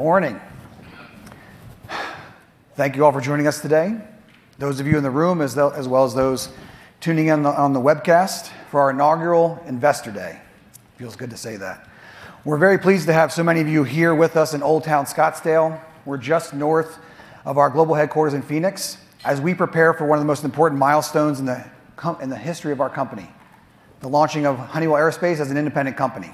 Morning. Thank you all for joining us today, those of you in the room, as well as those tuning in on the webcast for our inaugural Investor Day. Feels good to say that. We're very pleased to have so many of you here with us in Old Town Scottsdale. We're just north of our global headquarters in Phoenix, as we prepare for one of the most important milestones in the history of our company, the launching of Honeywell Aerospace as an independent company.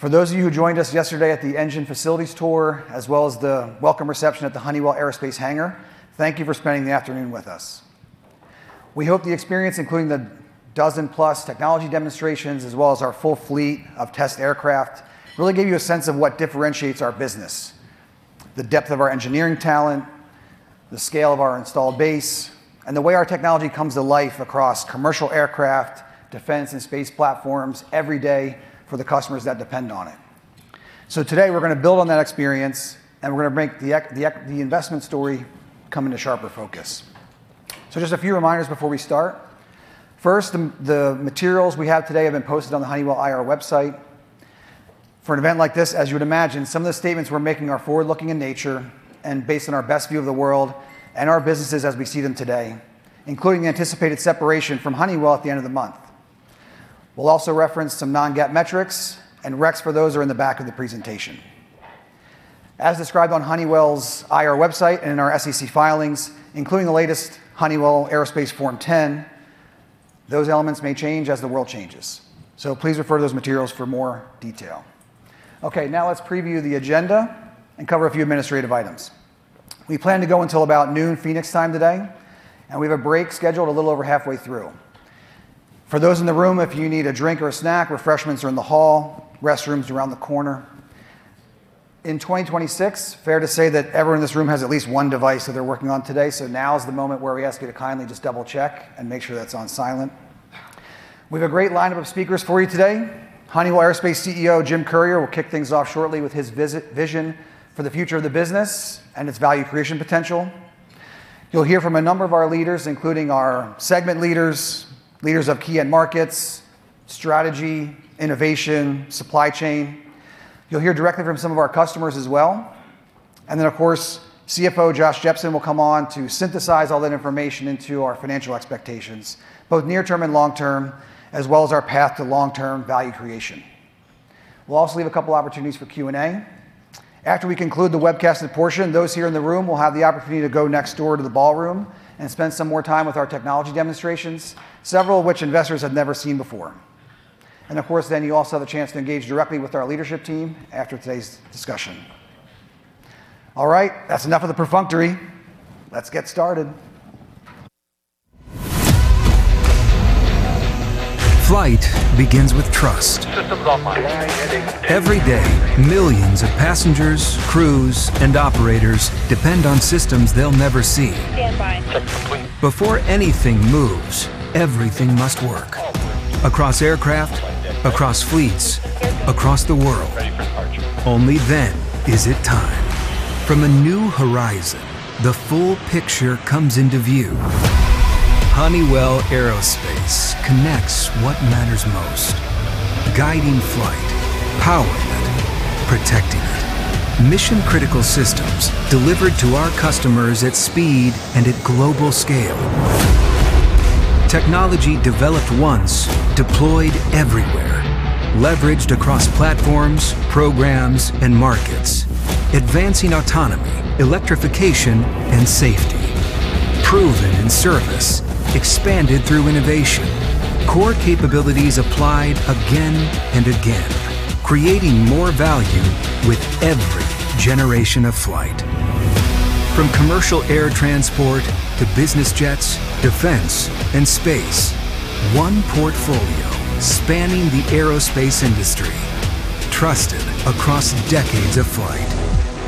For those of you who joined us yesterday at the engine facilities tour, as well as the welcome reception at the Honeywell Aerospace hangar, thank you for spending the afternoon with us. We hope the experience, including the dozen-plus technology demonstrations, as well as our full fleet of test aircraft, really gave you a sense of what differentiates our business, the depth of our engineering talent, the scale of our installed base, and the way our technology comes to life across commercial aircraft, defense and space platforms every day for the customers that depend on it. Today, we're going to build on that experience, and we're going to make the investment story come into sharper focus. Just a few reminders before we start. First, the materials we have today have been posted on the Honeywell IR website. For an event like this, as you would imagine, some of the statements we're making are forward-looking in nature and based on our best view of the world and our businesses as we see them today, including anticipated separation from Honeywell at the end of the month. We'll also reference some non-GAAP metrics, and recs for those are in the back of the presentation. As described on Honeywell's IR website and in our SEC filings, including the latest Honeywell Aerospace Form 10, those elements may change as the world changes. Please refer to those materials for more detail. Okay, now let's preview the agenda and cover a few administrative items. We plan to go until about noon Phoenix time today, and we have a break scheduled a little over halfway through. For those in the room, if you need a drink or a snack, refreshments are in the hall, restrooms are around the corner. In 2026, fair to say that everyone in this room has at least one device that they're working on today. Now is the moment where we ask you to kindly just double-check and make sure that's on silent. We have a great lineup of speakers for you today. Honeywell Aerospace CEO Jim Currier will kick things off shortly with his vision for the future of the business and its value creation potential. You'll hear from a number of our leaders, including our segment leaders of key end markets, strategy, innovation, supply chain. You'll hear directly from some of our customers as well. Of course, CFO Josh Jepsen will come on to synthesize all that information into our financial expectations, both near-term and long-term, as well as our path to long-term value creation. We'll also leave a couple opportunities for Q&A. After we conclude the webcasted portion, those here in the room will have the opportunity to go next door to the ballroom and spend some more time with our technology demonstrations, several of which investors have never seen before. Of course, then you also have the chance to engage directly with our leadership team after today's discussion. All right. That's enough of the perfunctory. Let's get started. Flight begins with trust. Systems online. Every day, millions of passengers, crews, and operators depend on systems they'll never see. Standby. Before anything moves, everything must work, across aircraft, across fleets, across the world. Ready for departure. Only then is it time. From a new horizon, the full picture comes into view. Honeywell Aerospace connects what matters most, guiding flight, powering it, protecting it. Mission-critical systems delivered to our customers at speed and at global scale. Technology developed once, deployed everywhere, leveraged across platforms, programs, and markets. Advancing autonomy, electrification, and safety. Proven in service, expanded through innovation. Core capabilities applied again and again, creating more value with every generation of flight. From commercial air transport to business jets, defense, and space, one portfolio spanning the aerospace industry, trusted across decades of flight.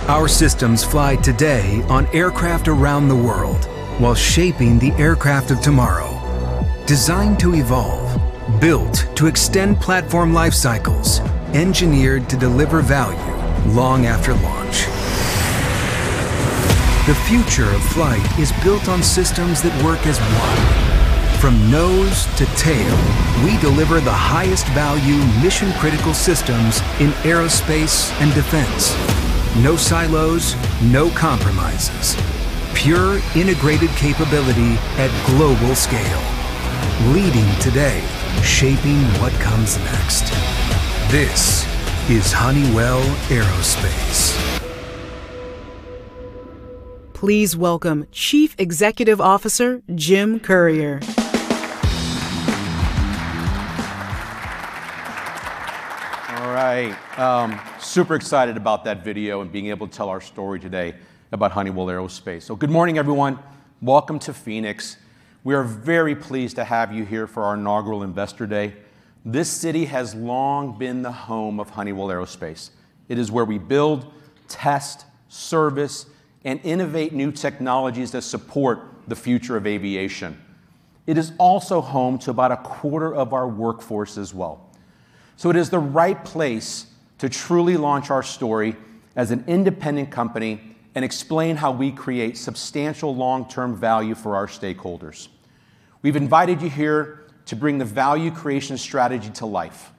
Our systems fly today on aircraft around the world while shaping the aircraft of tomorrow. Designed to evolve, built to extend platform life cycles, engineered to deliver value long after launch. The future of flight is built on systems that work as one. From nose to tail, we deliver the highest value mission-critical systems in aerospace and defense. No silos, no compromises. Pure integrated capability at global scale. Leading today, shaping what comes next. This is Honeywell Aerospace. Please welcome Chief Executive Officer, Jim Currier. All right. Super excited about that video and being able to tell our story today about Honeywell Aerospace. Good morning, everyone. Welcome to Phoenix. We are very pleased to have you here for our inaugural Investor Day. This city has long been the home of Honeywell Aerospace. It is where we build, test, service, and innovate new technologies that support the future of aviation. It is also home to about a quarter of our workforce as well. It is the right place to truly launch our story as an independent company and explain how we create substantial long-term value for our stakeholders. We've invited you here to bring the value creation strategy to life.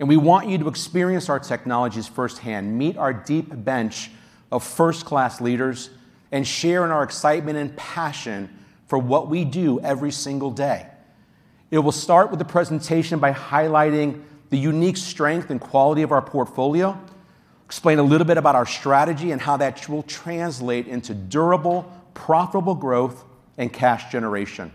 We want you to experience our technologies firsthand, meet our deep bench of first-class leaders, and share in our excitement and passion for what we do every single day. It will start with the presentation by highlighting the unique strength and quality of our portfolio, explain a little bit about our strategy and how that will translate into durable, profitable growth and cash generation.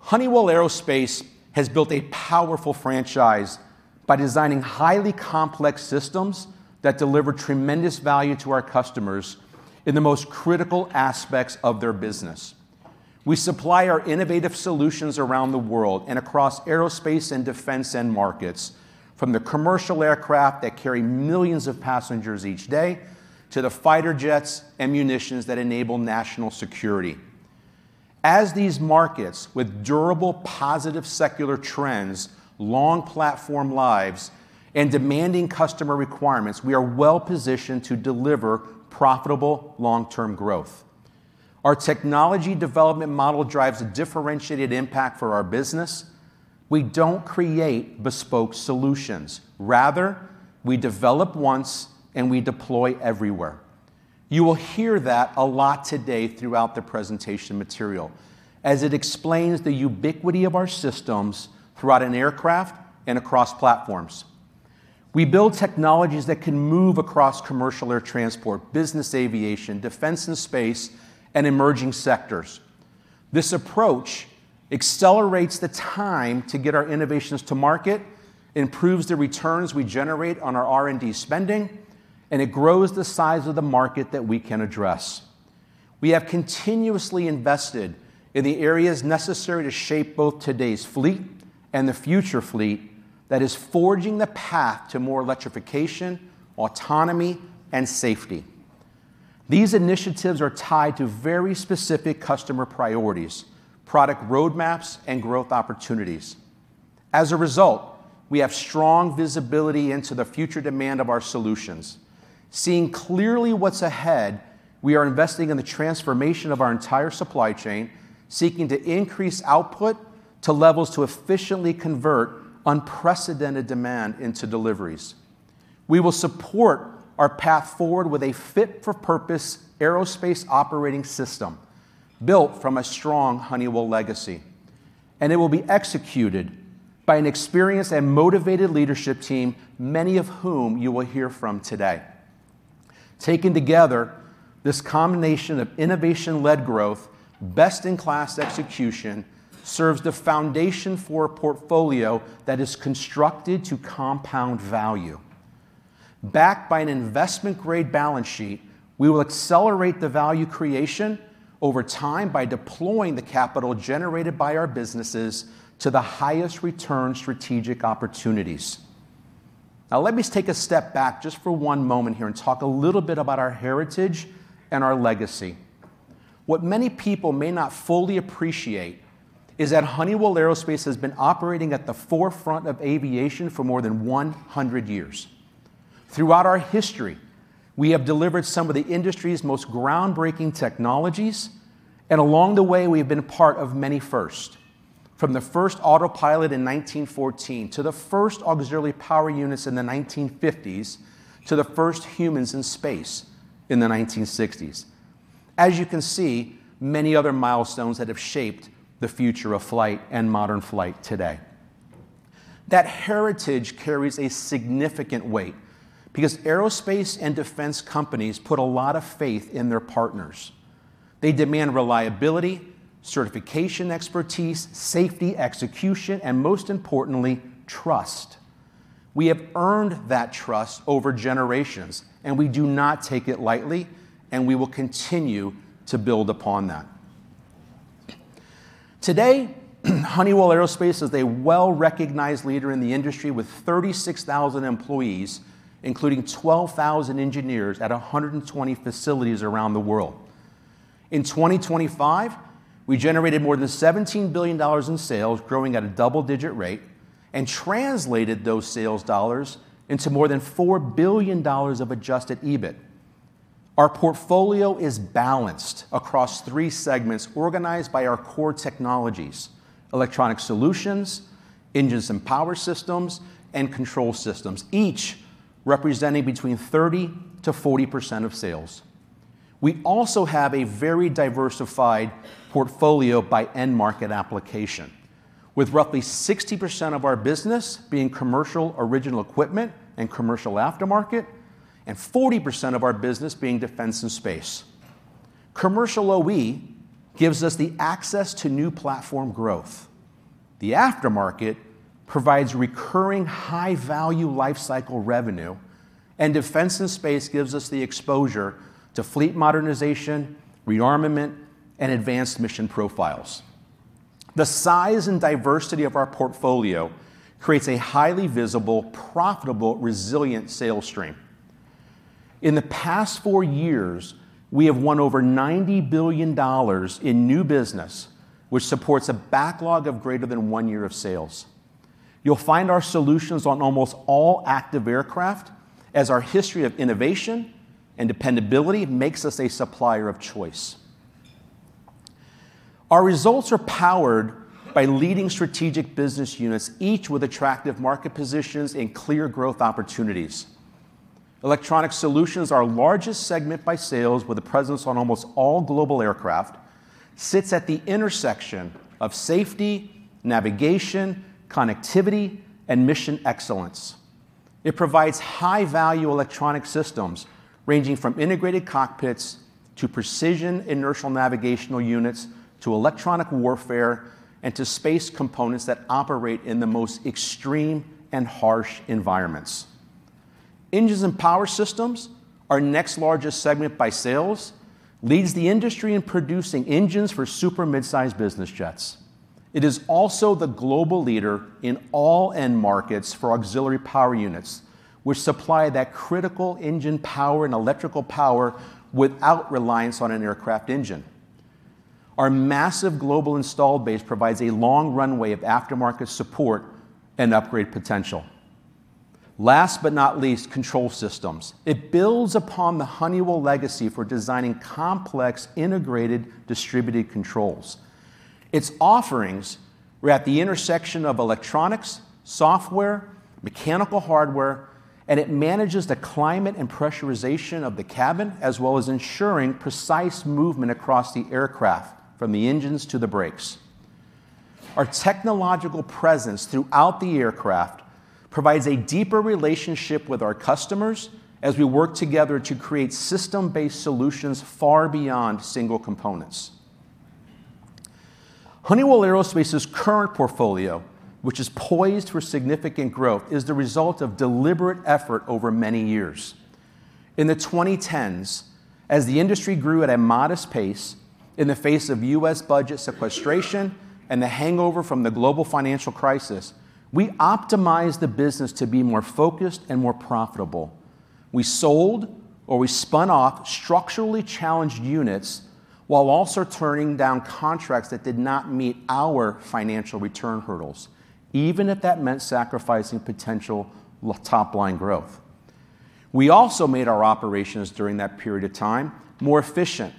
Honeywell Aerospace has built a powerful franchise by designing highly complex systems that deliver tremendous value to our customers in the most critical aspects of their business. We supply our innovative solutions around the world and across aerospace and defense end markets, from the commercial aircraft that carry millions of passengers each day, to the fighter jets and munitions that enable national security. As these markets with durable, positive secular trends, long platform lives, and demanding customer requirements, we are well-positioned to deliver profitable long-term growth. Our technology development model drives a differentiated impact for our business. We don't create bespoke solutions, rather, we develop once and we deploy everywhere. You will hear that a lot today throughout the presentation material, as it explains the ubiquity of our systems throughout an aircraft and across platforms. We build technologies that can move across commercial air transport, business aviation, Defense and Space, and emerging sectors. This approach accelerates the time to get our innovations to market, improves the returns we generate on our R&D spending, and it grows the size of the market that we can address. We have continuously invested in the areas necessary to shape both today's fleet and the future fleet that is forging the path to more electrification, autonomy, and safety. These initiatives are tied to very specific customer priorities, product roadmaps, and growth opportunities. As a result, we have strong visibility into the future demand of our solutions. Seeing clearly what's ahead, we are investing in the transformation of our entire supply chain, seeking to increase output to levels to efficiently convert unprecedented demand into deliveries. We will support our path forward with a fit-for-purpose Honeywell Aerospace Operating System built from a strong Honeywell legacy, and it will be executed by an experienced and motivated leadership team, many of whom you will hear from today. Taken together, this combination of innovation-led growth, best-in-class execution, serves the foundation for a portfolio that is constructed to compound value. Backed by an an investment-grade balance sheet, we will accelerate the value creation over time by deploying the capital generated by our businesses to the highest return strategic opportunities. Let me take a step back just for one moment here and talk a little bit about our heritage and our legacy. What many people may not fully appreciate is that Honeywell Aerospace has been operating at the forefront of aviation for more than 100 years. Throughout our history, we have delivered some of the industry's most groundbreaking technologies, and along the way, we have been a part of many firsts. From the first autopilot in 1914, to the first auxiliary power units in the 1950s, to the first humans in space in the 1960s. As you can see, many other milestones that have shaped the future of flight and modern flight today. That heritage carries a significant weight because aerospace and defense companies put a lot of faith in their partners. They demand reliability, certification expertise, safety, execution, and most importantly, trust. We have earned that trust over generations. We do not take it lightly. We will continue to build upon that. Today, Honeywell Aerospace is a well-recognized leader in the industry with 36,000 employees, including 12,000 engineers at 120 facilities around the world. In 2025, we generated more than $17 billion in sales, growing at a double-digit rate. We translated those sales dollars into more than $4 billion of adjusted EBIT. Our portfolio is balanced across three segments organized by our core technologies: Electronic Solutions, Engines & Power Systems, and Control Systems. Each representing between 30%-40% of sales. We also have a very diversified portfolio by end market application, with roughly 60% of our business being commercial original equipment and commercial aftermarket. 40% of our business being Defense and Space. Commercial OE gives us the access to new platform growth. The aftermarket provides recurring high-value lifecycle revenue, and Defense and Space gives us the exposure to fleet modernization, rearmament, and advanced mission profiles. The size and diversity of our portfolio creates a highly visible, profitable, resilient sales stream. In the past four years, we have won over $90 billion in new business, which supports a backlog of greater than one year of sales. You'll find our solutions on almost all active aircraft, as our history of innovation and dependability makes us a supplier of choice. Our results are powered by leading strategic business units, each with attractive market positions and clear growth opportunities. Electronic Solutions, our largest segment by sales, with a presence on almost all global aircraft, sits at the intersection of safety, navigation, connectivity, and mission excellence. It provides high-value electronic systems ranging from integrated cockpits to precision inertial navigation units, to electronic warfare, and to space components that operate in the most extreme and harsh environments. Engines and Power Systems, our next largest segment by sales, leads the industry in producing engines for super midsize business jets. It is also the global leader in all end markets for auxiliary power units, which supply that critical engine power and electrical power without reliance on an aircraft engine. Our massive global installed base provides a long runway of aftermarket support and upgrade potential. Last but not least, Control Systems. It builds upon the Honeywell legacy for designing complex integrated distributed controls. Its offerings are at the intersection of electronics, software, mechanical hardware, and it manages the climate and pressurization of the cabin, as well as ensuring precise movement across the aircraft from the engines to the brakes. Our technological presence throughout the aircraft provides a deeper relationship with our customers as we work together to create system-based solutions far beyond single components. Honeywell Aerospace's current portfolio, which is poised for significant growth, is the result of deliberate effort over many years. In the 2010s, as the industry grew at a modest pace in the face of U.S. budget sequestration and the hangover from the global financial crisis, we optimized the business to be more focused and more profitable. We sold or we spun off structurally challenged units while also turning down contracts that did not meet our financial return hurdles, even if that meant sacrificing potential top-line growth. We also made our operations during that period of time more efficient,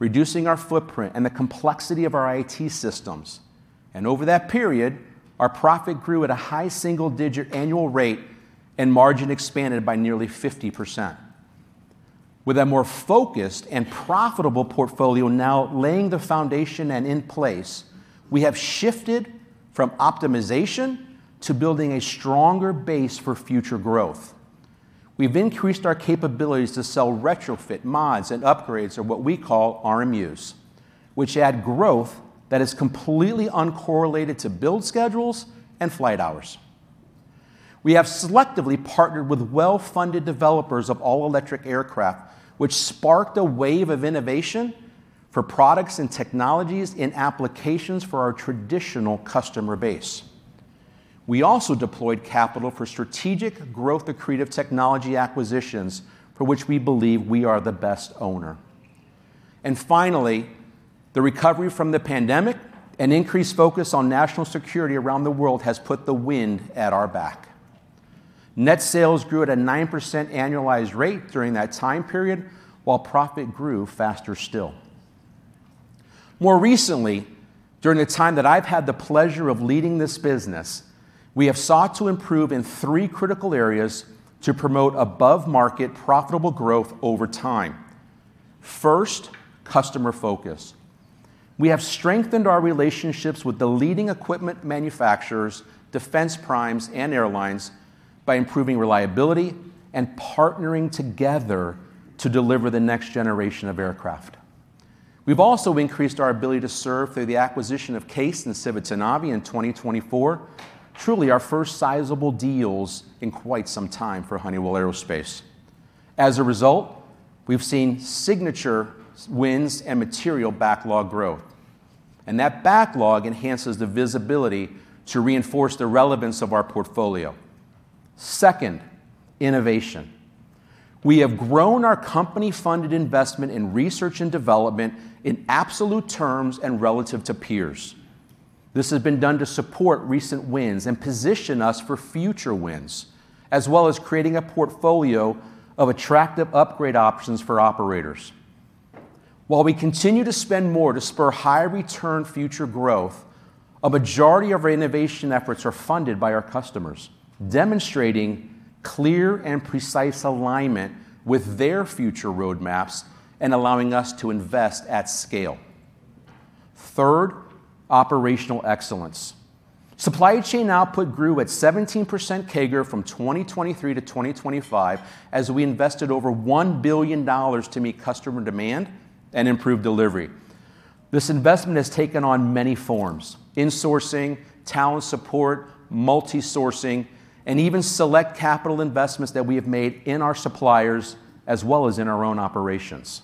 reducing our footprint and the complexity of our IT systems. Over that period, our profit grew at a high single-digit annual rate and margin expanded by nearly 50%. With a more focused and profitable portfolio now laying the foundation and in place, we have shifted from optimization to building a stronger base for future growth. We've increased our capabilities to sell retrofit mods and upgrades or what we call RMUs, which add growth that is completely uncorrelated to build schedules and flight hours. We have selectively partnered with well-funded developers of all-electric aircraft, which sparked a wave of innovation for products and technologies in applications for our traditional customer base. We also deployed capital for strategic growth, accretive technology acquisitions for which we believe we are the best owner. Finally, the recovery from the pandemic and increased focus on national security around the world has put the wind at our back. Net sales grew at a 9% annualized rate during that time period, while profit grew faster still. More recently, during the time that I've had the pleasure of leading this business, we have sought to improve in three critical areas to promote above-market profitable growth over time. First, customer focus. We have strengthened our relationships with the leading equipment manufacturers, defense primes, and airlines by improving reliability and partnering together to deliver the next generation of aircraft. We've also increased our ability to serve through the acquisition of CAES and Civitanavi in 2024, truly our first sizable deals in quite some time for Honeywell Aerospace. As a result, we've seen signature wins and material backlog growth, and that backlog enhances the visibility to reinforce the relevance of our portfolio. Second, innovation. We have grown our company-funded investment in research and development in absolute terms and relative to peers. This has been done to support recent wins and position us for future wins, as well as creating a portfolio of attractive upgrade options for operators. While we continue to spend more to spur higher return future growth, a majority of our innovation efforts are funded by our customers, demonstrating clear and precise alignment with their future roadmaps and allowing us to invest at scale. Third, operational excellence. Supply chain output grew at 17% CAGR from 2023 to 2025 as we invested over $1 billion to meet customer demand and improve delivery. This investment has taken on many forms: insourcing, talent support, multi-sourcing, and even select capital investments that we have made in our suppliers as well as in our own operations.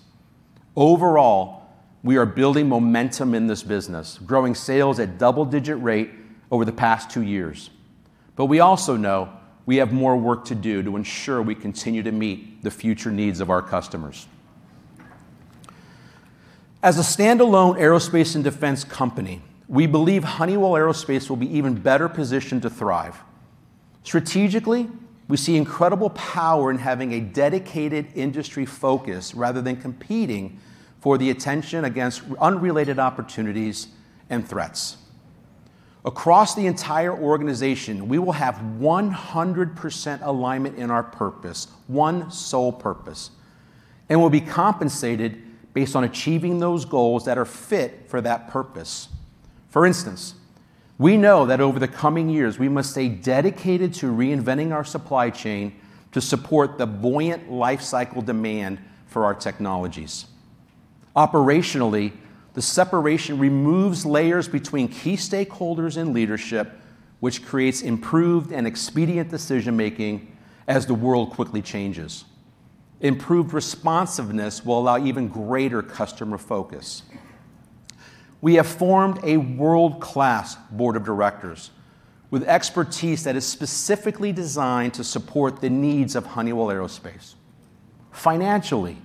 We are building momentum in this business, growing sales at double-digit rate over the past two years. We also know we have more work to do to ensure we continue to meet the future needs of our customers. As a standalone aerospace and defense company, we believe Honeywell Aerospace will be even better positioned to thrive. Strategically, we see incredible power in having a dedicated industry focus rather than competing for the attention against unrelated opportunities and threats. Across the entire organization, we will have 100% alignment in our purpose, one sole purpose, and we'll be compensated based on achieving those goals that are fit for that purpose. For instance, we know that over the coming years, we must stay dedicated to reinventing our supply chain to support the buoyant life cycle demand for our technologies. Operationally, the separation removes layers between key stakeholders and leadership, which creates improved and expedient decision-making as the world quickly changes. Improved responsiveness will allow even greater customer focus. We have formed a world-class board of directors with expertise that is specifically designed to support the needs of Honeywell Aerospace. Financially,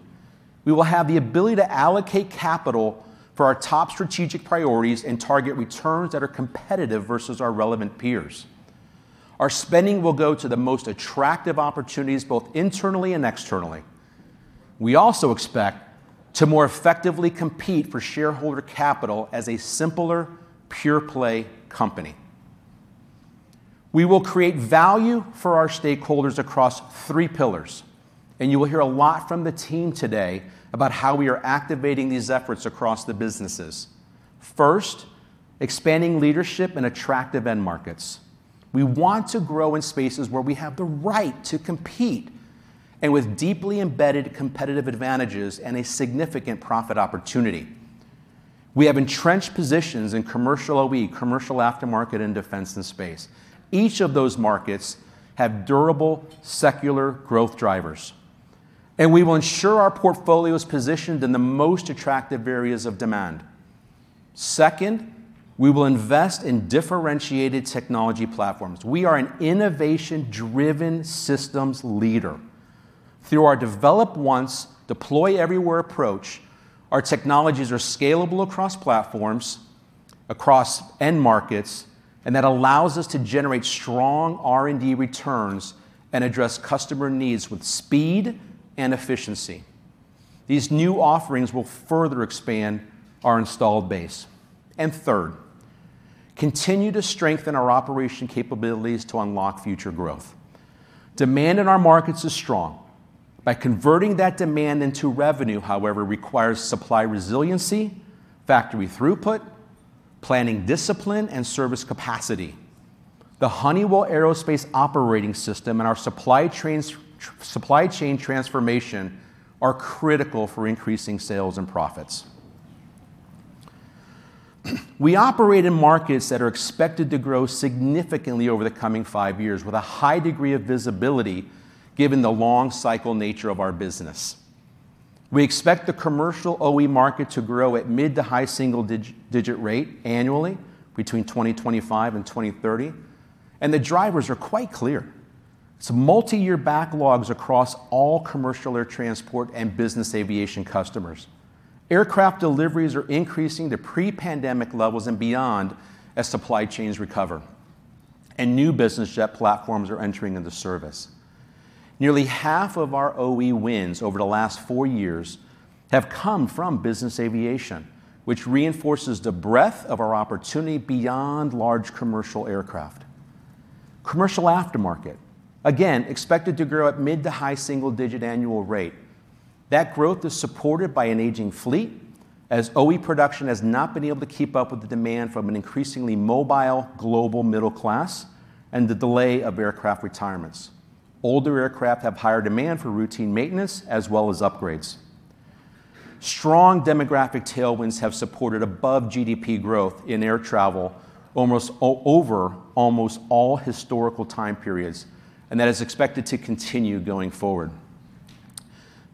we will have the ability to allocate capital for our top strategic priorities and target returns that are competitive versus our relevant peers. Our spending will go to the most attractive opportunities, both internally and externally. We also expect to more effectively compete for shareholder capital as a simpler, pure-play company. We will create value for our stakeholders across three pillars, and you will hear a lot from the team today about how we are activating these efforts across the businesses. First, expanding leadership in attractive end markets. We want to grow in spaces where we have the right to compete, and with deeply embedded competitive advantages and a significant profit opportunity. We have entrenched positions in commercial OE, commercial aftermarket, and Defense and Space. Each of those markets have durable, secular growth drivers, and we will ensure our portfolio is positioned in the most attractive areas of demand. Second, we will invest in differentiated technology platforms. We are an innovation-driven systems leader. Through our develop once, deploy everywhere approach, our technologies are scalable across platforms, across end markets, and that allows us to generate strong R&D returns and address customer needs with speed and efficiency. These new offerings will further expand our installed base. Third, continue to strengthen our operation capabilities to unlock future growth. Demand in our markets is strong. By converting that demand into revenue, however, requires supply resiliency, factory throughput, planning discipline, and service capacity. The Honeywell Aerospace Operating System and our supply chain transformation are critical for increasing sales and profits. We operate in markets that are expected to grow significantly over the coming five years with a high degree of visibility given the long cycle nature of our business. We expect the commercial OE market to grow at mid to high single digit rate annually between 2025 and 2030. The drivers are quite clear. Multi-year backlogs across all commercial air transport and business aviation customers. Aircraft deliveries are increasing to pre-pandemic levels and beyond as supply chains recover and new business jet platforms are entering into service. Nearly half of our OE wins over the last four years have come from business aviation, which reinforces the breadth of our opportunity beyond large commercial aircraft. Commercial aftermarket, again, expected to grow at mid to high single digit annual rate. That growth is supported by an aging fleet, as OE production has not been able to keep up with the demand from an increasingly mobile global middle class and the delay of aircraft retirements. Older aircraft have higher demand for routine maintenance as well as upgrades. Strong demographic tailwinds have supported above GDP growth in air travel almost all historical time periods, that is expected to continue going forward.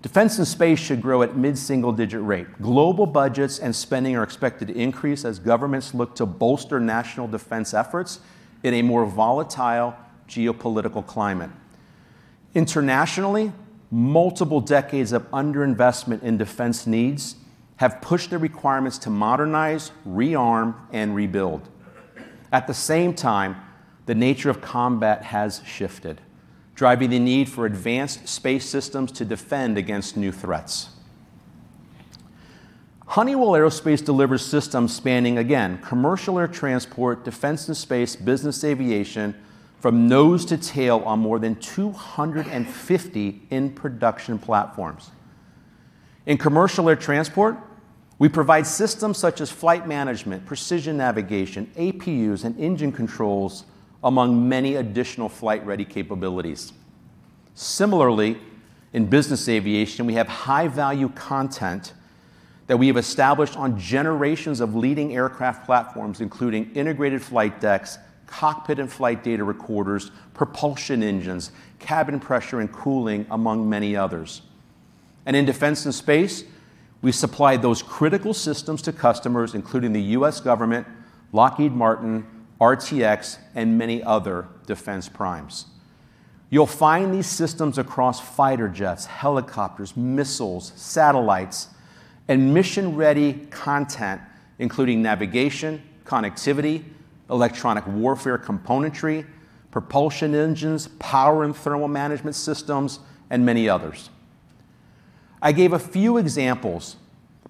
Defense and Space should grow at mid-single-digit rate. Global budgets and spending are expected to increase as governments look to bolster national defense efforts in a more volatile geopolitical climate. Internationally, multiple decades of underinvestment in defense needs have pushed the requirements to modernize, re-arm, and rebuild. At the same time, the nature of combat has shifted, driving the need for advanced space systems to defend against new threats. Honeywell Aerospace delivers systems spanning, again, commercial air transport, Defense and Space, business aviation from nose to tail on more than 250 in-production platforms. In commercial air transport, we provide systems such as flight management, precision navigation, APUs, and engine controls, among many additional flight-ready capabilities. Similarly, in business aviation, we have high-value content that we have established on generations of leading aircraft platforms, including integrated flight decks, cockpit and flight data recorders, propulsion engines, cabin pressure and cooling, among many others. In Defense and Space, we supply those critical systems to customers, including the U.S. government, Lockheed Martin, RTX, and many other defense primes. You'll find these systems across fighter jets, helicopters, missiles, satellites, and mission-ready content, including navigation, connectivity, electronic warfare componentry, propulsion engines, power and thermal management systems, and many others. I gave a few examples,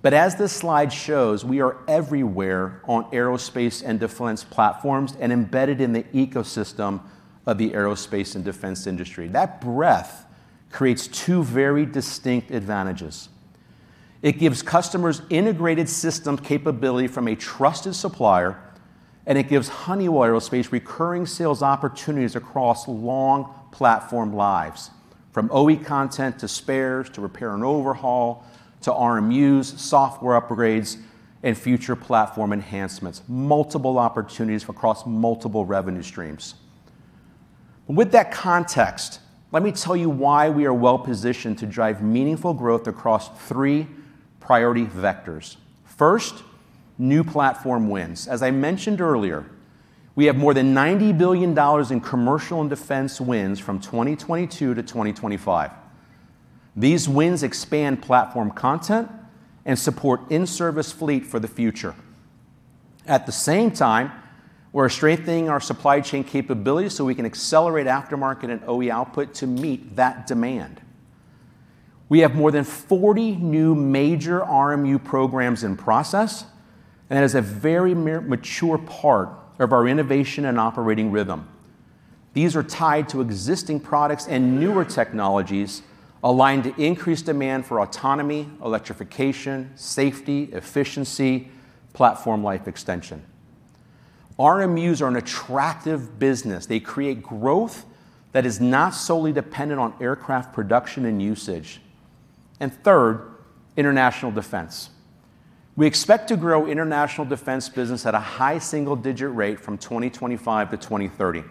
but as this slide shows, we are everywhere on aerospace and defense platforms and embedded in the ecosystem of the aerospace and defense industry. That breadth creates two very distinct advantages. It gives customers integrated system capability from a trusted supplier, and it gives Honeywell Aerospace recurring sales opportunities across long platform lives, from OE content to spares, to repair and overhaul, to RMUs, software upgrades, and future platform enhancements. Multiple opportunities across multiple revenue streams. With that context, let me tell you why we are well-positioned to drive meaningful growth across three priority vectors. First, new platform wins. As I mentioned earlier, we have more than $90 billion in commercial and defense wins from 2022 to 2025. These wins expand platform content and support in-service fleet for the future. At the same time, we're strengthening our supply chain capabilities so we can accelerate aftermarket and OE output to meet that demand. We have more than 40 new major RMU programs in process. That is a very mature part of our innovation and operating rhythm. These are tied to existing products and newer technologies aligned to increased demand for autonomy, electrification, safety, efficiency, platform life extension. RMUs are an attractive business. They create growth that is not solely dependent on aircraft production and usage. Third, international defense. We expect to grow international defense business at a high single-digit rate from 2025 to 2030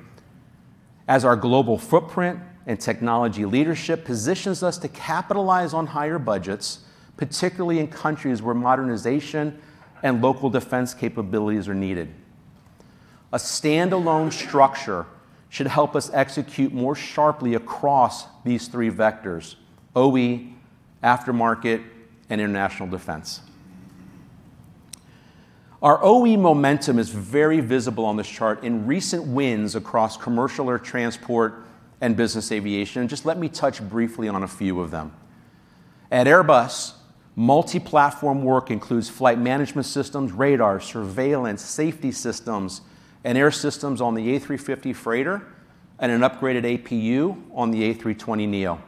as our global footprint and technology leadership positions us to capitalize on higher budgets, particularly in countries where modernization and local defense capabilities are needed. A standalone structure should help us execute more sharply across these three vectors: OE, aftermarket, and international defense. Our OE momentum is very visible on this chart in recent wins across commercial air transport and business aviation. Just let me touch briefly on a few of them. At Airbus, multi-platform work includes flight management systems, radar, surveillance, safety systems, and air systems on the A350 freighter, and an upgraded APU on the A320neo.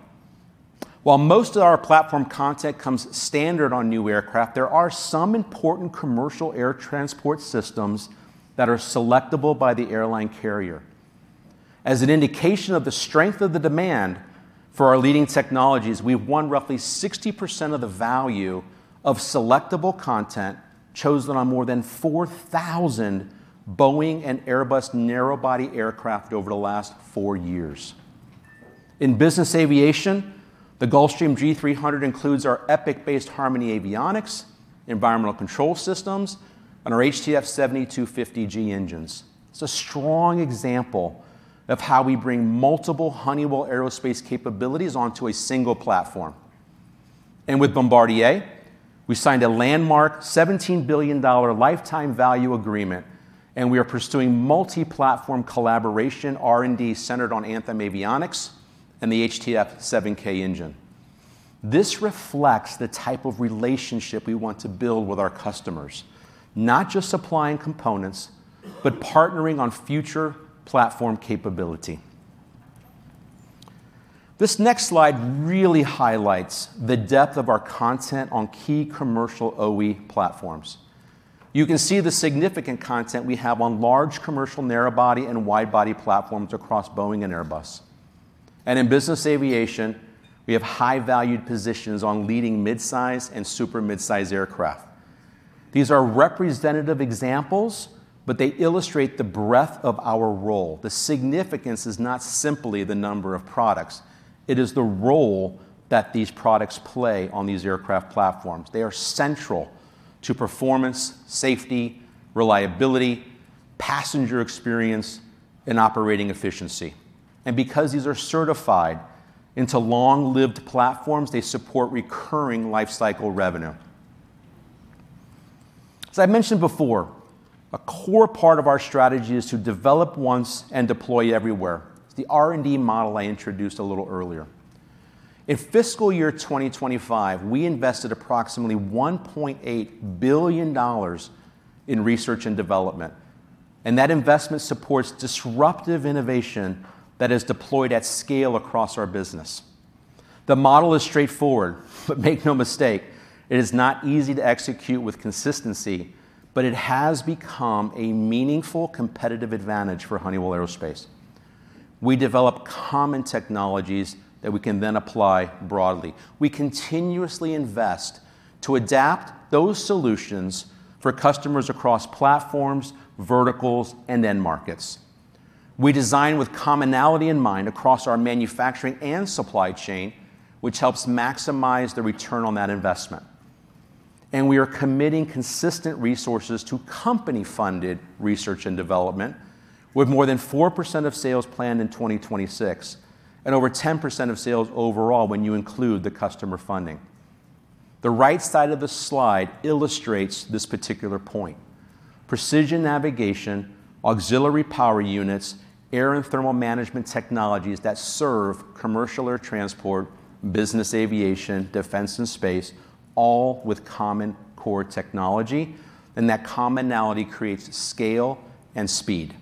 While most of our platform content comes standard on new aircraft, there are some important commercial air transport systems that are selectable by the airline carrier. As an indication of the strength of the demand for our leading technologies, we have won roughly 60% of the value of selectable content chosen on more than 4,000 Boeing and Airbus narrow-body aircraft over the last four years. In business aviation, the Gulfstream G300 includes our Epic-based Harmony avionics, environmental control systems, and our HTF7250G engines. It's a strong example of how we bring multiple Honeywell Aerospace capabilities onto a single platform. With Bombardier, we signed a landmark $17 billion lifetime value agreement, we are pursuing multi-platform collaboration R&D centered on Honeywell Anthem and the HTF7K engine. This reflects the type of relationship we want to build with our customers, not just supplying components, but partnering on future platform capability. This next slide really highlights the depth of our content on key commercial OE platforms. You can see the significant content we have on large commercial narrow-body and wide-body platforms across Boeing and Airbus. In business aviation, we have high-valued positions on leading midsize and super midsize aircraft. These are representative examples, they illustrate the breadth of our role. The significance is not simply the number of products. It is the role that these products play on these aircraft platforms. They are central to performance, safety, reliability, passenger experience, and operating efficiency. Because these are certified into long-lived platforms, they support recurring lifecycle revenue. As I mentioned before, a core part of our strategy is to develop once and deploy everywhere. It's the R&D model I introduced a little earlier. In fiscal year 2025, we invested approximately $1.8 billion in research and development, and that investment supports disruptive innovation that is deployed at scale across our business. The model is straightforward, but make no mistake, it is not easy to execute with consistency, but it has become a meaningful competitive advantage for Honeywell Aerospace. We develop common technologies that we can then apply broadly. We continuously invest to adapt those solutions for customers across platforms, verticals, and end markets. We design with commonality in mind across our manufacturing and supply chain, which helps maximize the return on that investment. We are committing consistent resources to company-funded research and development with more than 4% of sales planned in 2026, and over 10% of sales overall when you include the customer funding. The right side of the slide illustrates this particular point. Precision navigation, auxiliary power units, air and thermal management technologies that serve commercial air transport, business aviation, defense and space, all with common core technology, and that commonality creates scale and speed.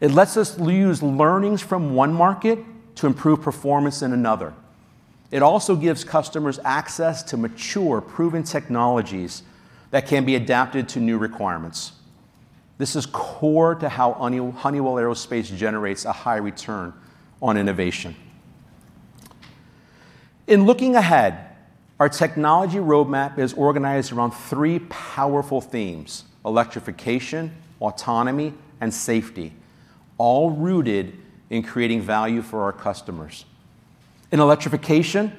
It lets us use learnings from one market to improve performance in another. It also gives customers access to mature, proven technologies that can be adapted to new requirements. This is core to how Honeywell Aerospace generates a high return on innovation. In looking ahead, our technology roadmap is organized around three powerful themes: electrification, autonomy, and safety, all rooted in creating value for our customers. In electrification,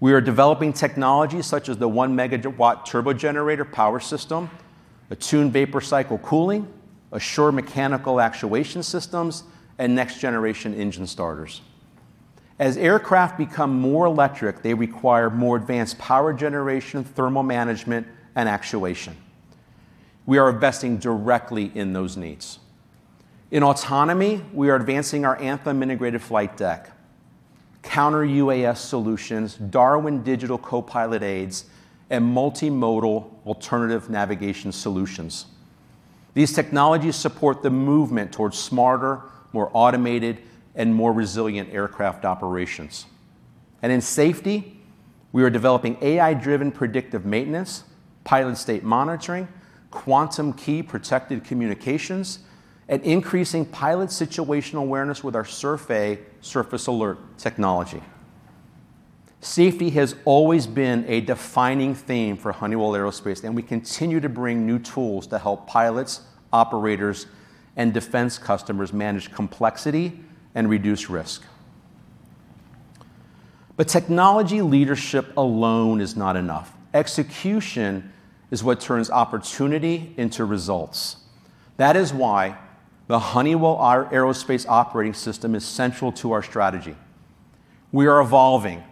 we are developing technologies such as the one megawatt turbogenerator power system, attuned vapor cycle cooling, assure mechanical actuation systems, and next generation engine starters. As aircraft become more electric, they require more advanced power generation, thermal management, and actuation. We are investing directly in those needs. In autonomy, we are advancing our Anthem integrated flight deck, counter-UAS solutions, DARWIN digital co-pilot aids, and multimodal alternative navigation solutions. These technologies support the movement towards smarter, more automated, and more resilient aircraft operations. In safety, we are developing AI-driven predictive maintenance, pilot state monitoring, quantum key protected communications, and increasing pilot situational awareness with our Surface Alert surface alert technology. Safety has always been a defining theme for Honeywell Aerospace, and we continue to bring new tools to help pilots, operators, and defense customers manage complexity and reduce risk. Technology leadership alone is not enough. Execution is what turns opportunity into results. That is why the Honeywell Aerospace Operating System is central to our strategy. We are evolving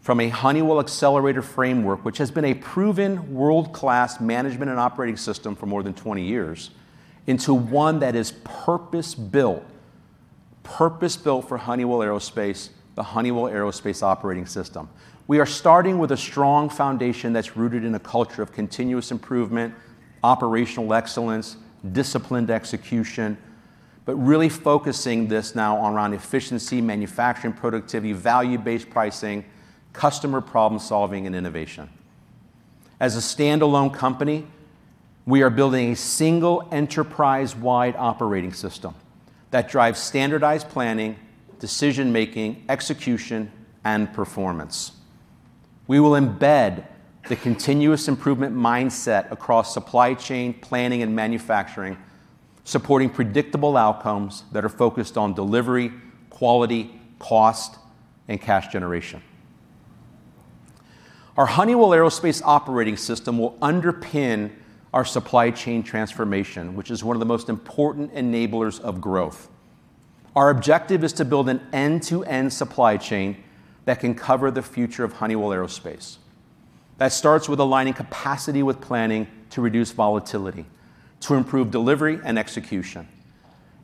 from a Honeywell Accelerator framework, which has been a proven world-class management and operating system for more than 20 years, into one that is purpose-built for Honeywell Aerospace, the Honeywell Aerospace Operating System. We are starting with a strong foundation that's rooted in a culture of continuous improvement, operational excellence, disciplined execution, but really focusing this now around efficiency, manufacturing productivity, value-based pricing, customer problem solving, and innovation. As a standalone company, we are building a single enterprise-wide operating system that drives standardized planning, decision-making, execution, and performance. We will embed the continuous improvement mindset across supply chain planning and manufacturing, supporting predictable outcomes that are focused on delivery, quality, cost, and cash generation. Our Honeywell Aerospace Operating System will underpin our supply chain transformation, which is one of the most important enablers of growth. Our objective is to build an end-to-end supply chain that can cover the future of Honeywell Aerospace. That starts with aligning capacity with planning to reduce volatility, to improve delivery and execution.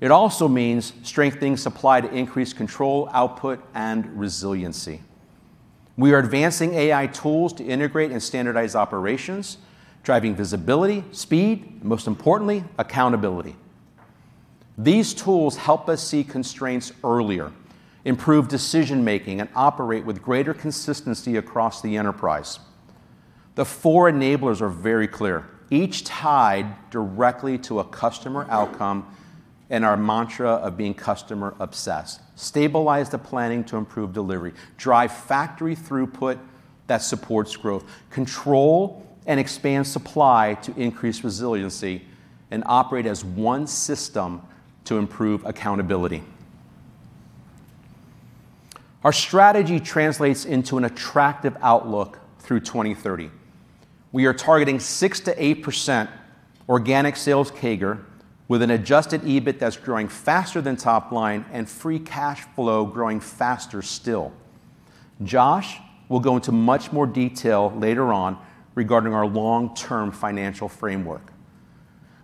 It also means strengthening supply to increase control, output, and resiliency. We are advancing AI tools to integrate and standardize operations, driving visibility, speed, and most importantly, accountability. These tools help us see constraints earlier, improve decision-making, and operate with greater consistency across the enterprise. The four enablers are very clear, each tied directly to a customer outcome and our mantra of being customer obsessed. Stabilize the planning to improve delivery, drive factory throughput that supports growth, control and expand supply to increase resiliency, and operate as one system to improve accountability. Our strategy translates into an attractive outlook through 2030. We are targeting 6% to 8% organic sales CAGR with an adjusted EBIT that's growing faster than top line and free cash flow growing faster still. Josh will go into much more detail later on regarding our long-term financial framework.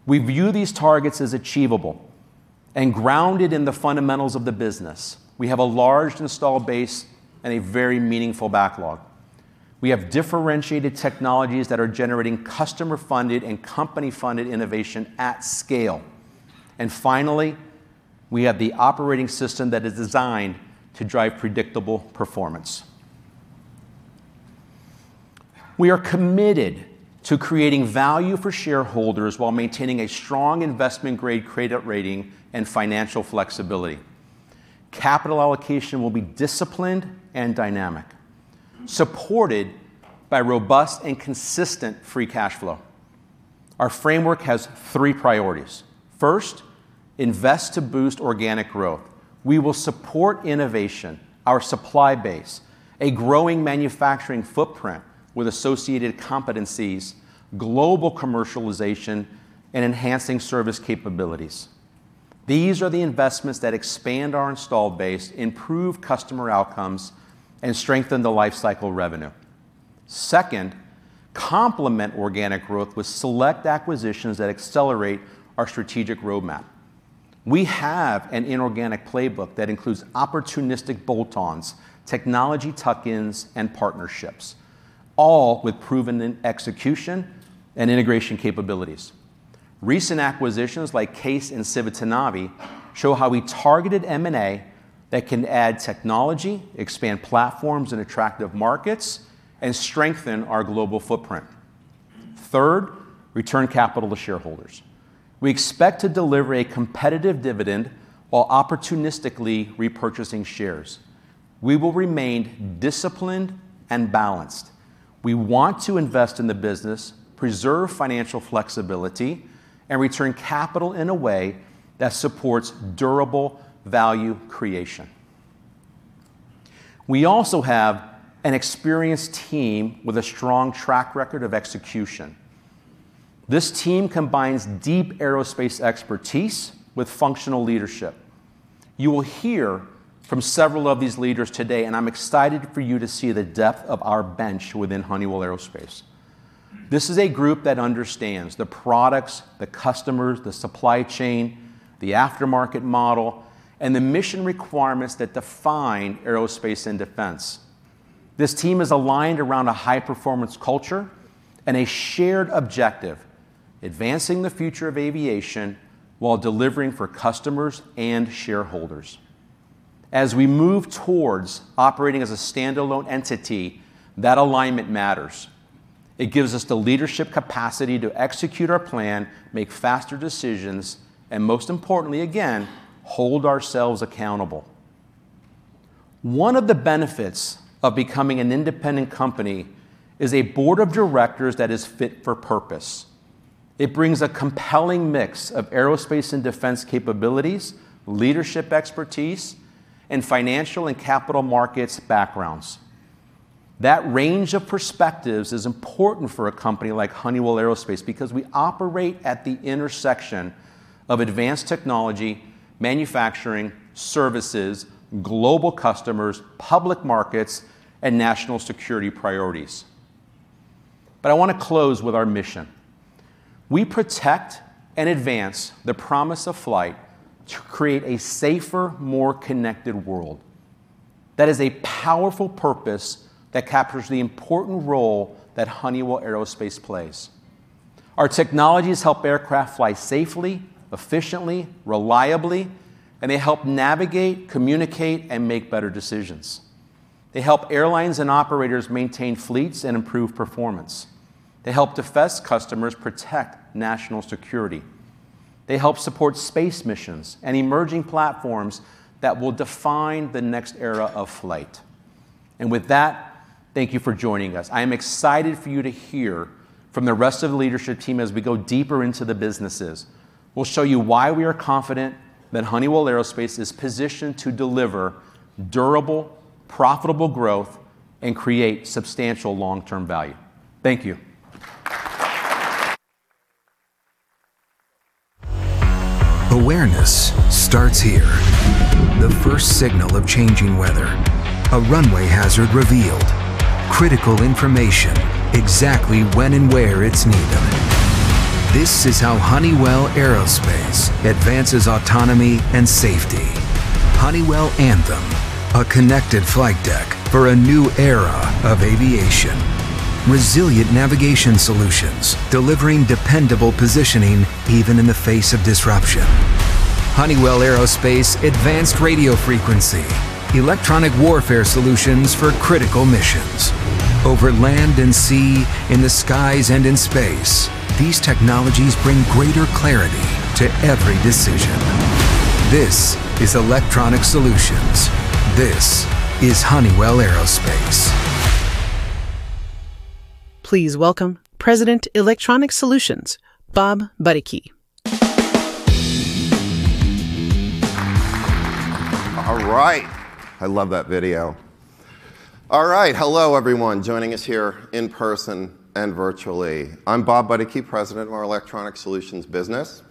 We view these targets as achievable and grounded in the fundamentals of the business. We have a large installed base and a very meaningful backlog. We have differentiated technologies that are generating customer-funded and company-funded innovation at scale. Finally, we have the Honeywell Aerospace Operating System that is designed to drive predictable performance. We are committed to creating value for shareholders while maintaining a strong investment-grade credit rating and financial flexibility. Capital allocation will be disciplined and dynamic, supported by robust and consistent free cash flow. Our framework has three priorities. First, invest to boost organic growth. We will support innovation, our supply base, a growing manufacturing footprint with associated competencies, global commercialization, and enhancing service capabilities. These are the investments that expand our installed base, improve customer outcomes, and strengthen the lifecycle revenue. Second, complement organic growth with select acquisitions that accelerate our strategic roadmap. We have an inorganic playbook that includes opportunistic bolt-ons, technology tuck-ins, and partnerships, all with proven execution and integration capabilities. Recent acquisitions like CAES and Civitanavi Systems show how we targeted M&A that can add technology, expand platforms in attractive markets, and strengthen our global footprint. Third, return capital to shareholders. We expect to deliver a competitive dividend while opportunistically repurchasing shares. We will remain disciplined and balanced. We want to invest in the business, preserve financial flexibility, and return capital in a way that supports durable value creation. We also have an experienced team with a strong track record of execution. This team combines deep aerospace expertise with functional leadership. You will hear from several of these leaders today. I'm excited for you to see the depth of our bench within Honeywell Aerospace. This is a group that understands the products, the customers, the supply chain, the aftermarket model, and the mission requirements that define aerospace and defense. This team is aligned around a high performance culture and a shared objective: advancing the future of aviation while delivering for customers and shareholders. As we move towards operating as a standalone entity, that alignment matters. It gives us the leadership capacity to execute our plan, make faster decisions, and most importantly, again, hold ourselves accountable. One of the benefits of becoming an independent company is a board of directors that is fit for purpose. It brings a compelling mix of aerospace and defense capabilities, leadership expertise, and financial and capital markets backgrounds. That range of perspectives is important for a company like Honeywell Aerospace because we operate at the intersection of advanced technology, manufacturing, services, global customers, public markets, and national security priorities. I want to close with our mission. We protect and advance the promise of flight to create a safer, more connected world. That is a powerful purpose that captures the important role that Honeywell Aerospace plays. Our technologies help aircraft fly safely, efficiently, reliably, and they help navigate, communicate, and make better decisions. They help airlines and operators maintain fleets and improve performance. They help defense customers protect national security. They help support space missions and emerging platforms that will define the next era of flight. With that, thank you for joining us. I am excited for you to hear from the rest of the leadership team as we go deeper into the businesses. We'll show you why we are confident that Honeywell Aerospace is positioned to deliver durable, profitable growth and create substantial long-term value. Thank you. Awareness starts here. The first signal of changing weather, a runway hazard revealed, critical information exactly when and where it's needed. This is how Honeywell Aerospace advances autonomy and safety. Honeywell Anthem, a connected flight deck for a new era of aviation. Resilient navigation solutions, delivering dependable positioning even in the face of disruption. Honeywell Aerospace advanced radio frequency. Electronic warfare solutions for critical missions. Over land and sea, in the skies and in space, these technologies bring greater clarity to every decision. This is Electronic Solutions. This is Honeywell Aerospace. Please welcome President Electronic Solutions, Bob Buddecke. I love that video. All right. Hello, everyone joining us here in person and virtually. I'm Bob Buddecke, President of our Electronic Solutions business.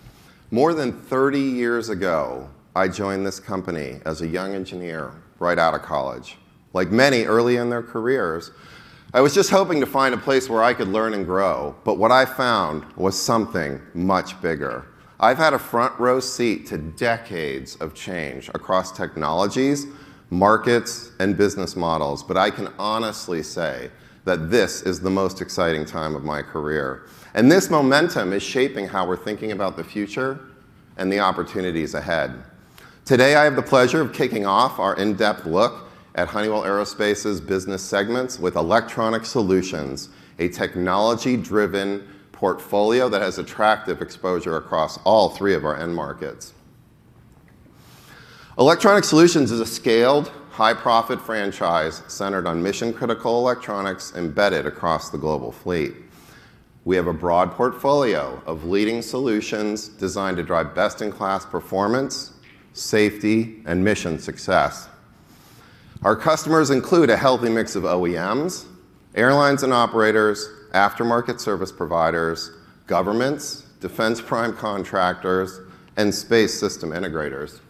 More than 30 years ago, I joined this company as a young engineer right out of college. Like many early in their careers, I was just hoping to find a place where I could learn and grow, but what I found was something much bigger. I've had a front row seat to decades of change across technologies, markets, and business models, but I can honestly say that this is the most exciting time of my career, and this momentum is shaping how we're thinking about the future and the opportunities ahead. Today, I have the pleasure of kicking off our in-depth look at Honeywell Aerospace's business segments with Electronic Solutions. A technology-driven portfolio that has attractive exposure across all three of our end markets. Electronic Solutions is a scaled, high-profit franchise centered on mission-critical electronics embedded across the global fleet. We have a broad portfolio of leading solutions designed to drive best-in-class performance, safety, and mission success. Our customers include a healthy mix of OEMs, airlines and operators, aftermarket service providers, governments, defense prime contractors, and space system integrators.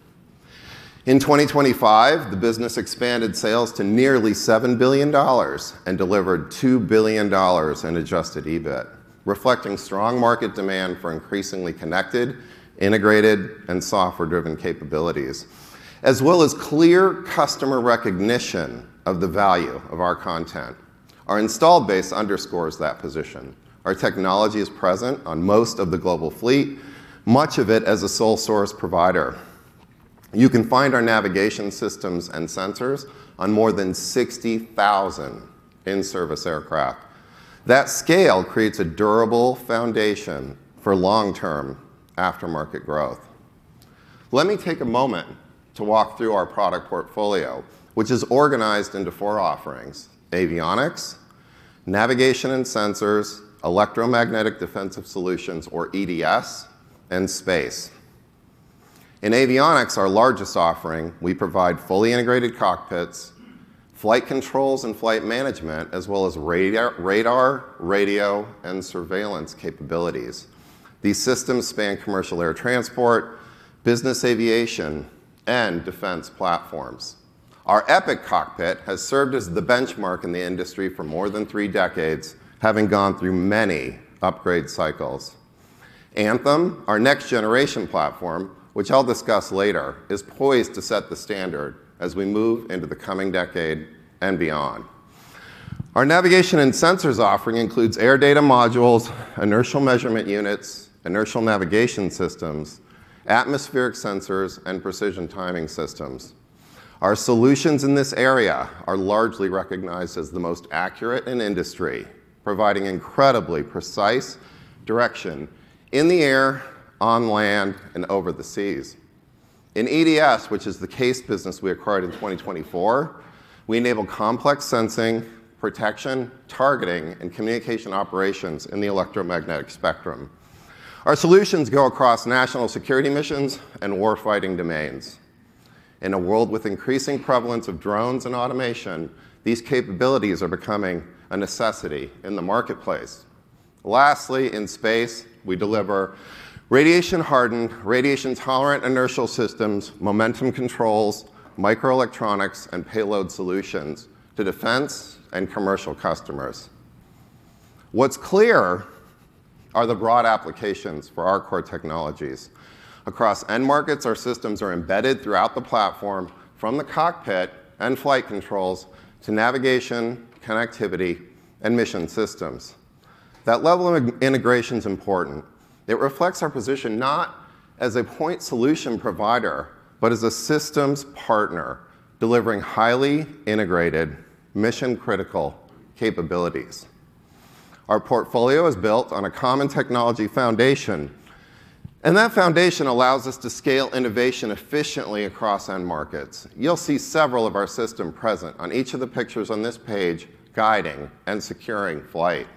In 2025, the business expanded sales to nearly $7 billion and delivered $2 billion in adjusted EBIT, reflecting strong market demand for increasingly connected, integrated, and software-driven capabilities, as well as clear customer recognition of the value of our content. Our installed base underscores that position. Our technology is present on most of the global fleet, much of it as a sole-source provider. You can find our navigation systems and sensors on more than 60,000 in-service aircraft. That scale creates a durable foundation for long-term aftermarket growth. Let me take a moment to walk through our product portfolio, which is organized into four offerings: avionics, navigation and sensors, electromagnetic defensive solutions, or EDS, and space. In avionics, our largest offering, we provide fully integrated cockpits, flight controls and flight management, as well as radar, radio, and surveillance capabilities. These systems span commercial air transport, business aviation, and defense platforms. Our Epic cockpit has served as the benchmark in the industry for more than three decades, having gone through many upgrade cycles. Anthem, our next-generation platform, which I'll discuss later, is poised to set the standard as we move into the coming decade and beyond. Our navigation and sensors offering includes air data modules, inertial measurement units, inertial navigation systems, atmospheric sensors, and precision timing systems. Our solutions in this area are largely recognized as the most accurate in the industry, providing incredibly precise direction in the air, on land, and over the seas. In EDS, which is the CAES business we acquired in 2024, we enable complex sensing, protection, targeting, and communication operations in the electromagnetic spectrum. Our solutions go across national security missions and warfighting domains. In a world with increasing prevalence of drones and automation, these capabilities are becoming a necessity in the marketplace. Lastly, in space, we deliver radiation-hardened, radiation-tolerant inertial systems, momentum controls, microelectronics, and payload solutions to defense and commercial customers. What's clear are the broad applications for our core technologies. Across end markets, our systems are embedded throughout the platform from the cockpit and flight controls to navigation, connectivity, and mission systems. That level of integration's important. It reflects our position not as a point solution provider, but as a systems partner, delivering highly integrated mission-critical capabilities. Our portfolio is built on a common technology foundation. That foundation allows us to scale innovation efficiently across end markets. You'll see several of our system present on each of the pictures on this page, guiding and securing flight.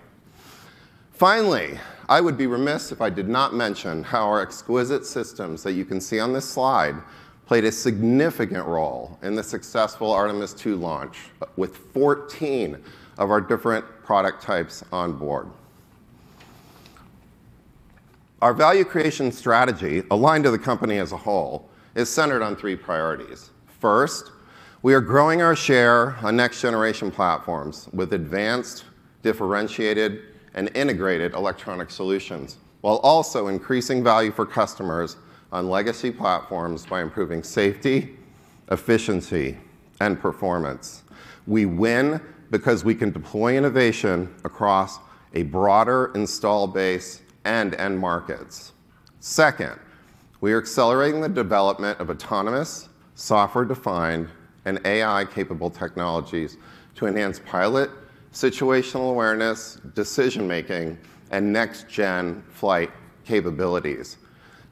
Finally, I would be remiss if I did not mention how our exquisite systems that you can see on this slide played a significant role in the successful Artemis II launch with 14 of our different product types on board. Our value creation strategy, aligned to the company as a whole, is centered on three priorities. First, we are growing our share on next-generation platforms with advanced, differentiated, and integrated Electronic Solutions, while also increasing value for customers on legacy platforms by improving safety, efficiency, and performance. We win because we can deploy innovation across a broader installed base and end markets. Second, we are accelerating the development of autonomous, software-defined, and AI-capable technologies to enhance pilot situational awareness, decision-making, and next-gen flight capabilities.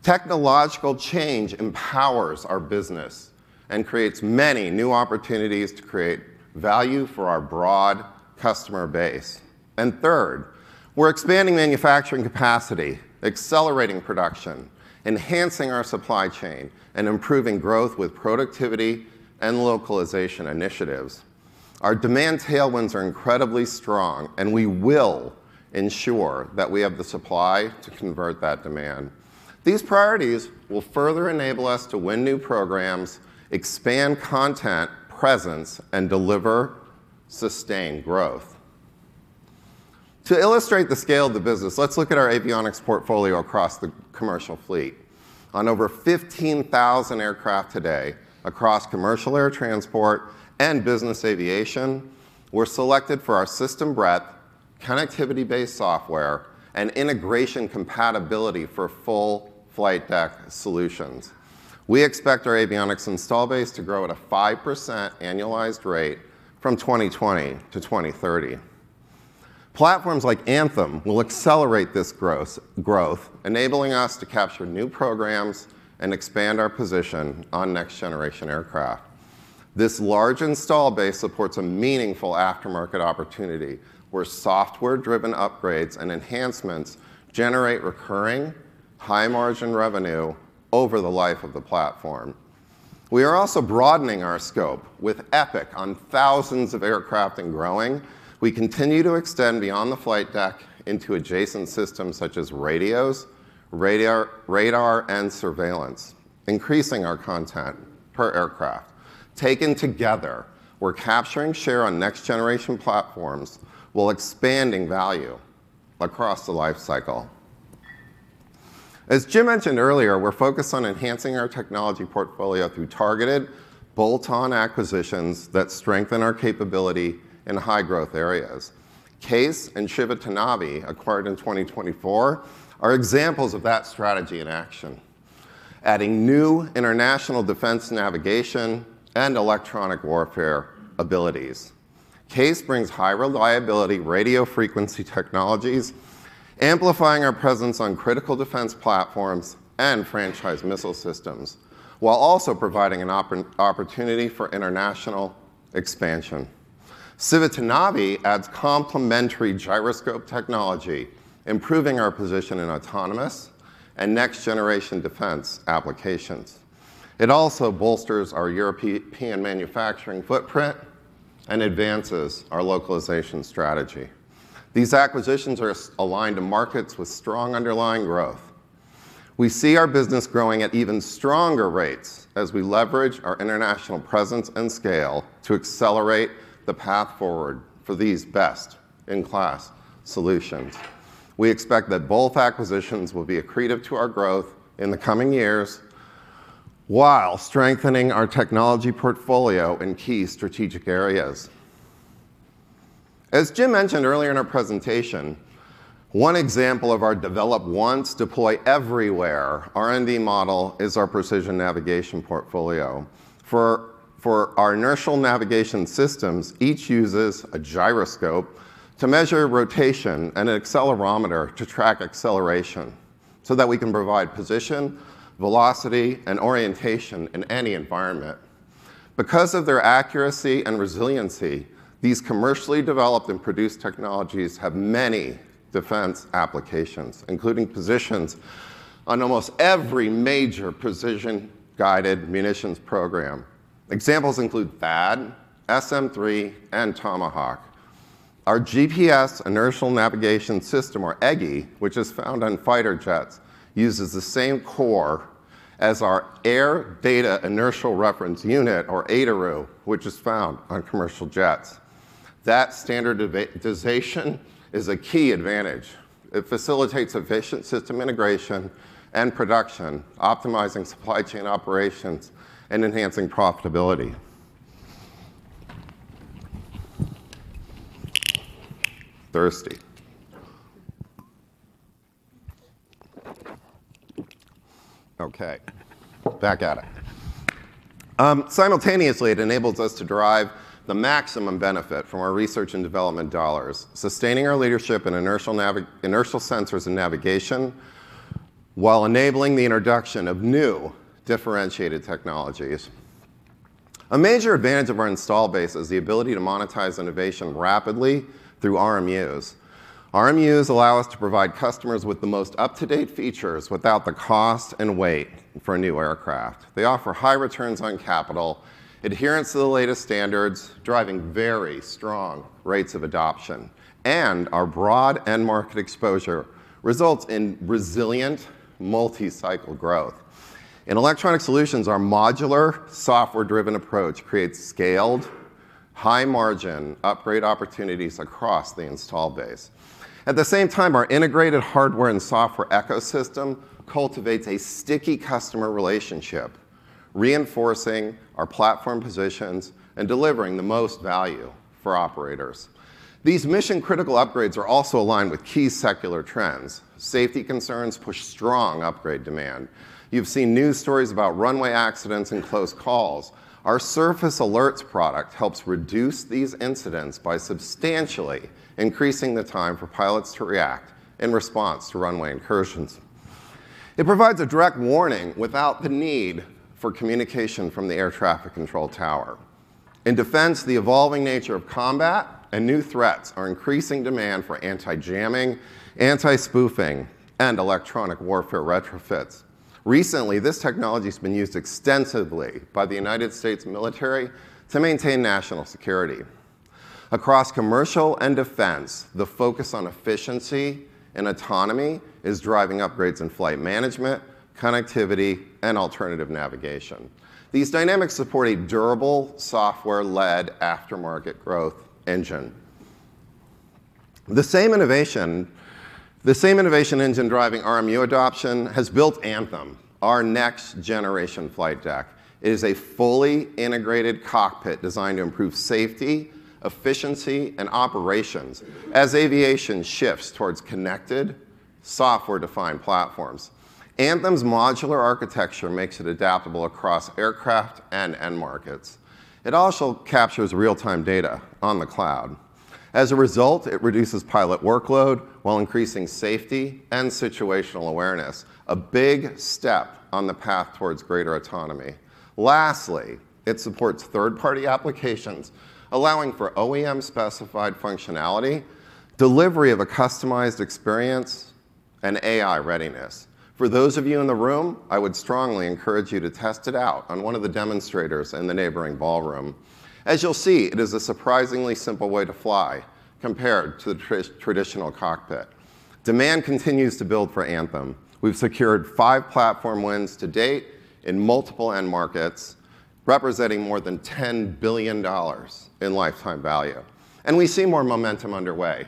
Technological change empowers our business and creates many new opportunities to create value for our broad customer base. Third, we're expanding manufacturing capacity, accelerating production, enhancing our supply chain, and improving growth with productivity and localization initiatives. Our demand tailwinds are incredibly strong, and we will ensure that we have the supply to convert that demand. These priorities will further enable us to win new programs, expand content presence, and deliver sustained growth. To illustrate the scale of the business, let's look at our avionics portfolio across the commercial fleet. On over 15,000 aircraft today across commercial air transport and business aviation, we're selected for our system breadth, connectivity-based software, and integration compatibility for full flight deck solutions. We expect our avionics install base to grow at a 5% annualized rate from 2020 to 2030. Platforms like Anthem will accelerate this growth, enabling us to capture new programs and expand our position on next-generation aircraft. This large install base supports a meaningful aftermarket opportunity, where software-driven upgrades and enhancements generate recurring, high-margin revenue over the life of the platform. We are also broadening our scope with Epic on thousands of aircraft and growing. We continue to extend beyond the flight deck into adjacent systems such as radios, radar, and surveillance, increasing our content per aircraft. Taken together, we're capturing share on next-generation platforms while expanding value across the life cycle. As Jim mentioned earlier, we're focused on enhancing our technology portfolio through targeted bolt-on acquisitions that strengthen our capability in high-growth areas. CAES and Civitanavi, acquired in 2024, are examples of that strategy in action, adding new international defense navigation and electronic warfare abilities. CAES brings high reliability radio frequency technologies, amplifying our presence on critical defense platforms and franchise missile systems, while also providing an opportunity for international expansion. Civitanavi adds complementary gyroscope technology, improving our position in autonomous and next-generation defense applications. It also bolsters our European manufacturing footprint and advances our localization strategy. These acquisitions are aligned to markets with strong underlying growth. We see our business growing at even stronger rates as we leverage our international presence and scale to accelerate the path forward for these best-in-class solutions. We expect that both acquisitions will be accretive to our growth in the coming years while strengthening our technology portfolio in key strategic areas. As Jim mentioned earlier in our presentation, one example of our develop once, deploy everywhere R&D model is our precision navigation portfolio. For our inertial navigation systems, each uses a gyroscope to measure rotation and an accelerometer to track acceleration so that we can provide position, velocity, and orientation in any environment. Because of their accuracy and resiliency, these commercially developed and produced technologies have many defense applications, including positions on almost every major precision-guided munitions program. Examples include THAAD, SM-3, and Tomahawk. Our GPS inertial navigation system, or EGI, which is found on fighter jets, uses the same core as our air data inertial reference unit, or ADIRU, which is found on commercial jets. That standardization is a key advantage. It facilitates efficient system integration and production, optimizing supply chain operations and enhancing profitability. Thirsty. Okay, back at it. Simultaneously, it enables us to derive the maximum benefit from our research and development dollars, sustaining our leadership in inertial sensors and navigation while enabling the introduction of new differentiated technologies. A major advantage of our install base is the ability to monetize innovation rapidly through RMUs. RMUs allow us to provide customers with the most up-to-date features without the cost and weight for a new aircraft. They offer high returns on capital, adherence to the latest standards, driving very strong rates of adoption, and our broad end market exposure results in resilient multi-cycle growth. In Electronic Solutions, our modular software-driven approach creates scaled high-margin upgrade opportunities across the install base. At the same time, our integrated hardware and software ecosystem cultivates a sticky customer relationship, reinforcing our platform positions and delivering the most value for operators. These mission-critical upgrades are also aligned with key secular trends. Safety concerns push strong upgrade demand. You've seen news stories about runway accidents and close calls. Our Surface Alert product helps reduce these incidents by substantially increasing the time for pilots to react in response to runway incursions. It provides a direct warning without the need for communication from the air traffic control tower. In defense, the evolving nature of combat and new threats are increasing demand for anti-jamming, anti-spoofing, and electronic warfare retrofits. Recently, this technology's been used extensively by the U.S. military to maintain national security. Across commercial and defense, the focus on efficiency and autonomy is driving upgrades in flight management, connectivity, and alternative navigation. These dynamics support a durable software-led aftermarket growth engine. The same innovation engine driving RMU adoption has built Anthem, our next-generation flight deck. It is a fully integrated cockpit designed to improve safety, efficiency, and operations as aviation shifts towards connected software-defined platforms. Anthem's modular architecture makes it adaptable across aircraft and end markets. It also captures real-time data on the cloud. As a result, it reduces pilot workload while increasing safety and situational awareness, a big step on the path towards greater autonomy. Lastly, it supports third-party applications, allowing for OEM-specified functionality, delivery of a customized experience, and AI readiness. For those of you in the room, I would strongly encourage you to test it out on one of the demonstrators in the neighboring ballroom. As you'll see, it is a surprisingly simple way to fly compared to the traditional cockpit. Demand continues to build for Anthem. We've secured five platform wins to date in multiple end markets, representing more than $10 billion in lifetime value, and we see more momentum underway.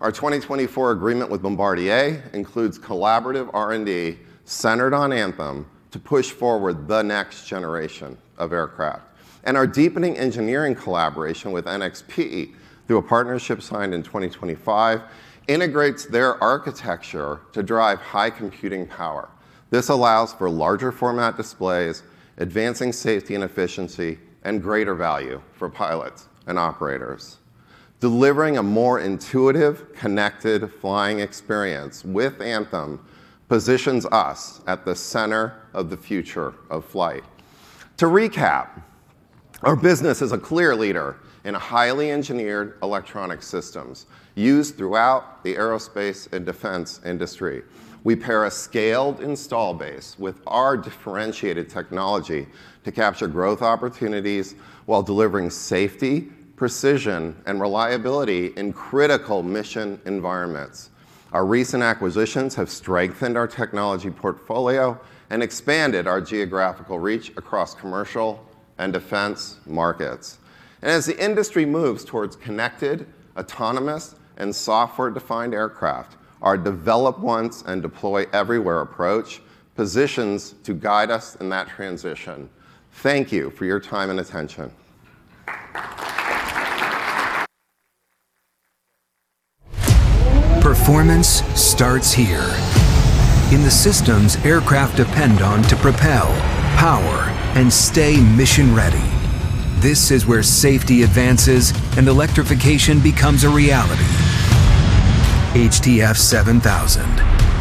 Our 2024 agreement with Bombardier includes collaborative R&D centered on Anthem to push forward the next generation of aircraft. Our deepening engineering collaboration with NXP through a partnership signed in 2025 integrates their architecture to drive high computing power. This allows for larger format displays, advancing safety and efficiency, and greater value for pilots and operators. Delivering a more intuitive, connected flying experience with Anthem positions us at the center of the future of flight. To recap, our business is a clear leader in highly engineered electronic systems used throughout the aerospace and defense industry. We pair a scaled install base with our differentiated technology to capture growth opportunities while delivering safety, precision, and reliability in critical mission environments. Our recent acquisitions have strengthened our technology portfolio and expanded our geographical reach across commercial and defense markets. As the industry moves towards connected, autonomous, and software-defined aircraft, our develop once and deploy everywhere approach positions to guide us in that transition. Thank you for your time and attention. Performance starts here. In the systems aircraft depend on to propel, power, and stay mission ready. This is where safety advances and electrification becomes a reality. HTF7000.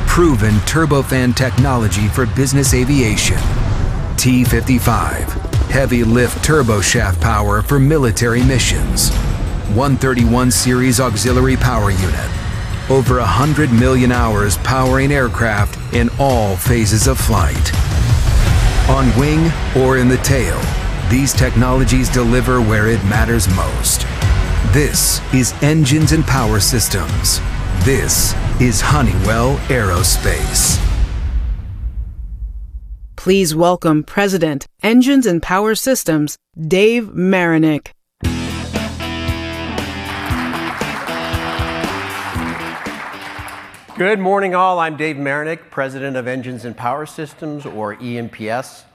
Proven turbofan technology for business aviation. T55. Heavy lift turboshaft power for military missions. 131 series auxiliary power unit. Over 100 million hours powering aircraft in all phases of flight. On wing or in the tail, these technologies deliver where it matters most. This is Engines and Power Systems. This is Honeywell Aerospace. Please welcome President, Engines & Power Systems, Dave Marinick. Good morning, all. I'm Dave Marinick, President of Engines & Power Systems, or E&PS.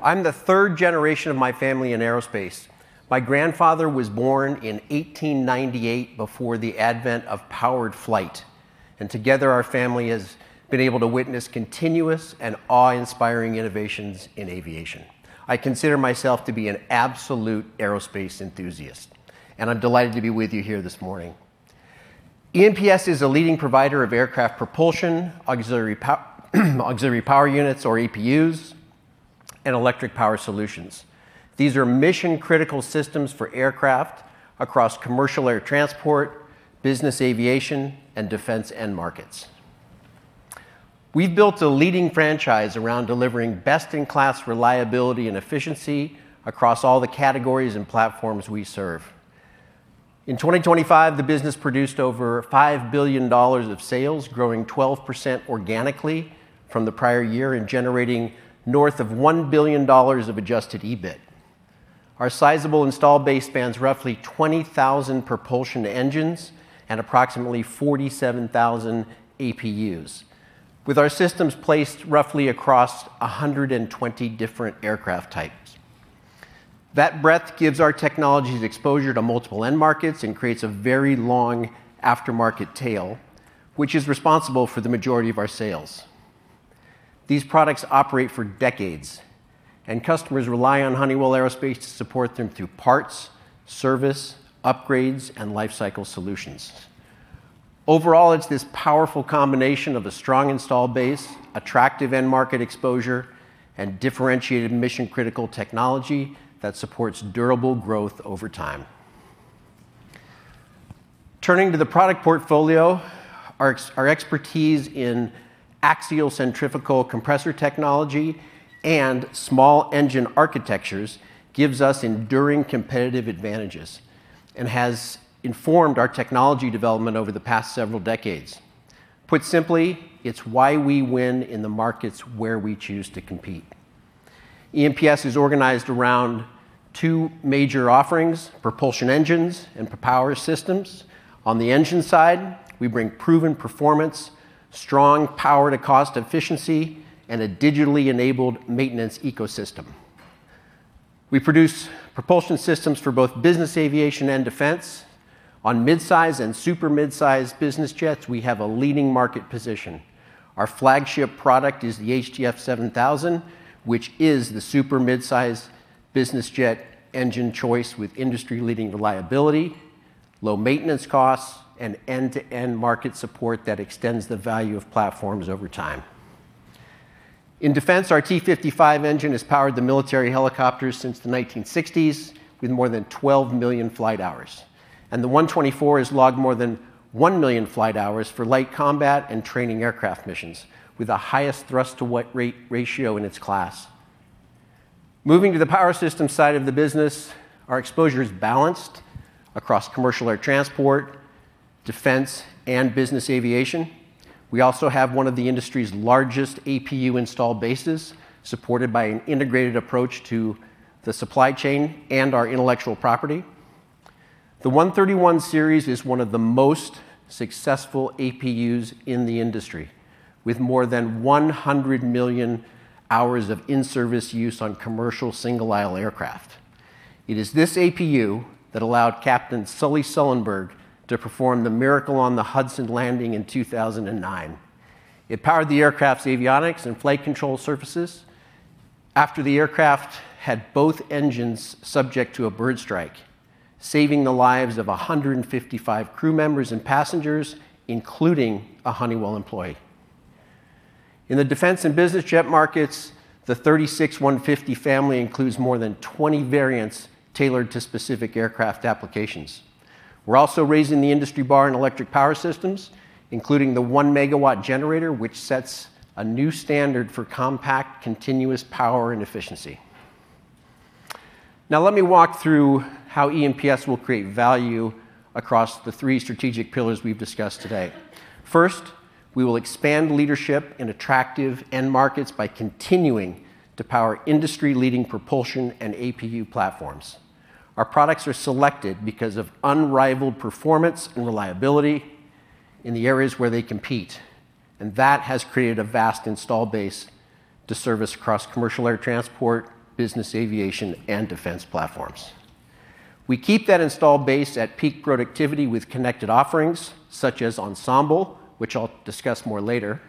I'm the third generation of my family in aerospace. My grandfather was born in 1898 before the advent of powered flight. Together our family has been able to witness continuous and awe-inspiring innovations in aviation. I consider myself to be an absolute aerospace enthusiast. I'm delighted to be with you here this morning. E&PS is a leading provider of aircraft propulsion, auxiliary power units, or APUs, and electric power solutions. These are mission critical systems for aircraft across commercial air transport, business aviation, and defense end markets. We've built a leading franchise around delivering best-in-class reliability and efficiency across all the categories and platforms we serve. In 2025, the business produced over $5 billion of sales, growing 12% organically from the prior year and generating north of $1 billion of adjusted EBIT. Our sizable install base spans roughly 20,000 propulsion engines and approximately 47,000 APUs, with our systems placed roughly across 120 different aircraft types. That breadth gives our technologies exposure to multiple end markets and creates a very long aftermarket tail, which is responsible for the majority of our sales. These products operate for decades, and customers rely on Honeywell Aerospace to support them through parts, service, upgrades, and lifecycle solutions. It's this powerful combination of a strong install base, attractive end market exposure, and differentiated mission critical technology that supports durable growth over time. Turning to the product portfolio, our expertise in axial centrifugal compressor technology and small engine architectures gives us enduring competitive advantages and has informed our technology development over the past several decades. Put simply, it's why we win in the markets where we choose to compete. E&PS is organized around two major offerings, propulsion engines and power systems. On the engine side, we bring proven performance, strong power-to-cost efficiency, and a digitally enabled maintenance ecosystem. We produce propulsion systems for both business aviation and defense. On mid-size and super mid-size business jets, we have a leading market position. Our flagship product is the HTF7000, which is the super mid-size business jet engine choice with industry-leading reliability, low maintenance costs, and end-to-end market support that extends the value of platforms over time. In defense, our T55 engine has powered the military helicopters since the 1960s with more than 12 million flight hours. The F124 has logged more than 1 million flight hours for light combat and training aircraft missions, with the highest thrust-to-weight ratio in its class. Moving to the power systems side of the business, our exposure is balanced across commercial air transport, defense, and business aviation. We also have one of the industry's largest APU installed bases, supported by an integrated approach to the supply chain and our intellectual property. The 131 series is one of the most successful APUs in the industry, with more than 100 million hours of in-service use on commercial single-aisle aircraft. It is this APU that allowed Captain Sully Sullenberger to perform the Miracle on the Hudson landing in 2009. It powered the aircraft's avionics and flight control surfaces after the aircraft had both engines subject to a bird strike, saving the lives of 155 crew members and passengers, including a Honeywell employee. In the defense and business jet markets, the 36-150 family includes more than 20 variants tailored to specific aircraft applications. We're also raising the industry bar in electric power systems, including the one-megawatt generator, which sets a new standard for compact, continuous power and efficiency. Let me walk through how E&PS will create value across the three strategic pillars we've discussed today. First, we will expand leadership in attractive end markets by continuing to power industry-leading propulsion and APU platforms. Our products are selected because of unrivaled performance and reliability in the areas where they compete, and that has created a vast installed base to service across commercial air transport, business aviation, and defense platforms. We keep that installed base at peak productivity with connected offerings such as Ensemble, which I'll discuss more later.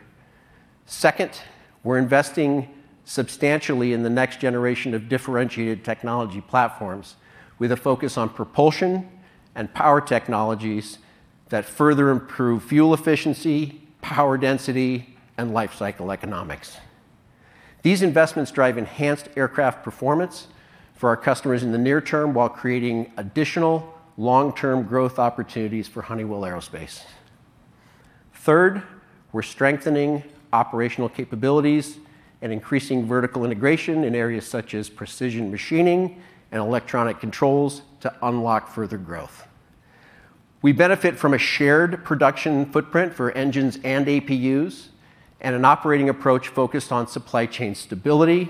Second, we're investing substantially in the next generation of differentiated technology platforms with a focus on propulsion and power technologies that further improve fuel efficiency, power density, and life cycle economics. These investments drive enhanced aircraft performance for our customers in the near term while creating additional long-term growth opportunities for Honeywell Aerospace. Third, we're strengthening operational capabilities and increasing vertical integration in areas such as precision machining and electronic controls to unlock further growth. We benefit from a shared production footprint for engines and APUs and an operating approach focused on supply chain stability,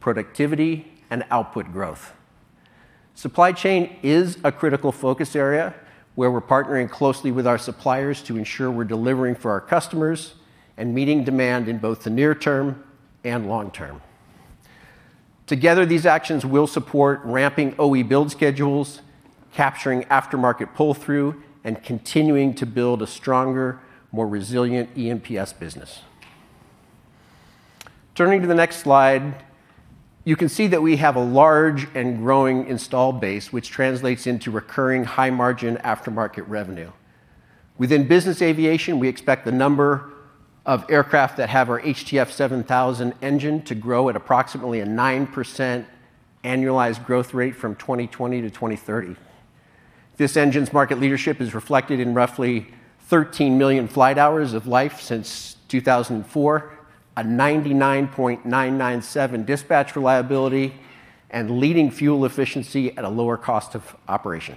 productivity, and output growth. Supply chain is a critical focus area where we're partnering closely with our suppliers to ensure we're delivering for our customers and meeting demand in both the near term and long term. Together, these actions will support ramping OE build schedules, capturing aftermarket pull-through, and continuing to build a stronger, more resilient E&PS business. Turning to the next slide, you can see that we have a large and growing installed base, which translates into recurring high-margin aftermarket revenue. Within business aviation, we expect the number of aircraft that have our HTF7000 engine to grow at approximately a 9% annualized growth rate from 2020 to 2030. This engine's market leadership is reflected in roughly 13 million flight hours of life since 2004, a 99.997 dispatch reliability, and leading fuel efficiency at a lower cost of operation.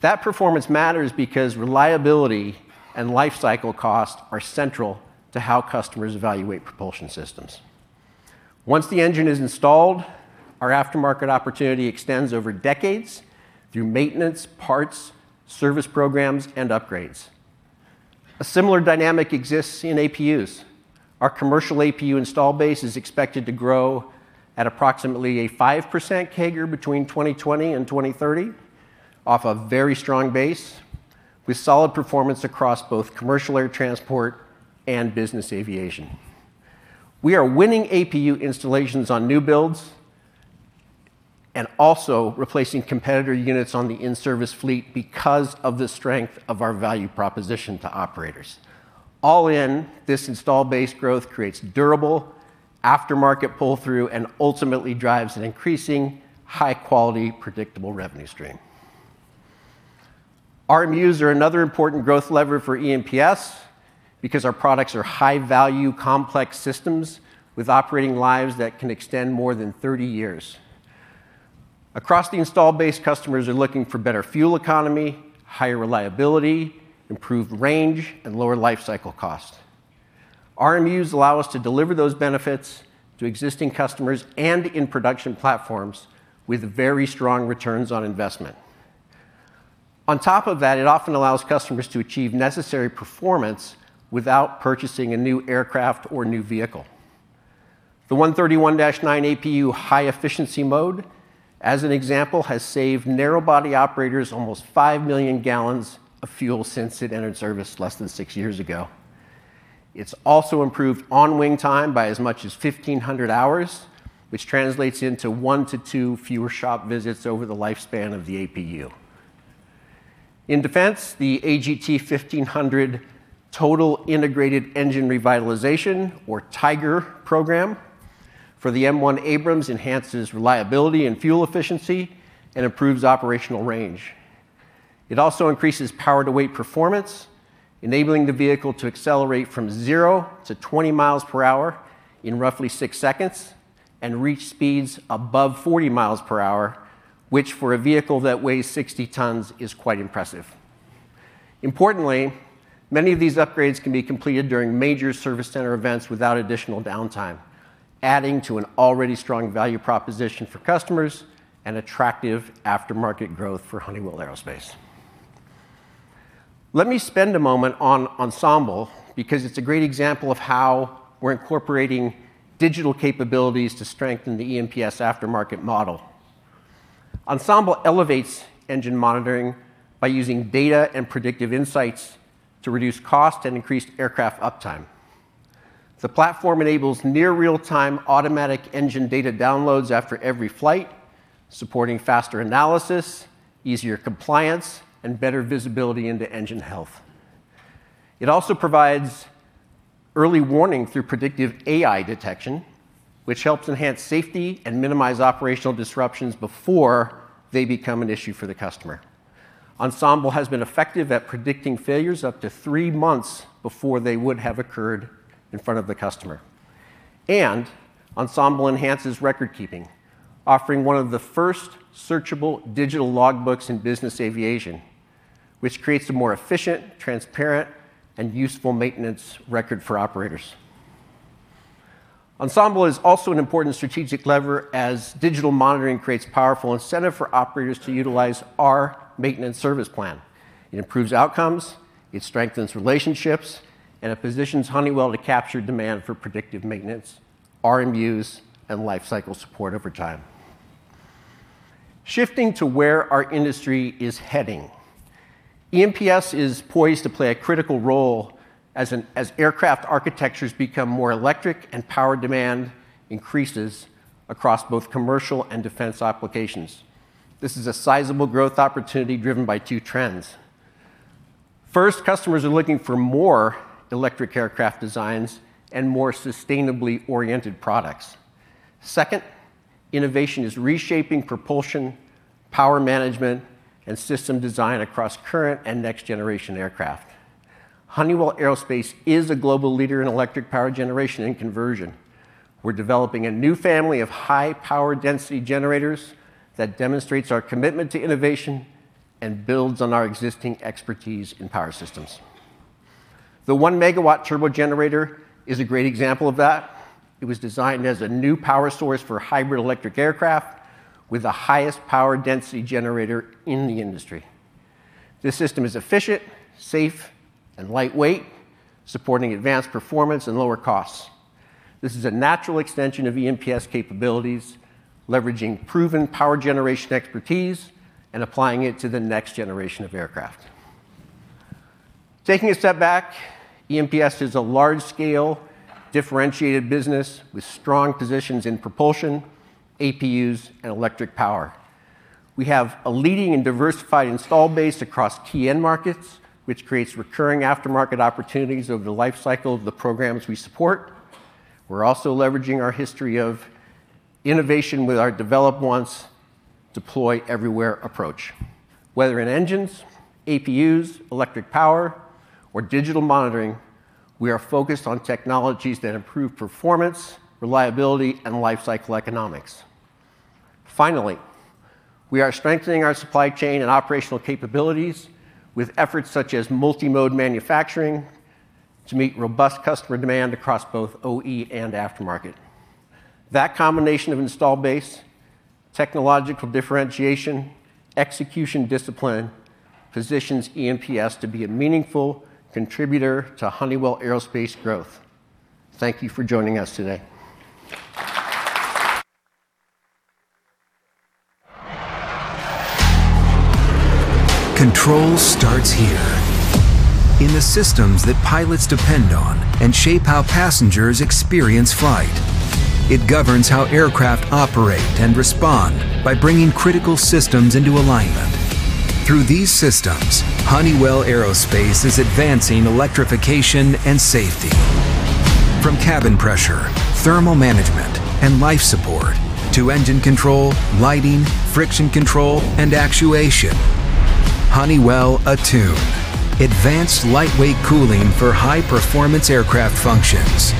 That performance matters because reliability and life cycle cost are central to how customers evaluate propulsion systems. Once the engine is installed, our aftermarket opportunity extends over decades through maintenance, parts, service programs, and upgrades. A similar dynamic exists in APUs. Our commercial APU install base is expected to grow at approximately a 5% CAGR between 2020 and 2030 off a very strong base with solid performance across both commercial air transport and business aviation. We are winning APU installations on new builds and also replacing competitor units on the in-service fleet because of the strength of our value proposition to operators. All in, this installed base growth creates durable aftermarket pull-through and ultimately drives an increasing high-quality, predictable revenue stream. RMUs are another important growth lever for E&PS because our products are high-value complex systems with operating lives that can extend more than 30 years. Across the installed base, customers are looking for better fuel economy, higher reliability, improved range, and lower life cycle cost. RMUs allow us to deliver those benefits to existing customers and in production platforms with very strong returns on investment. On top of that, it often allows customers to achieve necessary performance without purchasing a new aircraft or new vehicle. The 131-9 APU high-efficiency mode, as an example, has saved narrow body operators almost 5 million gallons of fuel since it entered service less than six years ago. It's also improved on-wing time by as much as 1,500 hours, which translates into one to two fewer shop visits over the lifespan of the APU. In defense, the AGT1500 Total Integrated Engine Revitalization, or TIGER program, for the M1 Abrams enhances reliability and fuel efficiency and improves operational range. It also increases power-to-weight performance, enabling the vehicle to accelerate from zero to 20 miles per hour in roughly six seconds and reach speeds above 40 miles per hour, which, for a vehicle that weighs 60 tons, is quite impressive. Importantly, many of these upgrades can be completed during major service center events without additional downtime, adding to an already strong value proposition for customers and attractive aftermarket growth for Honeywell Aerospace. Let me spend a moment on Ensemble because it's a great example of how we're incorporating digital capabilities to strengthen the E&PS aftermarket model. Ensemble elevates engine monitoring by using data and predictive insights to reduce cost and increase aircraft uptime. The platform enables near real-time automatic engine data downloads after every flight, supporting faster analysis, easier compliance, and better visibility into engine health. It also provides early warning through predictive AI detection, which helps enhance safety and minimize operational disruptions before they become an issue for the customer. Ensemble has been effective at predicting failures up to three months before they would have occurred in front of the customer. Ensemble enhances record keeping, offering one of the first searchable digital logbooks in business aviation, which creates a more efficient, transparent, and useful maintenance record for operators. Ensemble is also an important strategic lever as digital monitoring creates powerful incentive for operators to utilize our maintenance service plan. It improves outcomes, it strengthens relationships, and it positions Honeywell to capture demand for predictive maintenance, RMUs, and life cycle support over time. Shifting to where our industry is heading. E&PS is poised to play a critical role as aircraft architectures become more electric and power demand increases across both commercial and defense applications. This is a sizable growth opportunity driven by two trends. First, customers are looking for more electric aircraft designs and more sustainably oriented products. Second, innovation is reshaping propulsion, power management, and system design across current and next-generation aircraft. Honeywell Aerospace is a global leader in electric power generation and conversion. We're developing a new family of high power density generators that demonstrates our commitment to innovation and builds on our existing expertise in power systems. The one-megawatt turbo generator is a great example of that. It was designed as a new power source for hybrid electric aircraft with the highest power density generator in the industry. This system is efficient, safe, and lightweight, supporting advanced performance and lower costs. This is a natural extension of E&PS capabilities, leveraging proven power generation expertise and applying it to the next generation of aircraft. Taking a step back, E&PS is a large-scale, differentiated business with strong positions in propulsion, APUs, and electric power. We have a leading and diversified install base across key end markets, which creates recurring aftermarket opportunities over the life cycle of the programs we support. We're also leveraging our history of innovation with our Develop Once, Deploy Everywhere approach. Whether in engines, APUs, electric power, or digital monitoring, we are focused on technologies that improve performance, reliability, and life cycle economics. Finally, we are strengthening our supply chain and operational capabilities with efforts such as multi-mode manufacturing to meet robust customer demand across both OE and aftermarket. That combination of install base, technological differentiation, execution discipline positions E&PS to be a meaningful contributor to Honeywell Aerospace growth. Thank you for joining us today. Control starts here. In the systems that pilots depend on and shape how passengers experience flight. It governs how aircraft operate and respond by bringing critical systems into alignment. Through these systems, Honeywell Aerospace is advancing electrification and safety. From cabin pressure, thermal management, and life support to engine control, lighting, friction control, and actuation. Honeywell Attune, advanced lightweight cooling for high-performance aircraft functions.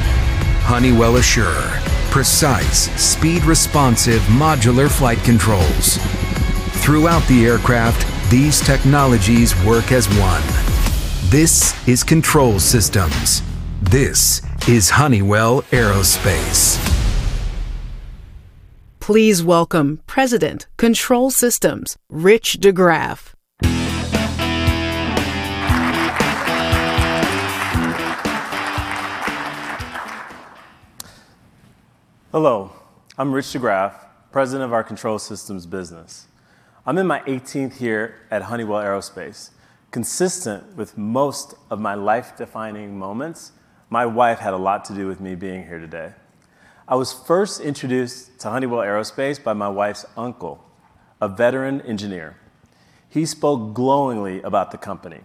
Honeywell Assure, precise, speed-responsive modular flight controls. Throughout the aircraft, these technologies work as one. This is Control Systems. This is Honeywell Aerospace. Please welcome President Control Systems, Rich DeGraff. Hello, I'm Rich DeGraff, president of our Control Systems business. I'm in my 18th year at Honeywell Aerospace. Consistent with most of my life-defining moments, my wife had a lot to do with me being here today. I was first introduced to Honeywell Aerospace by my wife's uncle, a veteran engineer. He spoke glowingly about the company,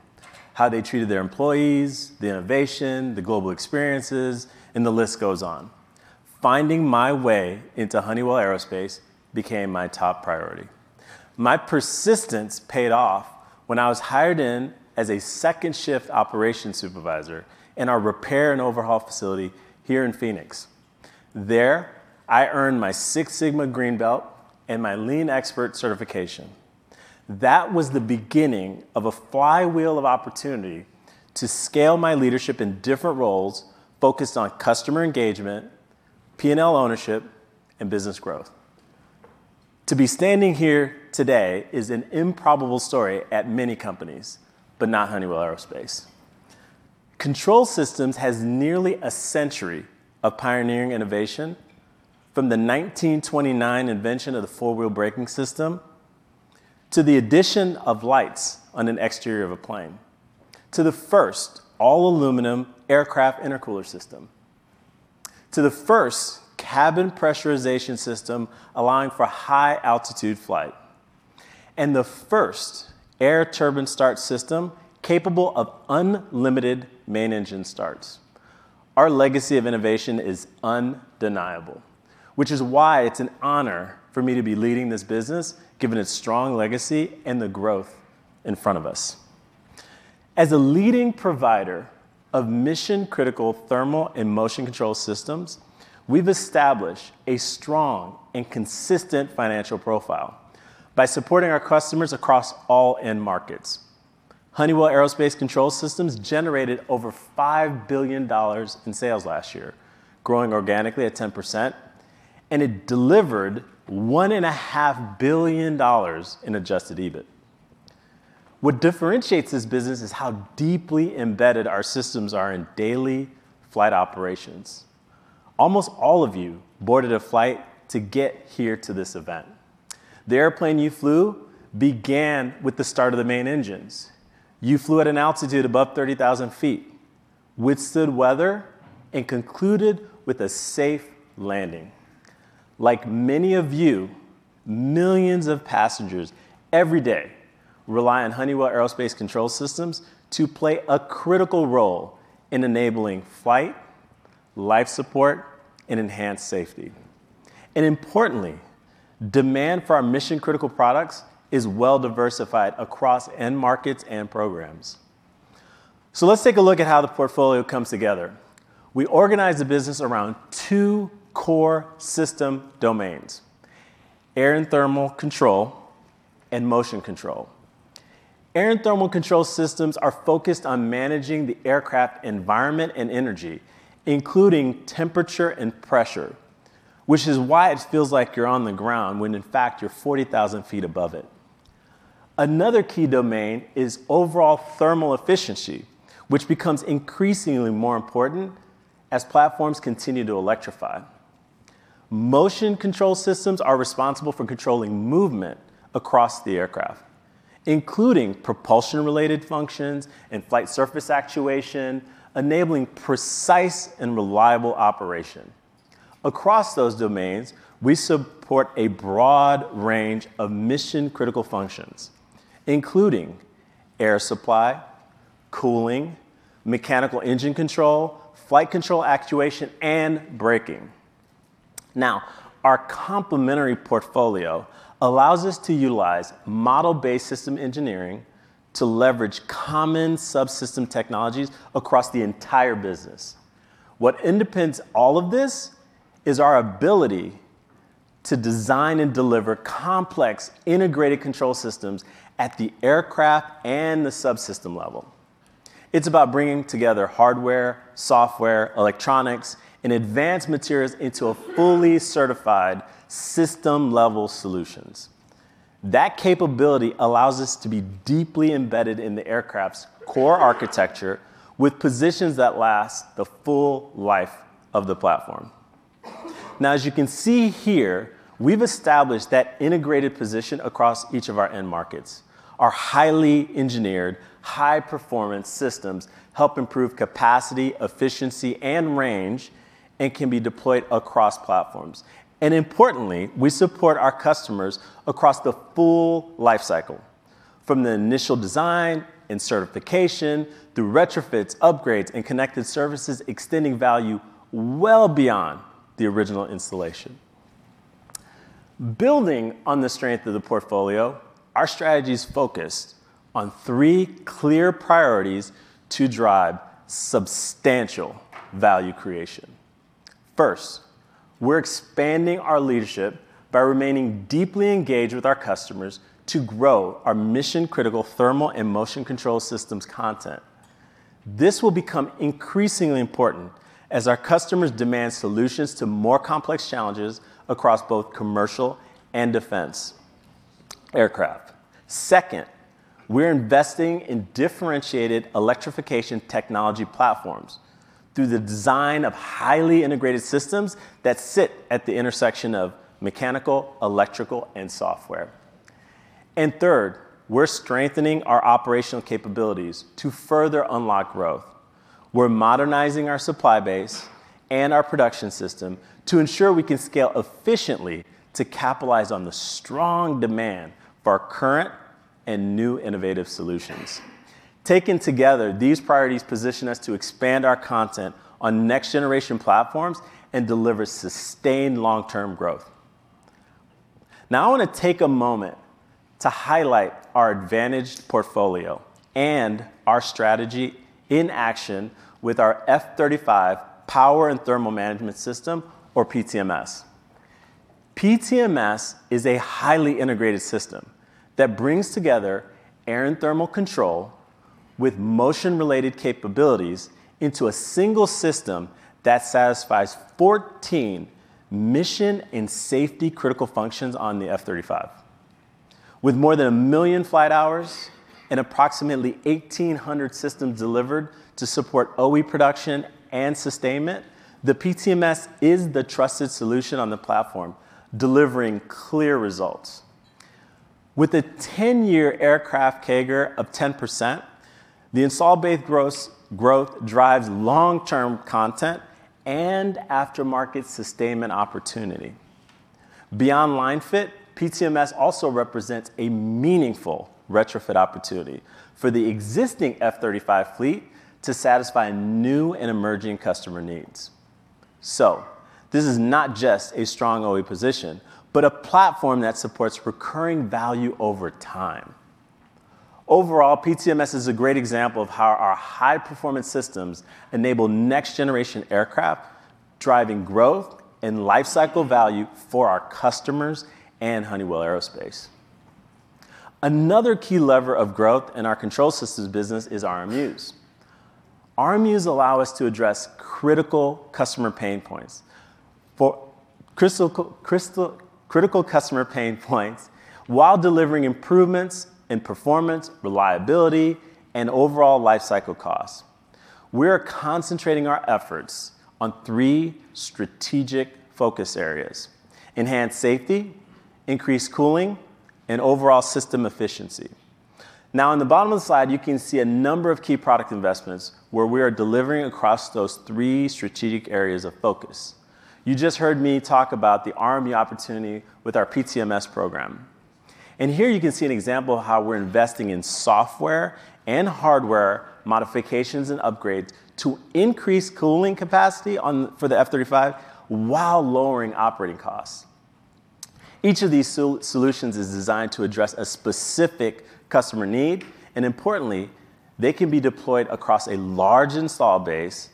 how they treated their employees, the innovation, the global experiences, and the list goes on. Finding my way into Honeywell Aerospace became my top priority. My persistence paid off when I was hired in as a second shift operations supervisor in our repair and overhaul facility here in Phoenix. There, I earned my Six Sigma Green Belt and my Lean Expert certification. That was the beginning of a flywheel of opportunity to scale my leadership in different roles focused on customer engagement, P&L ownership, and business growth. To be standing here today is an improbable story at many companies, but not Honeywell Aerospace. Control Systems has nearly a century of pioneering innovation. From the 1929 invention of the four-wheel braking system, to the addition of lights on an exterior of a plane, to the first all-aluminum aircraft intercooler system, to the first cabin pressurization system allowing for high altitude flight, and the first Air Turbine Starter system capable of unlimited main engine starts. Our legacy of innovation is undeniable, which is why it's an honor for me to be leading this business, given its strong legacy and the growth in front of us. As a leading provider of mission-critical thermal and motion control systems, we've established a strong and consistent financial profile by supporting our customers across all end markets. Honeywell Aerospace Control Systems generated over $5 billion in sales last year, growing organically at 10%. It delivered $1.5 billion in adjusted EBIT. What differentiates this business is how deeply embedded our systems are in daily flight operations. Almost all of you boarded a flight to get here to this event. The airplane you flew began with the start of the main engines. You flew at an altitude above 30,000 feet, withstood weather, and concluded with a safe landing. Like many of you, millions of passengers every day rely on Honeywell Aerospace Control Systems to play a critical role in enabling flight, life support, and enhanced safety. Importantly, demand for our mission-critical products is well diversified across end markets and programs. Let's take a look at how the portfolio comes together. We organize the business around two core system domains, air and thermal control and motion control. Air and thermal control systems are focused on managing the aircraft environment and energy, including temperature and pressure, which is why it feels like you're on the ground when in fact you're 40,000 feet above it. Another key domain is overall thermal efficiency, which becomes increasingly more important as platforms continue to electrify. Motion control systems are responsible for controlling movement across the aircraft, including propulsion-related functions and flight surface actuation, enabling precise and reliable operation. Across those domains, we support a broad range of mission-critical functions, including air supply, cooling, mechanical engine control, flight control actuation, and braking. Our complementary portfolio allows us to utilize model-based system engineering to leverage common subsystem technologies across the entire business. What underpins all of this is our ability to design and deliver complex integrated control systems at the aircraft and the subsystem level. It's about bringing together hardware, software, electronics, and advanced materials into a fully certified system-level solutions. That capability allows us to be deeply embedded in the aircraft's core architecture with positions that last the full life of the platform. As you can see here, we've established that integrated position across each of our end markets. Our highly engineered, high-performance systems help improve capacity, efficiency, and range, and can be deployed across platforms. Importantly, we support our customers across the full life cycle, from the initial design and certification, through retrofits, upgrades, and connected services, extending value well beyond the original installation. Building on the strength of the portfolio, our strategy is focused on three clear priorities to drive substantial value creation. First, we're expanding our leadership by remaining deeply engaged with our customers to grow our mission-critical thermal and motion Control Systems content. This will become increasingly important as our customers demand solutions to more complex challenges across both commercial and defense aircraft. Second, we're investing in differentiated electrification technology platforms through the design of highly integrated systems that sit at the intersection of mechanical, electrical, and software. Third, we're strengthening our operational capabilities to further unlock growth. We're modernizing our supply base and our production system to ensure we can scale efficiently to capitalize on the strong demand for our current and new innovative solutions. Taken together, these priorities position us to expand our content on next generation platforms and deliver sustained long-term growth. I want to take a moment to highlight our advantaged portfolio and our strategy in action with our F-35 Power and Thermal Management System or PTMS. PTMS is a highly integrated system that brings together air and thermal control with motion-related capabilities into a single system that satisfies 14 mission and safety critical functions on the F-35. With more than a million flight hours and approximately 1,800 systems delivered to support OE production and sustainment, the PTMS is the trusted solution on the platform, delivering clear results. With a 10-year aircraft CAGR of 10%, the install base growth drives long-term content and aftermarket sustainment opportunity. Beyond line fit, PTMS also represents a meaningful retrofit opportunity for the existing F-35 fleet to satisfy new and emerging customer needs. This is not just a strong OE position, but a platform that supports recurring value over time. Overall, PTMS is a great example of how our high-performance systems enable next generation aircraft, driving growth and lifecycle value for our customers and Honeywell Aerospace. Another key lever of growth in our Control Systems business is RMUs. RMUs allow us to address critical customer pain points while delivering improvements in performance, reliability, and overall lifecycle costs. We are concentrating our efforts on three strategic focus areas: enhanced safety, increased cooling, and overall system efficiency. On the bottom of the slide, you can see a number of key product investments where we are delivering across those three strategic areas of focus. You just heard me talk about the RMU opportunity with our PTMS program. Here you can see an example of how we're investing in software and hardware modifications and upgrades to increase cooling capacity for the F-35 while lowering operating costs. Each of these solutions is designed to address a specific customer need. Importantly, they can be deployed across a large install base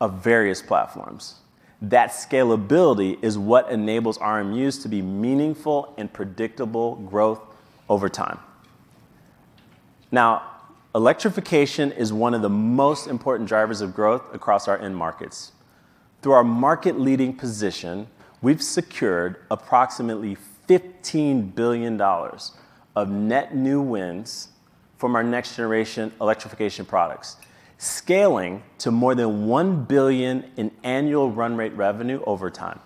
of various platforms. That scalability is what enables RMUs to be meaningful and predictable growth over time. Electrification is one of the most important drivers of growth across our end markets. Through our market-leading position, we've secured approximately $15 billion of net new wins from our next generation electrification products, scaling to more than $1 billion in annual run rate revenue over time.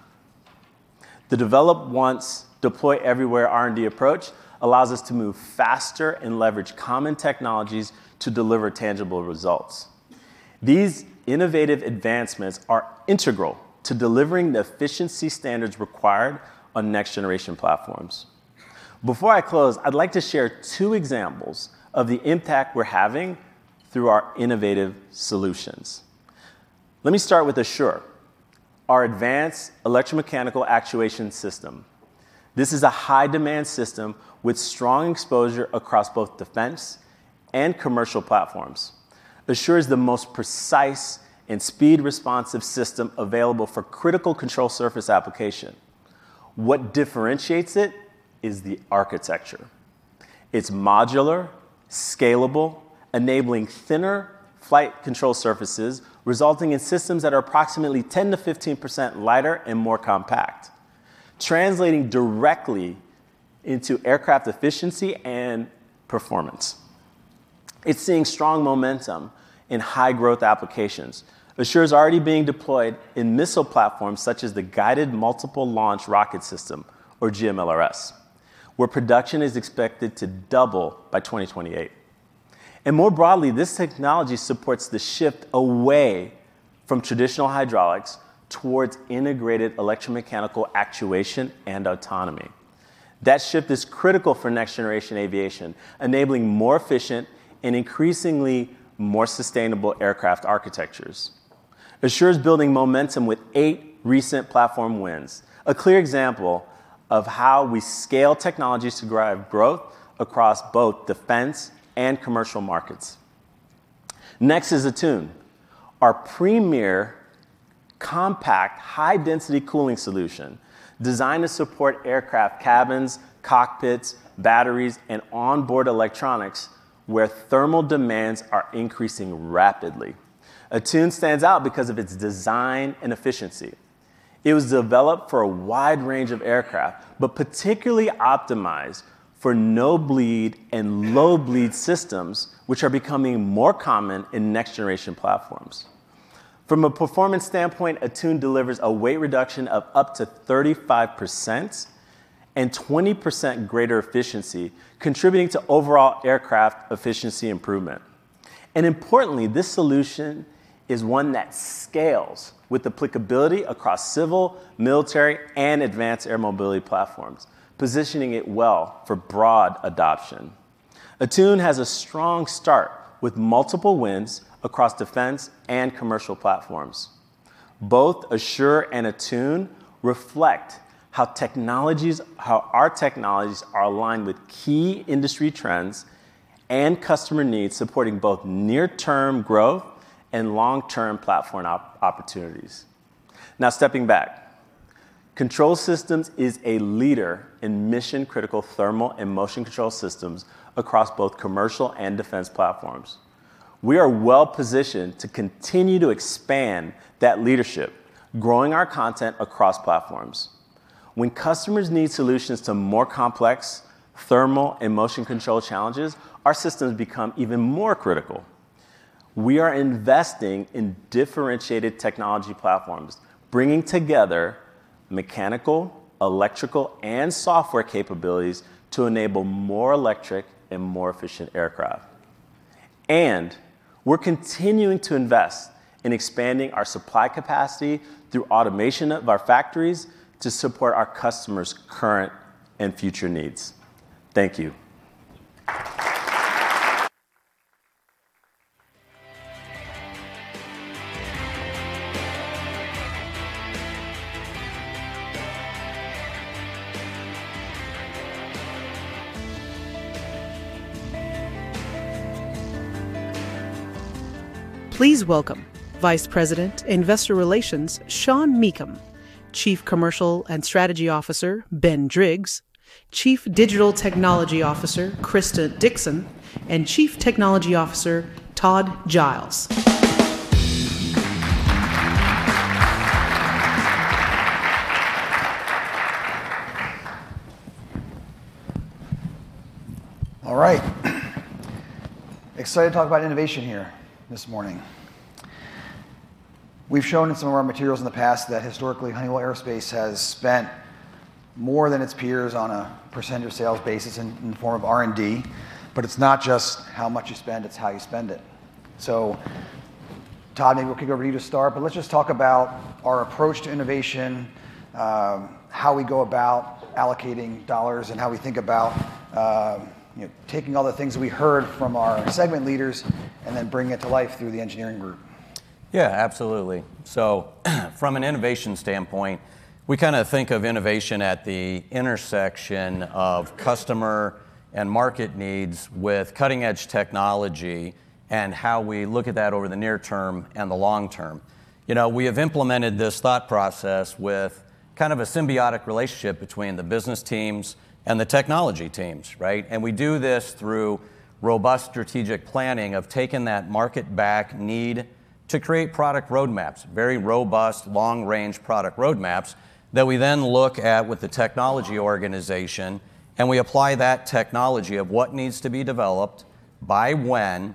The develop once, deploy everywhere R&D approach allows us to move faster and leverage common technologies to deliver tangible results. These innovative advancements are integral to delivering the efficiency standards required on next generation platforms. Before I close, I'd like to share two examples of the impact we're having through our innovative solutions. Let me start with Assure, our advanced electromechanical actuation system. This is a high-demand system with strong exposure across both defense and commercial platforms. Assure is the most precise and speed-responsive system available for critical control surface application. What differentiates it is the architecture. It's modular, scalable, enabling thinner flight control surfaces, resulting in systems that are approximately 10%-15% lighter and more compact, translating directly into aircraft efficiency and performance. It's seeing strong momentum in high growth applications. Assure is already being deployed in missile platforms such as the Guided Multiple Launch Rocket System, or GMLRS, where production is expected to double by 2028. More broadly, this technology supports the shift away from traditional hydraulics towards integrated electromechanical actuation and autonomy. That shift is critical for next generation aviation, enabling more efficient and increasingly more sustainable aircraft architectures. Assure is building momentum with eight recent platform wins. A clear example of how we scale technologies to drive growth across both defense and commercial markets. Next is Attune, our premier-compact, high-density cooling solution designed to support aircraft cabins, cockpits, batteries, and onboard electronics where thermal demands are increasing rapidly. Attune stands out because of its design and efficiency. It was developed for a wide range of aircraft, particularly optimized for no-bleed and low-bleed systems, which are becoming more common in next-generation platforms. From a performance standpoint, Attune delivers a weight reduction of up to 35% and 20% greater efficiency, contributing to overall aircraft efficiency improvement. Importantly, this solution is one that scales with applicability across civil, military, and advanced air mobility platforms, positioning it well for broad adoption. Attune has a strong start with multiple wins across defense and commercial platforms. Both Assure and Attune reflect how our technologies are aligned with key industry trends and customer needs, supporting both near-term growth and long-term platform opportunities. Stepping back, Control Systems is a leader in mission-critical thermal and motion control systems across both commercial and defense platforms. We are well-positioned to continue to expand that leadership, growing our content across platforms. When customers need solutions to more complex thermal and motion control challenges, our systems become even more critical. We are investing in differentiated technology platforms, bringing together mechanical, electrical, and software capabilities to enable more electric and more efficient aircraft. We're continuing to invest in expanding our supply capacity through automation of our factories to support our customers' current and future needs. Thank you. Please welcome Vice President, Investor Relations, Sean Meakim, Chief Commercial and Strategy Officer, Ben Driggs, Chief Digital Technology Officer, Krista Dixon, and Chief Technology Officer, Todd Giles. All right. Excited to talk about innovation here this morning. We've shown in some of our materials in the past that historically, Honeywell Aerospace has spent more than its peers on a % of sales basis in the form of R&D. It's not just how much you spend, it's how you spend it. Todd, maybe we'll kick over to you to start, but let's just talk about our approach to innovation, how we go about allocating dollars, and how we think about taking all the things that we heard from our segment leaders and then bringing it to life through the engineering group. Yeah, absolutely. From an innovation standpoint, we kind of think of innovation at the intersection of customer and market needs with cutting-edge technology and how we look at that over the near term and the long term. We have implemented this thought process with kind of a symbiotic relationship between the business teams and the technology teams, right? We do this through robust strategic planning of taking that market back need to create product roadmaps, very robust, long-range product roadmaps, that we then look at with the technology organization, and we apply that technology of what needs to be developed, by when,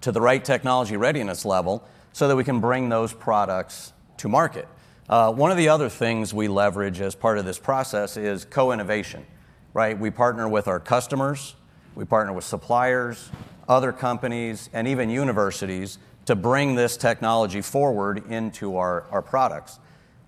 to the right technology readiness level so that we can bring those products to market. One of the other things we leverage as part of this process is co-innovation, right? We partner with our customers, we partner with suppliers, other companies, and even universities to bring this technology forward into our products.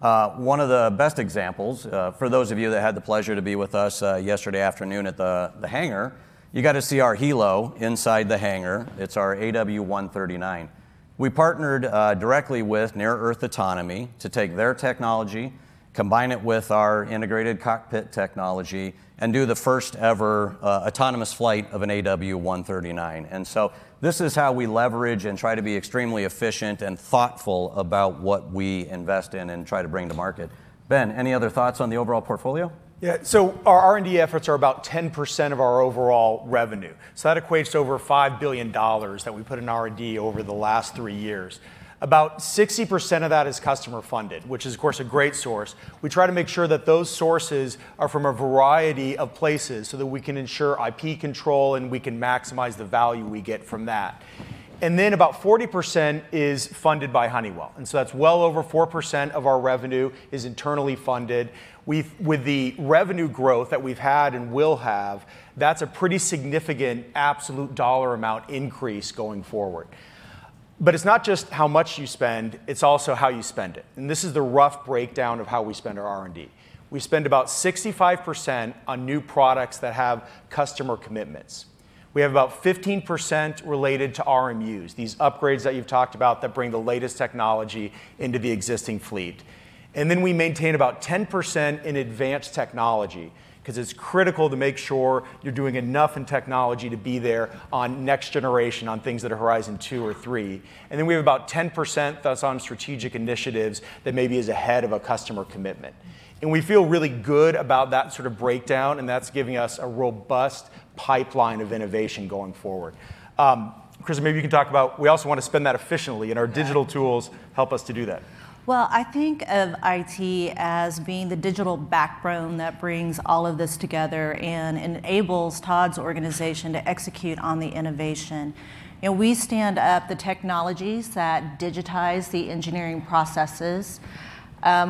One of the best examples, for those of you that had the pleasure to be with us yesterday afternoon at the hangar, you got to see our helo inside the hangar. It's our AW139. We partnered directly with Near Earth Autonomy to take their technology, combine it with our integrated cockpit technology, and do the first ever autonomous flight of an AW139. This is how we leverage and try to be extremely efficient and thoughtful about what we invest in and try to bring to market. Ben, any other thoughts on the overall portfolio? Yeah. Our R&D efforts are about 10% of our overall revenue. That equates to over $5 billion that we put in R&D over the last three years. About 60% of that is customer funded, which is, of course, a great source. We try to make sure that those sources are from a variety of places so that we can ensure IP control and we can maximize the value we get from that. Then about 40% is funded by Honeywell, so that's well over 4% of our revenue is internally funded. With the revenue growth that we've had and will have, that's a pretty significant absolute dollar amount increase going forward. It's not just how much you spend, it's also how you spend it. This is the rough breakdown of how we spend our R&D. We spend about 65% on new products that have customer commitments. We have about 15% related to RMUs, these upgrades that you've talked about that bring the latest technology into the existing fleet. We maintain about 10% in advanced technology, because it's critical to make sure you're doing enough in technology to be there on next generation, on things that are horizon two or three. We have about 10% that's on strategic initiatives that maybe is ahead of a customer commitment. We feel really good about that sort of breakdown, and that's giving us a robust pipeline of innovation going forward. Krista, maybe you can talk about, we also want to spend that efficiently, and our digital tools help us to do that. Well, I think of IT as being the digital backbone that brings all of this together and enables Todd's organization to execute on the innovation. We stand up the technologies that digitize the engineering processes.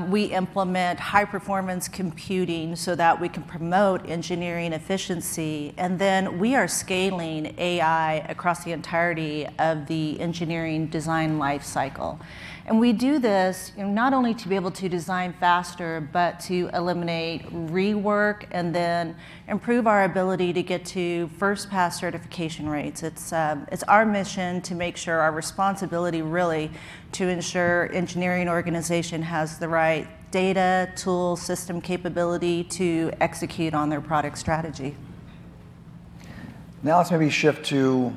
We implement high-performance computing so that we can promote engineering efficiency, and then we are scaling AI across the entirety of the engineering design life cycle. We do this not only to be able to design faster, but to eliminate rework and then improve our ability to get to first pass certification rates. It's our mission to make sure, our responsibility really, to ensure engineering organization has the right data, tools, system capability to execute on their product strategy. Now let's maybe shift to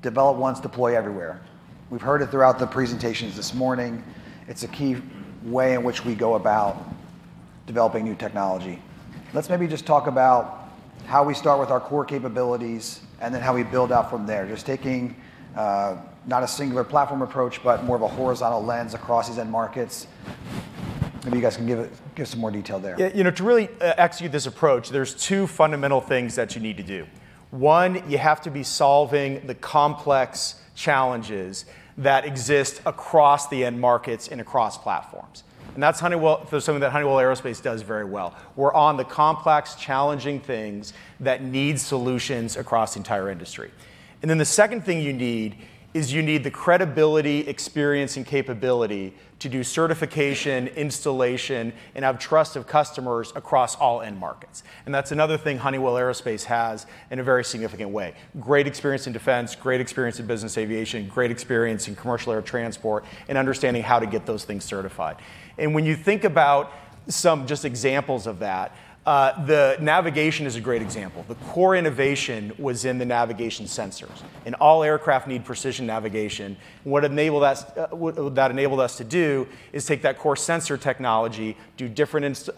develop once, deploy everywhere. We've heard it throughout the presentations this morning. It's a key way in which we go about developing new technology. Let's maybe just talk about how we start with our core capabilities and then how we build out from there, just taking not a singular platform approach, but more of a horizontal lens across these end markets. Maybe you guys can give some more detail there. To really execute this approach, there's two fundamental things that you need to do. One, you have to be solving the complex challenges that exist across the end markets and across platforms. That's something that Honeywell Aerospace does very well. We're on the complex, challenging things that need solutions across the entire industry. The second thing you need is you need the credibility, experience, and capability to do certification, installation, and have trust of customers across all end markets. That's another thing Honeywell Aerospace has in a very significant way. Great experience in defense, great experience in business aviation, great experience in commercial air transport, and understanding how to get those things certified. When you think about some just examples of that, the navigation is a great example. The core innovation was in the navigation sensors, and all aircraft need precision navigation. What that enabled us to do is take that core sensor technology, do different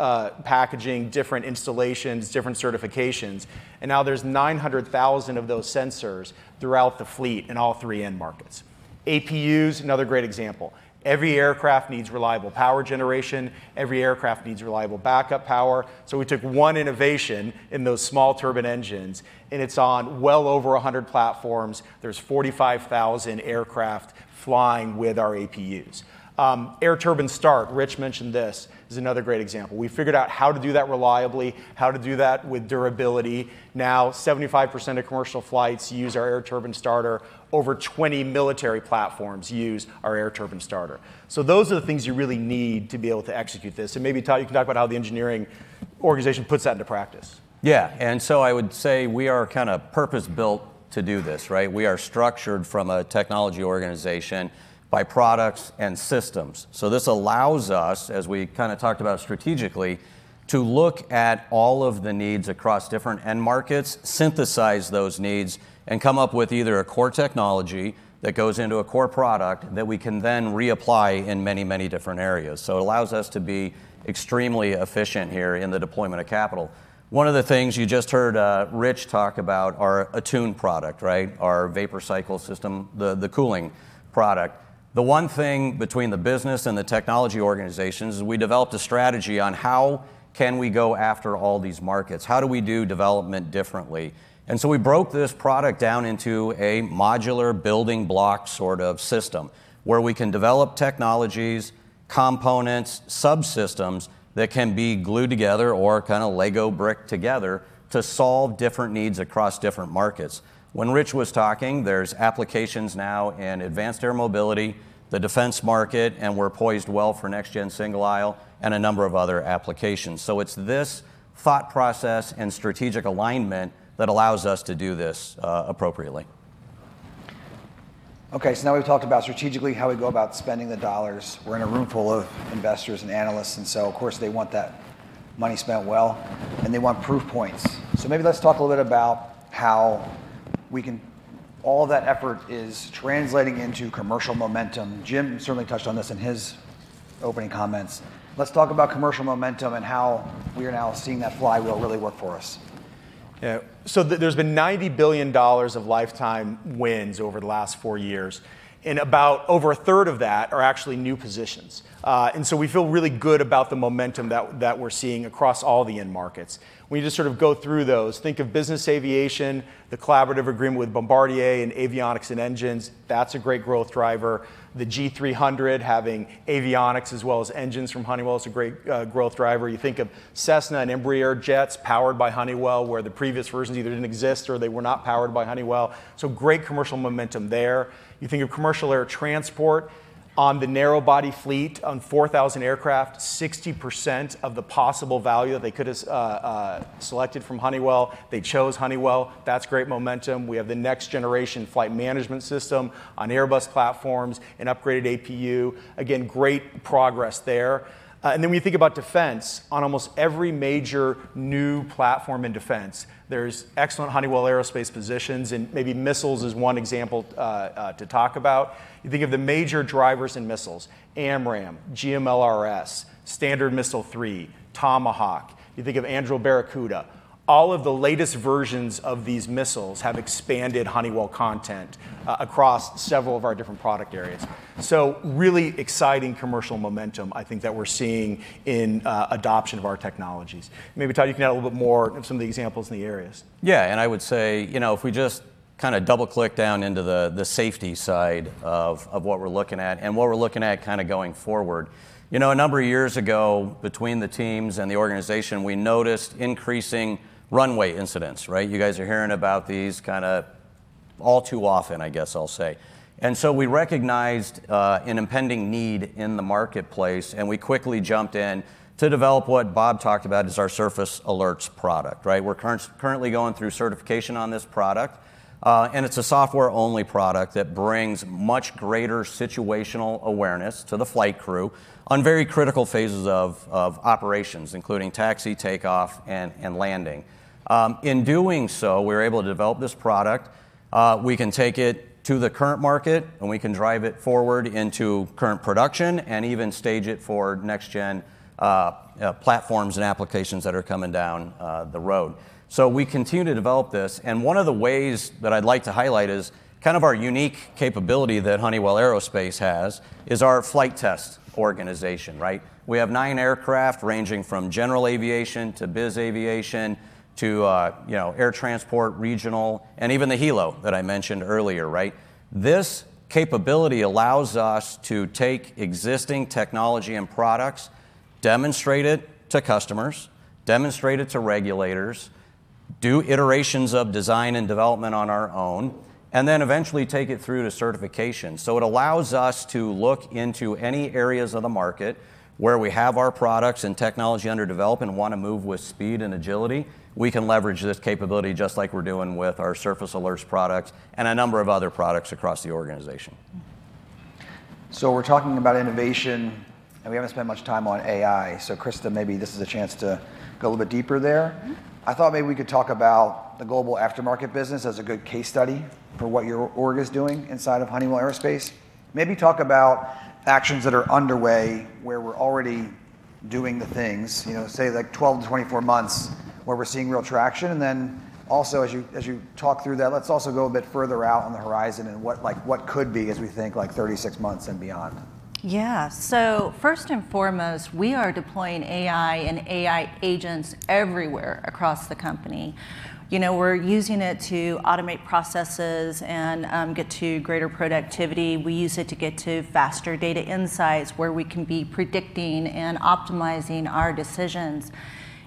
packaging, different installations, different certifications, and now there's 900,000 of those sensors throughout the fleet in all three end markets. APUs another great example. Every aircraft needs reliable power generation. Every aircraft needs reliable backup power. We took one innovation in those small turbine engines, and it's on well over 100 platforms. There's 45,000 aircraft flying with our APUs. Air Turbine Starter, Rich mentioned this, is another great example. We figured out how to do that reliably, how to do that with durability. 75% of commercial flights use our Air Turbine Starter. Over 20 military platforms use our Air Turbine Starter. Those are the things you really need to be able to execute this. Maybe, Todd, you can talk about how the engineering organization puts that into practice. I would say we are kind of purpose-built to do this, right? We are structured from a technology organization by products and systems. This allows us, as we kind of talked about strategically, to look at all of the needs across different end markets, synthesize those needs, and come up with either a core technology that goes into a core product that we can then reapply in many, many different areas. It allows us to be extremely efficient here in the deployment of capital. One of the things you just heard Rich talk about, our Attune product, right? Our vapor cycle system, the cooling product. The one thing between the business and the technology organizations is we developed a strategy on how can we go after all these markets. How do we do development differently? We broke this product down into a modular building block sort of system, where we can develop technologies, components, subsystems that can be glued together or kind of LEGO bricked together to solve different needs across different markets. When Rich was talking, there's applications now in advanced air mobility, the defense market, and we're poised well for next gen single aisle and a number of other applications. It's this thought process and strategic alignment that allows us to do this appropriately. Okay, now we've talked about strategically how we go about spending the dollars. We're in a room full of investors and analysts, of course they want that money spent well, and they want proof points. Maybe let's talk a little bit about how all that effort is translating into commercial momentum. Jim certainly touched on this in his opening comments. Let's talk about commercial momentum and how we are now seeing that flywheel really work for us. There's been $90 billion of lifetime wins over the last four years, and about over a third of that are actually new positions. We feel really good about the momentum that we're seeing across all the end markets. When you just sort of go through those, think of business aviation, the collaborative agreement with Bombardier in avionics and engines. That's a great growth driver. The G300 having avionics as well as engines from Honeywell is a great growth driver. You think of Cessna and Embraer jets powered by Honeywell, where the previous versions either didn't exist or they were not powered by Honeywell. Great commercial momentum there. You think of commercial air transport on the narrow body fleet, on 4,000 aircraft, 60% of the possible value that they could have selected from Honeywell, they chose Honeywell. That's great momentum. We have the next generation flight management system on Airbus platforms, an upgraded APU. Again, great progress there. When you think about defense, on almost every major new platform in defense, there's excellent Honeywell Aerospace positions, maybe missiles is one example to talk about. You think of the major drivers in missiles, AMRAAM, GMLRS, Standard Missile 3, Tomahawk. You think of Anduril Barracuda. All of the latest versions of these missiles have expanded Honeywell content across several of our different product areas. Really exciting commercial momentum, I think, that we're seeing in adoption of our technologies. Maybe, Todd, you can add a little bit more of some of the examples in the areas. I would say, if we double-click down into the safety side of what we're looking at, and what we're looking at going forward. A number of years ago, between the teams and the organization, we noticed increasing runway incidents, right? You guys are hearing about these all too often, I guess I'll say. We recognized an impending need in the marketplace, and we quickly jumped in to develop what Bob talked about as our Surface Alert product, right? We're currently going through certification on this product. It's a software-only product that brings much greater situational awareness to the flight crew on very critical phases of operations, including taxi, takeoff, and landing. In doing so, we were able to develop this product. We can take it to the current market, and we can drive it forward into current production, and even stage it for next-gen platforms and applications that are coming down the road. We continue to develop this, and one of the ways that I'd like to highlight is kind of our unique capability that Honeywell Aerospace has is our flight test organization, right? We have nine aircraft ranging from general aviation to biz aviation to air transport, regional, and even the helo that I mentioned earlier, right? This capability allows us to take existing technology and products, demonstrate it to customers, demonstrate it to regulators, do iterations of design and development on our own, and then eventually take it through to certification. It allows us to look into any areas of the market where we have our products and technology under development and want to move with speed and agility. We can leverage this capability just like we're doing with our Surface Alert product and a number of other products across the organization. We're talking about innovation, and we haven't spent much time on AI. Krista, maybe this is a chance to go a little bit deeper there. I thought maybe we could talk about the global aftermarket business as a good case study for what your org is doing inside of Honeywell Aerospace. Maybe talk about actions that are underway where we're already doing the things, say like 12 to 24 months, where we're seeing real traction. Also as you talk through that, let's also go a bit further out on the horizon and what could be as we think like 36 months and beyond. Yeah. First and foremost, we are deploying AI and AI agents everywhere across the company. We're using it to automate processes and get to greater productivity. We use it to get to faster data insights where we can be predicting and optimizing our decisions.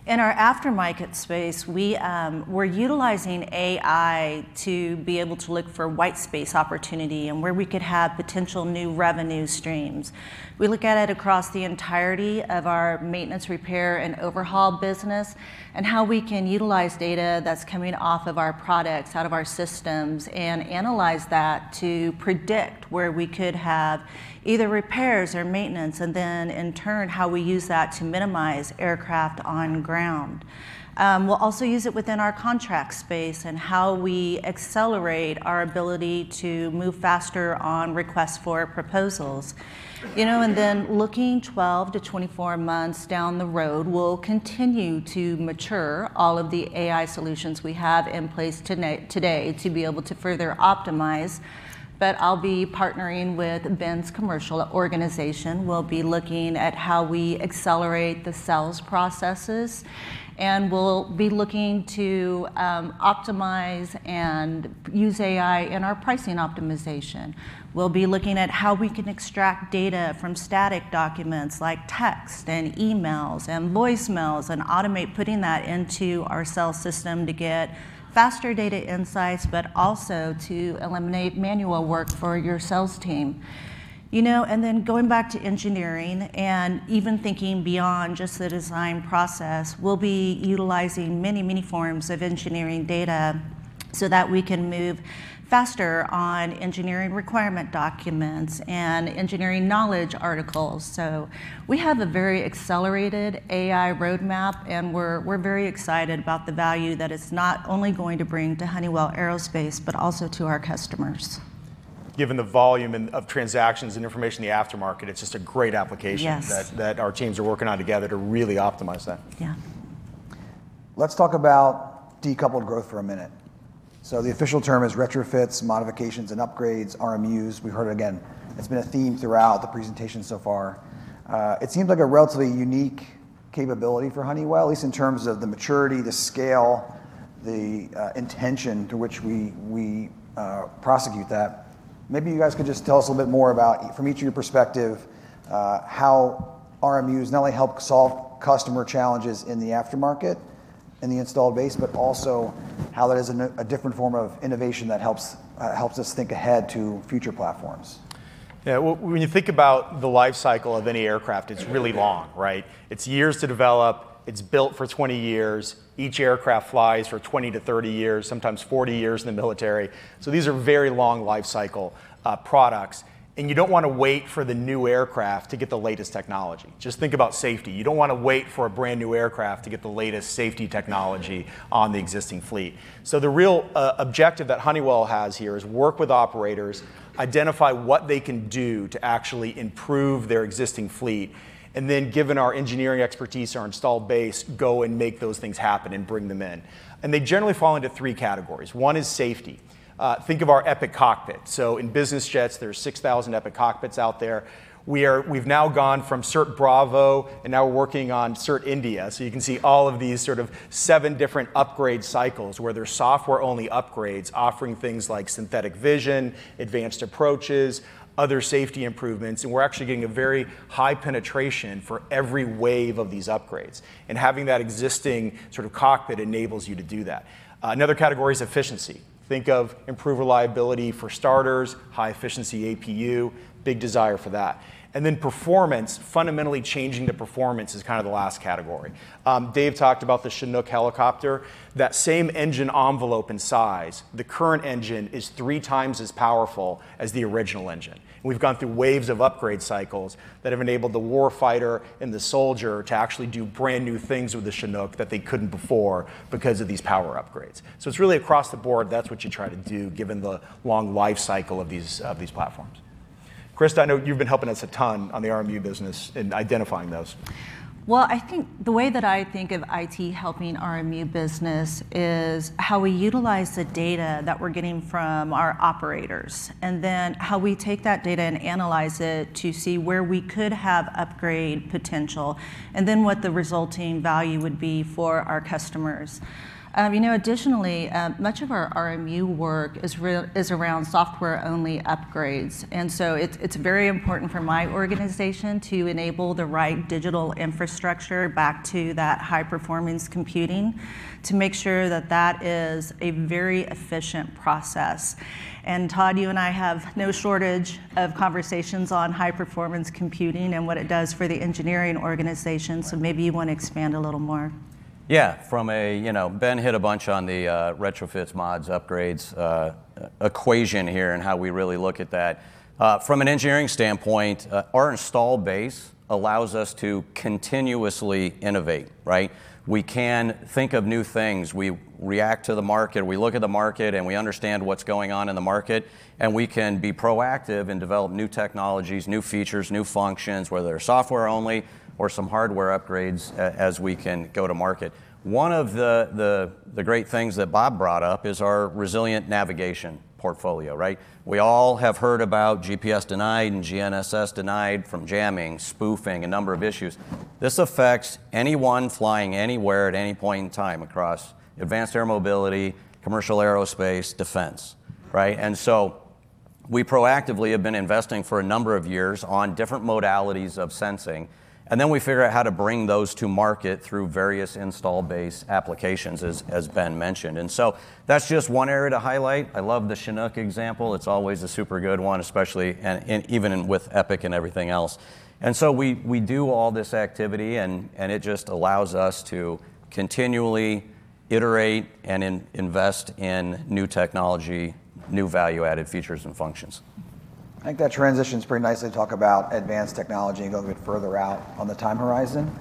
In our aftermarket space, we're utilizing AI to be able to look for white space opportunity and where we could have potential new revenue streams. We look at it across the entirety of our maintenance, repair, and overhaul business, and how we can utilize data that's coming off of our products, out of our systems, and analyze that to predict where we could have either repairs or maintenance, and then in turn, how we use that to minimize aircraft on ground. We'll also use it within our contract space and how we accelerate our ability to move faster on requests for proposals. Looking 12 to 24 months down the road, we'll continue to mature all of the AI solutions we have in place today to be able to further optimize. I'll be partnering with Ben's commercial organization. We'll be looking at how we accelerate the sales processes, and we'll be looking to optimize and use AI in our pricing optimization. We'll be looking at how we can extract data from static documents like text and emails and voicemails, and automate putting that into our sales system to get faster data insights, but also to eliminate manual work for your sales team. Going back to engineering and even thinking beyond just the design process, we'll be utilizing many, many forms of engineering data so that we can move faster on engineering requirement documents and engineering knowledge articles. We have a very accelerated AI roadmap, and we're very excited about the value that it's not only going to bring to Honeywell Aerospace, but also to our customers. Given the volume of transactions and information in the aftermarket, it's just a great application that our teams are working on together to really optimize that. Yeah. Let's talk about decoupled growth for a minute. The official term is retrofits, modifications, and upgrades, RMUs. We've heard it again. It's been a theme throughout the presentation so far. It seems like a relatively unique capability for Honeywell, at least in terms of the maturity, the scale, the intention to which we prosecute that. Maybe you guys could just tell us a little bit more about, from each of your perspective, how RMUs not only help solve customer challenges in the aftermarket in the installed base, but also how that is a different form of innovation that helps us think ahead to future platforms. When you think about the life cycle of any aircraft, it's really long, right? It's years to develop. It's built for 20 years. Each aircraft flies for 20-30 years, sometimes 40 years in the military. These are very long life cycle products. You don't want to wait for the new aircraft to get the latest technology. Just think about safety. You don't want to wait for a brand-new aircraft to get the latest safety technology on the existing fleet. The real objective that Honeywell has here is work with operators, identify what they can do to actually improve their existing fleet, and then, given our engineering expertise, our installed base, go and make those things happen and bring them in. They generally fall into three categories. One is safety. Think of our Epic cockpit. In business jets, there are 6,000 Epic cockpits out there. We've now gone from Cert Bravo, and now we're working on Cert India. You can see all of these sort of seven different upgrade cycles where there's software-only upgrades offering things like synthetic vision, advanced approaches, other safety improvements, and we're actually getting a very high penetration for every wave of these upgrades, and having that existing sort of cockpit enables you to do that. Another category is efficiency. Think of improved reliability for starters, high efficiency APU, big desire for that. Performance, fundamentally changing the performance is kind of the last category. Dave talked about the Chinook helicopter. That same engine envelope and size, the current engine is three times as powerful as the original engine. We've gone through waves of upgrade cycles that have enabled the warfighter and the soldier to actually do brand-new things with the Chinook that they couldn't before because of these power upgrades. It's really across the board, that's what you try to do given the long lifecycle of these platforms. Krista, I know you've been helping us a ton on the RMU business in identifying those. Well, I think the way that I think of IT helping RMU business is how we utilize the data that we're getting from our operators, and then how we take that data and analyze it to see where we could have upgrade potential, and then what the resulting value would be for our customers. Additionally, much of our RMU work is around software-only upgrades, and so it's very important for my organization to enable the right digital infrastructure back to that high-performance computing to make sure that that is a very efficient process. Todd, you and I have no shortage of conversations on high-performance computing and what it does for the engineering organization. Maybe you want to expand a little more. Yeah. Ben hit a bunch on the retrofits, mods, upgrades equation here and how we really look at that. From an engineering standpoint, our installed base allows us to continuously innovate, right? We can think of new things. We react to the market. We look at the market, and we understand what's going on in the market, and we can be proactive and develop new technologies, new features, new functions, whether they're software only or some hardware upgrades, as we can go to market. One of the great things that Bob brought up is our resilient navigation portfolio, right? We all have heard about GPS denied and GNSS denied from jamming, spoofing, a number of issues. This affects anyone flying anywhere at any point in time across advanced air mobility, commercial aerospace, defense, right? We proactively have been investing for a number of years on different modalities of sensing, and then we figure out how to bring those to market through various install base applications, as Ben mentioned. That's just one area to highlight. I love the Chinook example. It's always a super good one, especially, and even with Epic and everything else. We do all this activity, and it just allows us to continually iterate and invest in new technology, new value-added features and functions. I think that transitions pretty nicely to talk about advanced technology and go a bit further out on the time horizon.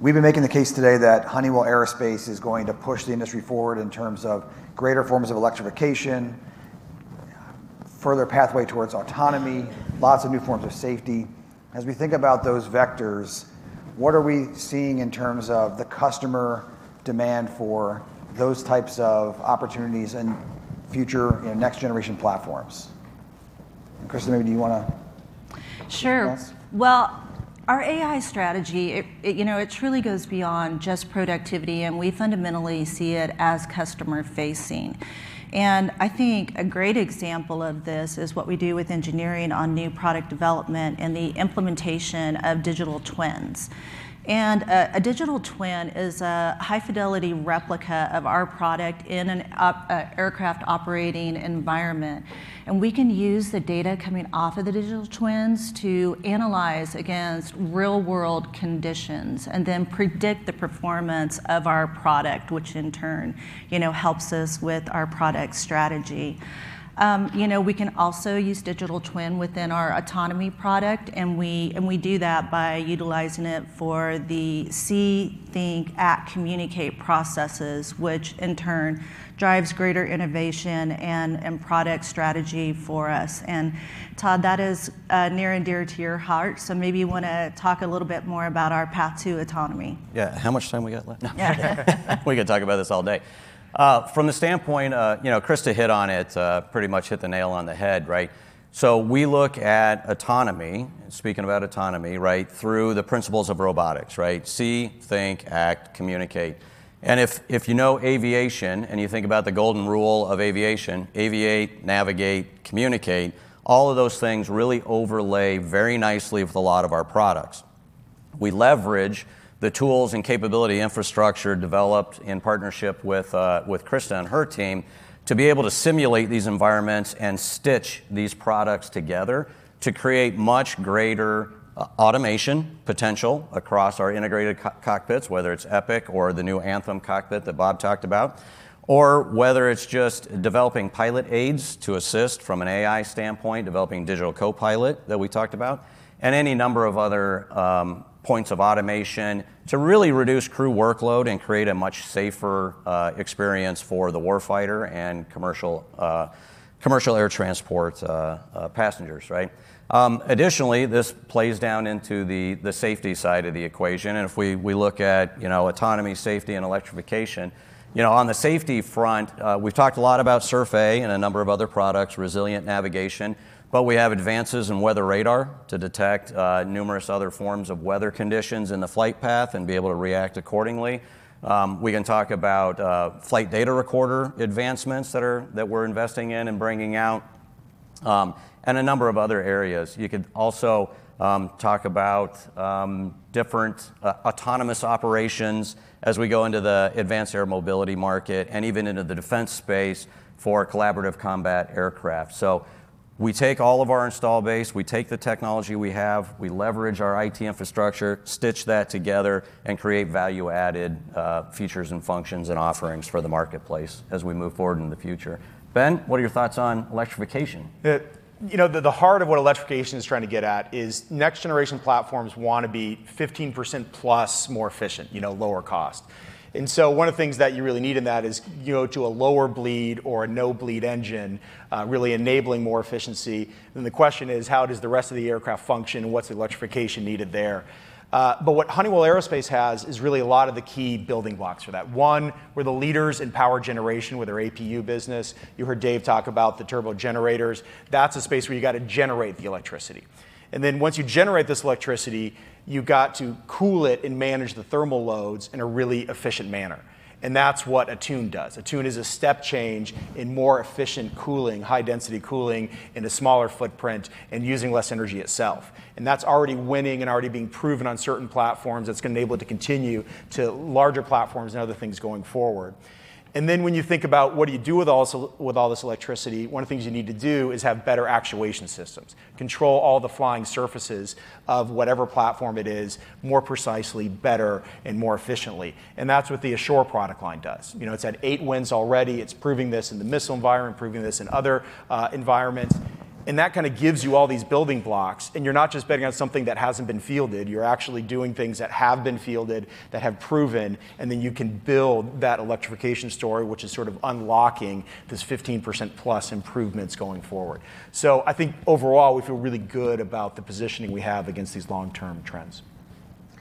We've been making the case today that Honeywell Aerospace is going to push the industry forward in terms of greater forms of electrification, further pathway towards autonomy, lots of new forms of safety. As we think about those vectors, what are we seeing in terms of the customer demand for those types of opportunities and future next generation platforms? Krista, maybe do you want to. Sure. Well, our AI strategy, it truly goes beyond just productivity, and we fundamentally see it as customer-facing. I think a great example of this is what we do with engineering on new product development and the implementation of digital twins. A digital twin is a high-fidelity replica of our product in an aircraft operating environment. We can use the data coming off of the digital twins to analyze against real-world conditions and then predict the performance of our product, which in turn helps us with our product strategy. We can also use digital twin within our autonomy product, and we do that by utilizing it for the see, think, act, communicate processes, which in turn drives greater innovation and product strategy for us. Todd, that is near and dear to your heart, so maybe you want to talk a little bit more about our path to autonomy. Yeah. How much time we got left? Yeah. We could talk about this all day. From the standpoint, Krista hit on it, pretty much hit the nail on the head, right. We look at autonomy, speaking about autonomy, right, through the principles of robotics, right. See, think, act, communicate. If you know aviation and you think about the golden rule of aviation, aviate, navigate, communicate, all of those things really overlay very nicely with a lot of our products. We leverage the tools and capability infrastructure developed in partnership with Krista and her team to be able to simulate these environments and stitch these products together to create much greater automation potential across our integrated cockpits, whether it's Epic or the new Anthem cockpit that Bob talked about. Whether it's just developing pilot aids to assist from an AI standpoint, developing digital copilot that we talked about, and any number of other points of automation to really reduce crew workload and create a much safer experience for the war fighter and commercial air transport passengers. This plays down into the safety side of the equation, and if we look at autonomy, safety, and electrification. On the safety front, we've talked a lot about SURF-A and a number of other products, resilient navigation, we have advances in weather radar to detect numerous other forms of weather conditions in the flight path and be able to react accordingly. We can talk about flight data recorder advancements that we're investing in and bringing out, and a number of other areas. You could also talk about different autonomous operations as we go into the advanced air mobility market, and even into the defense space for collaborative combat aircraft. We take all of our install base, we take the technology we have, we leverage our IT infrastructure, stitch that together, and create value-added features and functions and offerings for the marketplace as we move forward in the future. Ben, what are your thoughts on electrification? The heart of what electrification is trying to get at is next generation platforms want to be 15%+ more efficient, lower cost. One of the things that you really need in that is to a lower bleed or a no bleed engine, really enabling more efficiency. The question is: How does the rest of the aircraft function and what's the electrification needed there? What Honeywell Aerospace has is really a lot of the key building blocks for that. One, we're the leaders in power generation with our APU business. You heard Dave talk about the turbo generators. That's a space where you got to generate the electricity. Once you generate this electricity, you've got to cool it and manage the thermal loads in a really efficient manner. That's what Attune does. Attune is a step change in more efficient cooling, high density cooling in a smaller footprint and using less energy itself. That's already winning and already being proven on certain platforms. It's going to be able to continue to larger platforms and other things going forward. When you think about what do you do with all this electricity, one of the things you need to do is have better actuation systems. Control all the flying surfaces of whatever platform it is, more precisely, better, and more efficiently. That's what the Assure product line does. It's had eight wins already. It's proving this in the missile environment, proving this in other environments. That kind of gives you all these building blocks, and you're not just betting on something that hasn't been fielded. You're actually doing things that have been fielded, that have proven, and then you can build that electrification story, which is sort of unlocking this 15% plus improvements going forward. I think overall, we feel really good about the positioning we have against these long-term trends.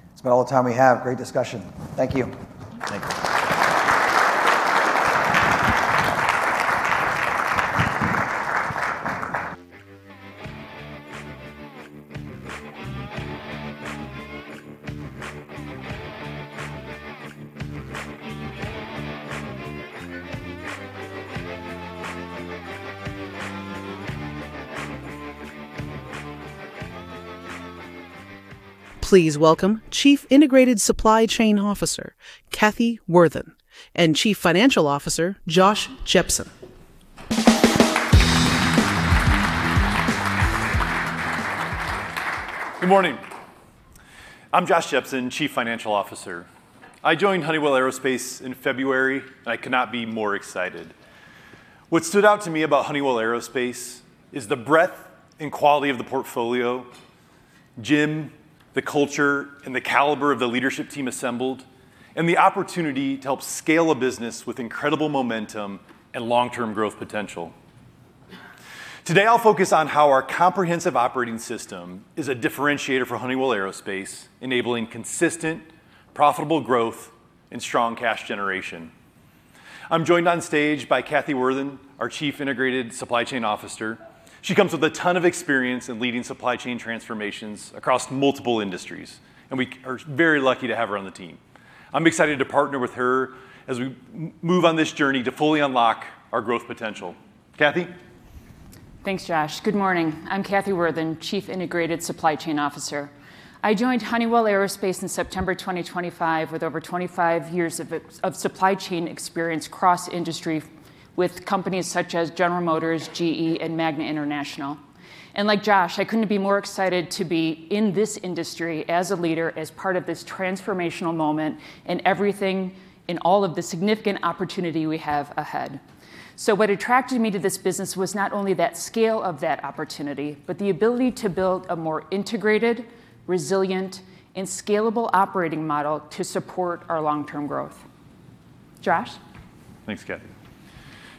That's about all the time we have. Great discussion. Thank you. Thank you. Please welcome Chief Integrated Supply Chain Officer, Kathy Worthen, and Chief Financial Officer, Josh Jepsen. Good morning. I'm Josh Jepsen, Chief Financial Officer. I joined Honeywell Aerospace in February. I could not be more excited. What stood out to me about Honeywell Aerospace is the breadth and quality of the portfolio, Jim, the culture, and the caliber of the leadership team assembled, and the opportunity to help scale a business with incredible momentum and long-term growth potential. Today, I'll focus on how our comprehensive operating system is a differentiator for Honeywell Aerospace, enabling consistent, profitable growth, and strong cash generation. I'm joined on stage by Kathy Worthen, our Chief Integrated Supply Chain Officer. She comes with a ton of experience in leading supply chain transformations across multiple industries. We are very lucky to have her on the team. I'm excited to partner with her as we move on this journey to fully unlock our growth potential. Kathy? Thanks, Josh. Good morning. I'm Kathy Worthen, Chief Integrated Supply Chain Officer. I joined Honeywell Aerospace in September 2025 with over 25 years of supply chain experience cross-industry with companies such as General Motors, GE, and Magna International. Like Josh, I couldn't be more excited to be in this industry as a leader, as part of this transformational moment, and everything in all of the significant opportunity we have ahead. What attracted me to this business was not only that scale of that opportunity, but the ability to build a more integrated, resilient, and scalable operating model to support our long-term growth. Josh? Thanks, Kathy.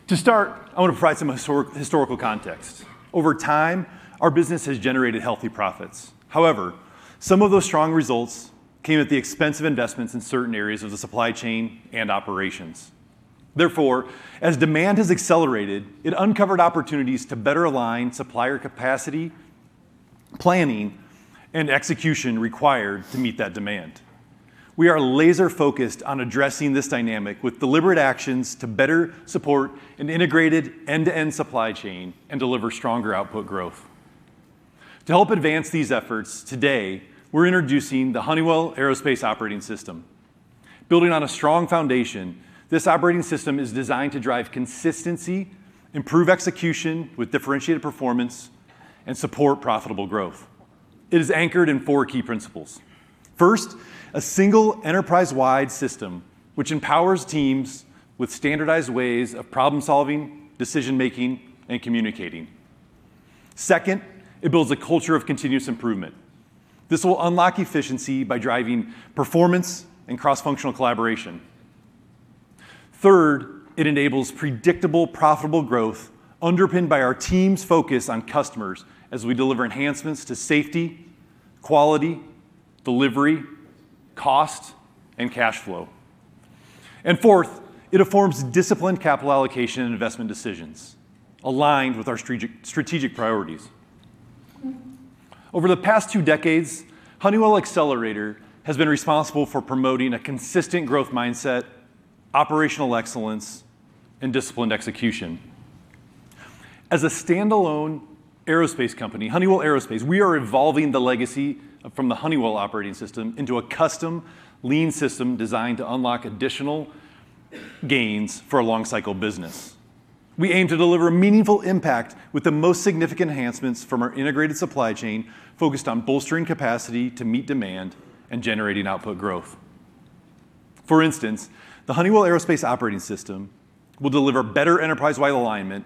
To start, I want to provide some historical context. However, some of those strong results came at the expense of investments in certain areas of the supply chain and operations. Therefore, as demand has accelerated, it uncovered opportunities to better align supplier capacity, planning, and execution required to meet that demand. We are laser focused on addressing this dynamic with deliberate actions to better support an integrated end-to-end supply chain and deliver stronger output growth. To help advance these efforts, today, we're introducing the Honeywell Aerospace Operating System. Building on a strong foundation, this operating system is designed to drive consistency, improve execution with differentiated performance, and support profitable growth. It is anchored in four key principles. First, a single enterprise-wide system which empowers teams with standardized ways of problem-solving, decision-making, and communicating. Second, it builds a culture of continuous improvement. This will unlock efficiency by driving performance and cross-functional collaboration. Third, it enables predictable, profitable growth underpinned by our team's focus on customers as we deliver enhancements to safety, quality, delivery, cost, and cash flow. Fourth, it affirms disciplined capital allocation and investment decisions aligned with our strategic priorities. Over the past two decades, Honeywell Accelerator has been responsible for promoting a consistent growth mindset, operational excellence, and disciplined execution. As a standalone aerospace company, Honeywell Aerospace, we are evolving the legacy from the Honeywell Operating System into a custom lean system designed to unlock additional gains for a long cycle business. We aim to deliver meaningful impact with the most significant enhancements from our integrated supply chain, focused on bolstering capacity to meet demand and generating output growth. For instance, the Honeywell Aerospace Operating System will deliver better enterprise-wide alignment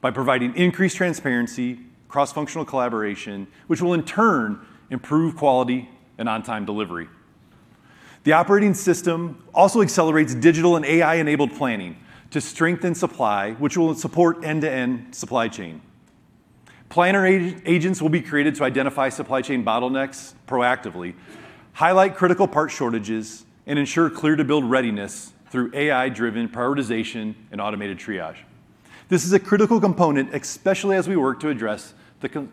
by providing increased transparency, cross-functional collaboration, which will in turn improve quality and on-time delivery. The operating system also accelerates digital and AI-enabled planning to strengthen supply, which will support end-to-end supply chain. Planner agents will be created to identify supply chain bottlenecks proactively, highlight critical part shortages, and ensure clear to build readiness through AI-driven prioritization and automated triage. This is a critical component, especially as we work to address the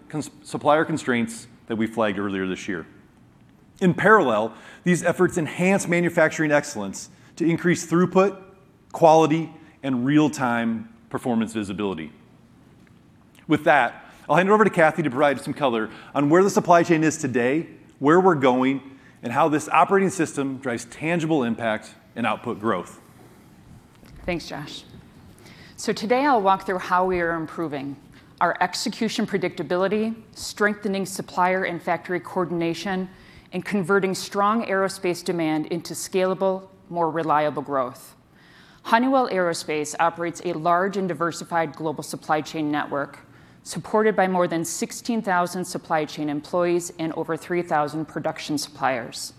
supplier constraints that we flagged earlier this year. In parallel, these efforts enhance manufacturing excellence to increase throughput, quality, and real-time performance visibility. With that, I'll hand it over to Kathy to provide some color on where the supply chain is today, where we're going, and how this operating system drives tangible impact and output growth. Thanks, Josh. Today I'll walk through how we are improving our execution predictability, strengthening supplier and factory coordination, and converting strong aerospace demand into scalable, more reliable growth. Honeywell Aerospace operates a large and diversified global supply chain network, supported by more than 16,000 supply chain employees and over 3,000 production suppliers.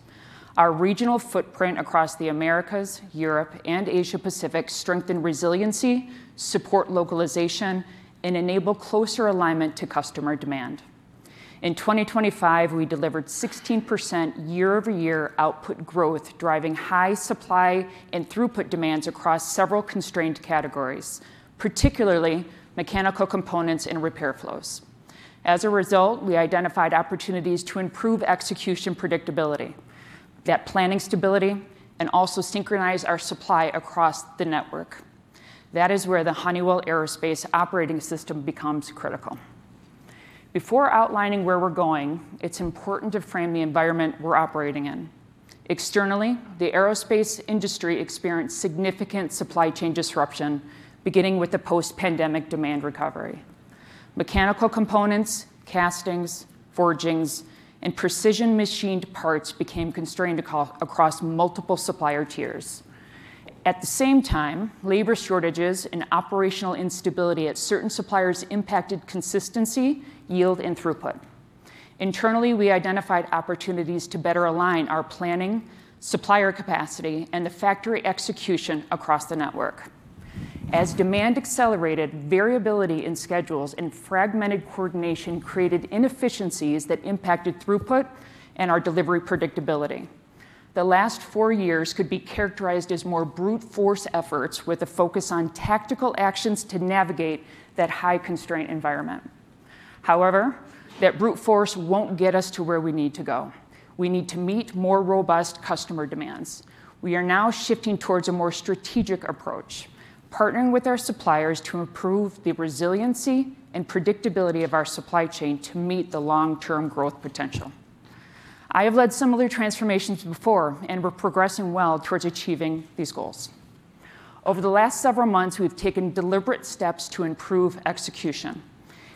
Our regional footprint across the Americas, Europe, and Asia Pacific strengthen resiliency, support localization, and enable closer alignment to customer demand. In 2025, we delivered 16% year-over-year output growth, driving high supply and throughput demands across several constrained categories, particularly mechanical components and repair flows. As a result, we identified opportunities to improve execution predictability, that planning stability, and also synchronize our supply across the network. That is where the Honeywell Aerospace Operating System becomes critical. Before outlining where we're going, it's important to frame the environment we're operating in. Externally, the aerospace industry experienced significant supply chain disruption, beginning with the post-pandemic demand recovery. Mechanical components, castings, forgings, and precision machined parts became constrained across multiple supplier tiers. At the same time, labor shortages and operational instability at certain suppliers impacted consistency, yield, and throughput. Internally, we identified opportunities to better align our planning, supplier capacity, and the factory execution across the network. As demand accelerated, variability in schedules and fragmented coordination created inefficiencies that impacted throughput and our delivery predictability. The last four years could be characterized as more brute force efforts with a focus on tactical actions to navigate that high constraint environment. However, that brute force won't get us to where we need to go. We need to meet more robust customer demands. We are now shifting towards a more strategic approach, partnering with our suppliers to improve the resiliency and predictability of our supply chain to meet the long-term growth potential. I have led similar transformations before, and we're progressing well towards achieving these goals. Over the last several months, we've taken deliberate steps to improve execution.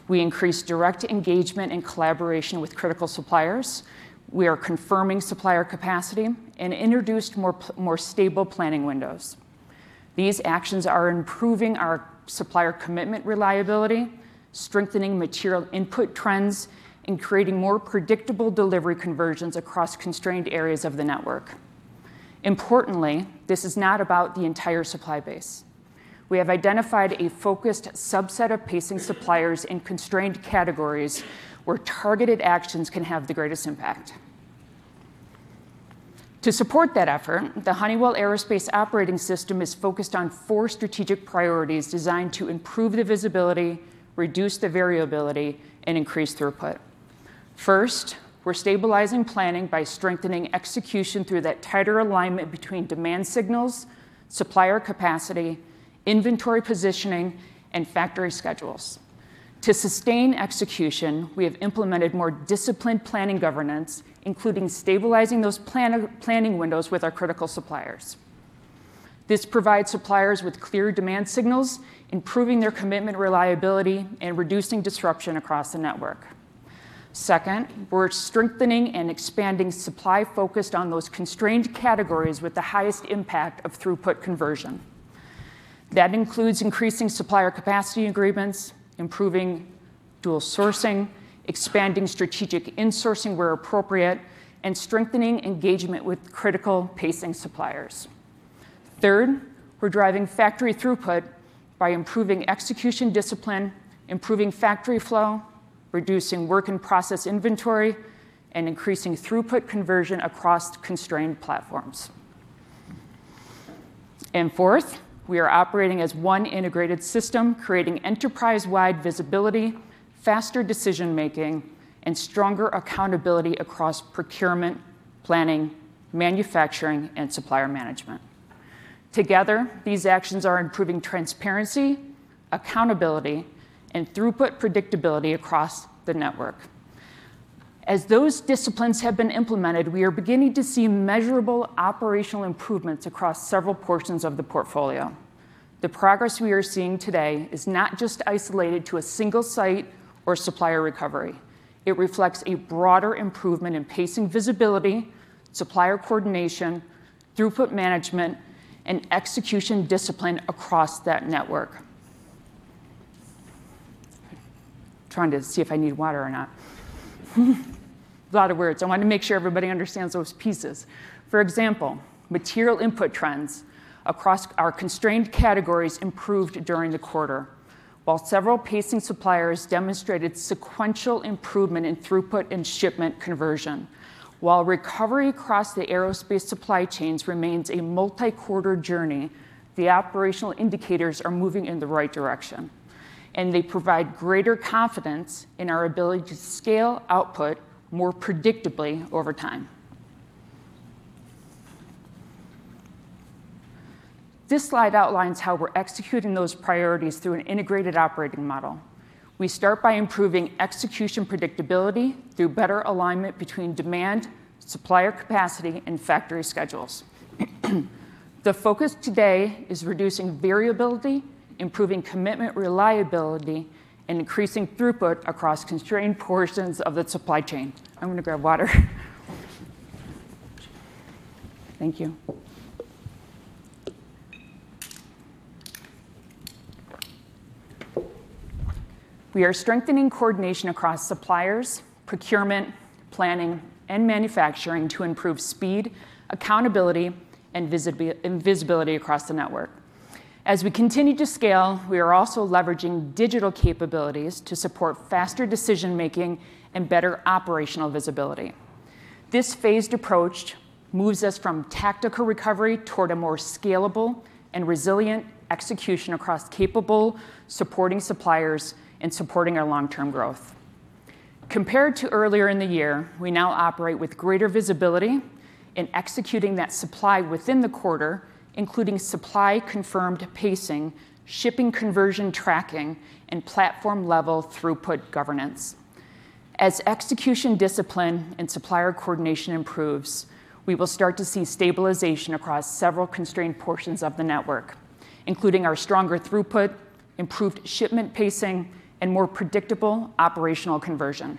We increased direct engagement and collaboration with critical suppliers. We are confirming supplier capacity and introduced more stable planning windows. These actions are improving our supplier commitment reliability, strengthening material input trends, and creating more predictable delivery conversions across constrained areas of the network. Importantly, this is not about the entire supply base. We have identified a focused subset of pacing suppliers in constrained categories where targeted actions can have the greatest impact. To support that effort, the Honeywell Aerospace Operating System is focused on four strategic priorities designed to improve the visibility, reduce the variability, and increase throughput. First, we're stabilizing planning by strengthening execution through that tighter alignment between demand signals, supplier capacity, inventory positioning, and factory schedules. To sustain execution, we have implemented more disciplined planning governance, including stabilizing those planning windows with our critical suppliers. This provides suppliers with clear demand signals, improving their commitment reliability, and reducing disruption across the network. Second, we're strengthening and expanding supply focused on those constrained categories with the highest impact of throughput conversion. That includes increasing supplier capacity agreements, improving dual sourcing, expanding strategic insourcing where appropriate, and strengthening engagement with critical pacing suppliers. Third, we're driving factory throughput by improving execution discipline, improving factory flow, reducing work in process inventory, and increasing throughput conversion across constrained platforms. Fourth, we are operating as one integrated system, creating enterprise-wide visibility, faster decision-making, and stronger accountability across procurement, planning, manufacturing, and supplier management. Together, these actions are improving transparency, accountability, and throughput predictability across the network. As those disciplines have been implemented, we are beginning to see measurable operational improvements across several portions of the portfolio. The progress we are seeing today is not just isolated to a single site or supplier recovery. It reflects a broader improvement in pacing visibility, supplier coordination, throughput management, and execution discipline across that network. Trying to see if I need water or not. A lot of words. I want to make sure everybody understands those pieces. For example, material input trends across our constrained categories improved during the quarter, while several pacing suppliers demonstrated sequential improvement in throughput and shipment conversion. While recovery across the aerospace supply chains remains a multi-quarter journey, the operational indicators are moving in the right direction, and they provide greater confidence in our ability to scale output more predictably over time. This slide outlines how we're executing those priorities through an integrated operating model. We start by improving execution predictability through better alignment between demand, supplier capacity, and factory schedules. The focus today is reducing variability, improving commitment reliability, and increasing throughput across constrained portions of the supply chain. I'm going to grab water. Thank you. We are strengthening coordination across suppliers, procurement, planning, and manufacturing to improve speed, accountability, and visibility across the network. As we continue to scale, we are also leveraging digital capabilities to support faster decision-making and better operational visibility. This phased approach moves us from tactical recovery toward a more scalable and resilient execution across capable supporting suppliers and supporting our long-term growth. Compared to earlier in the year, we now operate with greater visibility in executing that supply within the quarter, including supply confirmed pacing, shipping conversion tracking, and platform-level throughput governance. As execution discipline and supplier coordination improves, we will start to see stabilization across several constrained portions of the network, including our stronger throughput, improved shipment pacing, and more predictable operational conversion.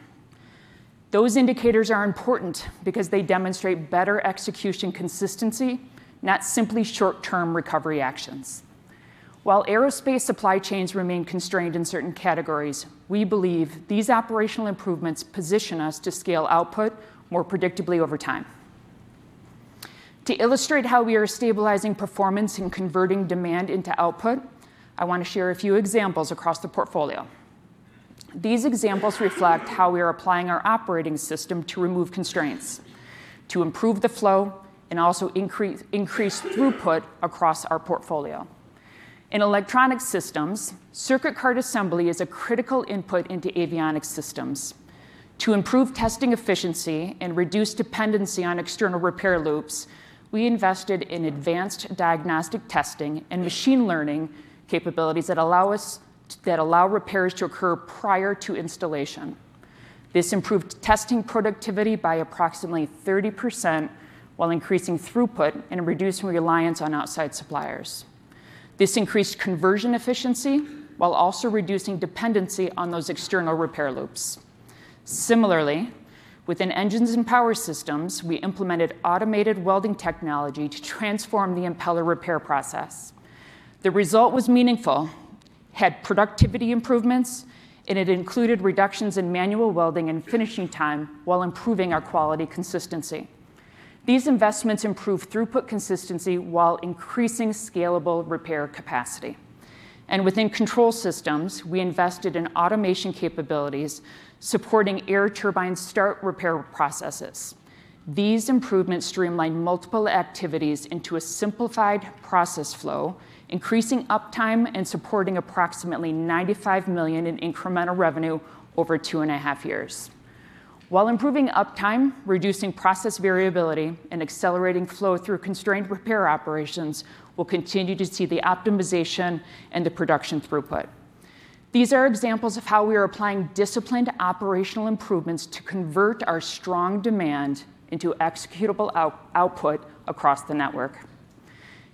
Those indicators are important because they demonstrate better execution consistency, not simply short-term recovery actions. While aerospace supply chains remain constrained in certain categories, we believe these operational improvements position us to scale output more predictably over time. To illustrate how we are stabilizing performance and converting demand into output, I want to share a few examples across the portfolio. These examples reflect how we are applying our operating system to remove constraints, to improve the flow, and also increase throughput across our portfolio. In Electronic Solutions, circuit card assembly is a critical input into avionics systems. To improve testing efficiency and reduce dependency on external repair loops, we invested in advanced diagnostic testing and machine learning capabilities that allow repairs to occur prior to installation. This improved testing productivity by approximately 30% while increasing throughput and reducing reliance on outside suppliers. This increased conversion efficiency while also reducing dependency on those external repair loops. Similarly, within Engines & Power Systems, we implemented automated welding technology to transform the impeller repair process. The result was meaningful, had productivity improvements, and it included reductions in manual welding and finishing time while improving our quality consistency. These investments improve throughput consistency while increasing scalable repair capacity. Within Control Systems, we invested in automation capabilities supporting Air Turbine Starter repair processes. These improvements streamlined multiple activities into a simplified process flow, increasing uptime and supporting approximately $95 million in incremental revenue over two and a half years. While improving uptime, reducing process variability, and accelerating flow through constrained repair operations, we'll continue to see the optimization and the production throughput. These are examples of how we are applying disciplined operational improvements to convert our strong demand into executable output across the network.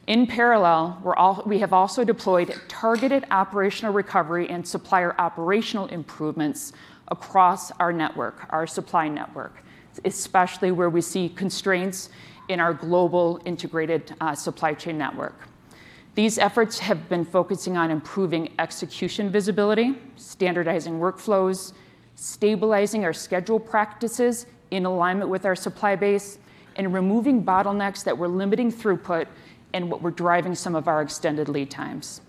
In parallel, we have also deployed targeted operational recovery and supplier operational improvements across our network, our supply network, especially where we see constraints in our global integrated supply chain network. These efforts have been focusing on improving execution visibility, standardizing workflows, stabilizing our schedule practices in alignment with our supply base, and removing bottlenecks that were limiting throughput and what were driving some of our extended lead times.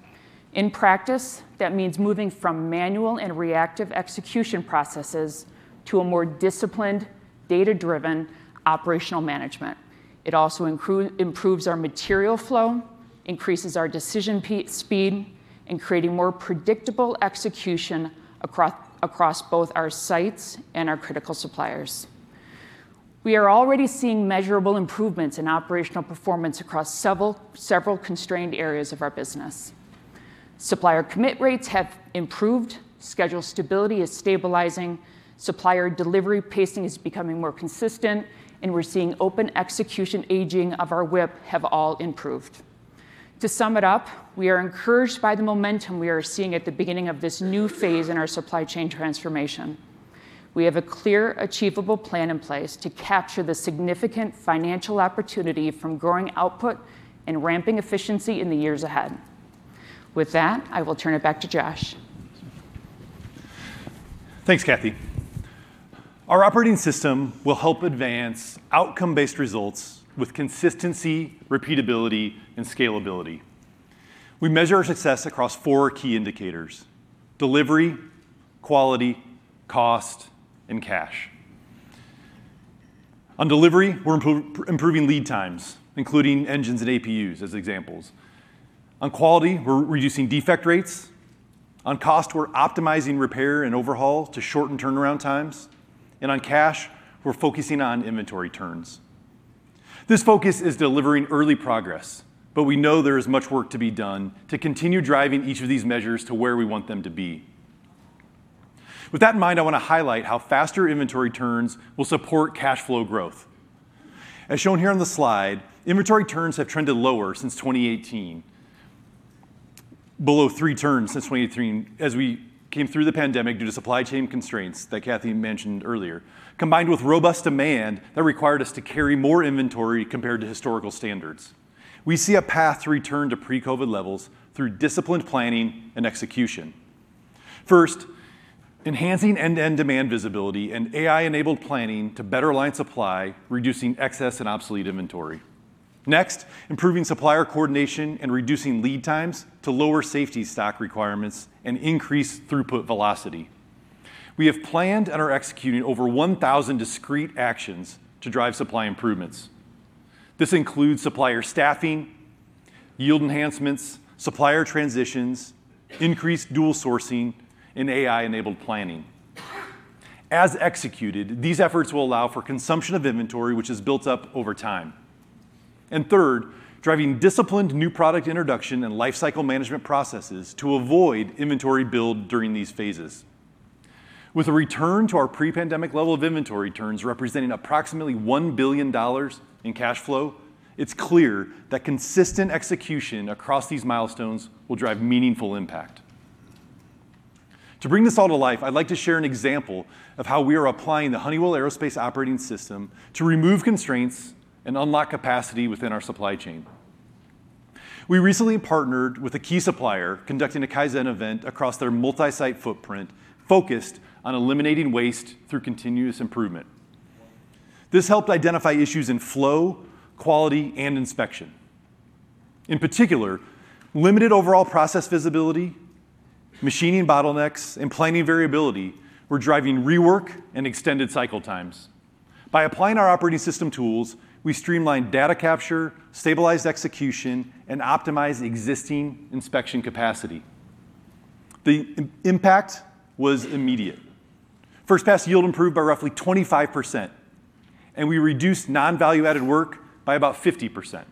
In practice, that means moving from manual and reactive execution processes to a more disciplined, data-driven operational management. It also improves our material flow, increases our decision speed, and creating more predictable execution across both our sites and our critical suppliers. We are already seeing measurable improvements in operational performance across several constrained areas of our business. Supplier commit rates have improved, schedule stability is stabilizing, supplier delivery pacing is becoming more consistent, and we're seeing open execution aging of our WIP have all improved. To sum it up, we are encouraged by the momentum we are seeing at the beginning of this new phase in our supply chain transformation. We have a clear, achievable plan in place to capture the significant financial opportunity from growing output and ramping efficiency in the years ahead. With that, I will turn it back to Josh. Thanks, Kathy. Our operating system will help advance outcome-based results with consistency, repeatability, and scalability. We measure our success across four key indicators: delivery, quality, cost, and cash. On delivery, we're improving lead times, including engines and APUs as examples. On quality, we're reducing defect rates. On cost, we're optimizing repair and overhaul to shorten turnaround times. On cash, we're focusing on inventory turns. This focus is delivering early progress, but we know there is much work to be done to continue driving each of these measures to where we want them to be. With that in mind, I want to highlight how faster inventory turns will support cash flow growth. As shown here on the slide, inventory turns have trended lower since 2018. Below three turns since 2018 as we came through the pandemic due to supply chain constraints that Kathy mentioned earlier, combined with robust demand that required us to carry more inventory compared to historical standards. We see a path to return to pre-COVID levels through disciplined planning and execution. First, enhancing end-to-end demand visibility and AI-enabled planning to better align supply, reducing excess and obsolete inventory. Next, improving supplier coordination and reducing lead times to lower safety stock requirements and increase throughput velocity. We have planned and are executing over 1,000 discrete actions to drive supply improvements. This includes supplier staffing, yield enhancements, supplier transitions, increased dual sourcing, and AI-enabled planning. As executed, these efforts will allow for consumption of inventory, which has built up over time. Third, driving disciplined new product introduction and lifecycle management processes to avoid inventory build during these phases. With a return to our pre-pandemic level of inventory turns representing approximately $1 billion in cash flow, it's clear that consistent execution across these milestones will drive meaningful impact. To bring this all to life, I'd like to share an example of how we are applying the Honeywell Aerospace Operating System to remove constraints and unlock capacity within our supply chain. We recently partnered with a key supplier conducting a Kaizen event across their multi-site footprint focused on eliminating waste through continuous improvement. This helped identify issues in flow, quality, and inspection. In particular, limited overall process visibility, machining bottlenecks, and planning variability were driving rework and extended cycle times. By applying our Operating System tools, we streamlined data capture, stabilized execution, and optimized existing inspection capacity. The impact was immediate. First-pass yield improved by roughly 25%, and we reduced non-value-added work by about 50%.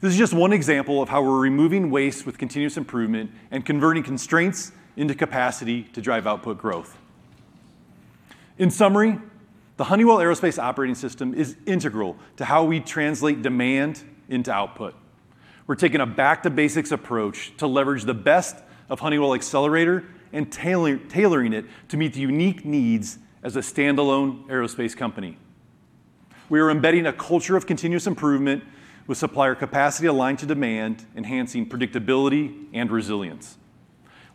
This is just one example of how we're removing waste with continuous improvement and converting constraints into capacity to drive output growth. In summary, the Honeywell Aerospace Operating System is integral to how we translate demand into output. We're taking a back to basics approach to leverage the best of Honeywell Accelerator and tailoring it to meet the unique needs as a stand-alone aerospace company. We are embedding a culture of continuous improvement with supplier capacity aligned to demand, enhancing predictability and resilience.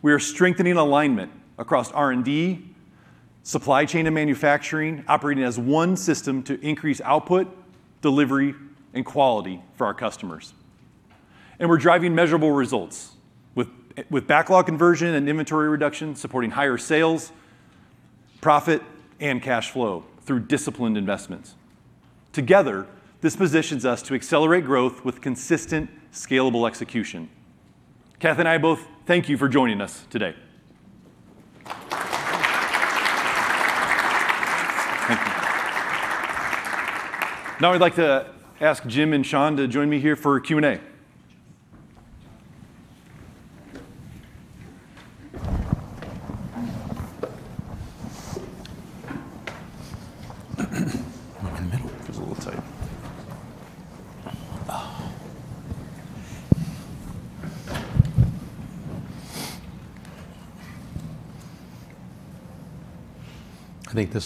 We are strengthening alignment across R&D, supply chain, and manufacturing, operating as one system to increase output, delivery, and quality for our customers. We're driving measurable results with backlog conversion and inventory reduction, supporting higher sales, profit, and cash flow through disciplined investments. Together, this positions us to accelerate growth with consistent, scalable execution. Kathy and I both thank you for joining us today. Thank you. Now I'd like to ask Jim and Sean to join me here for a Q&A.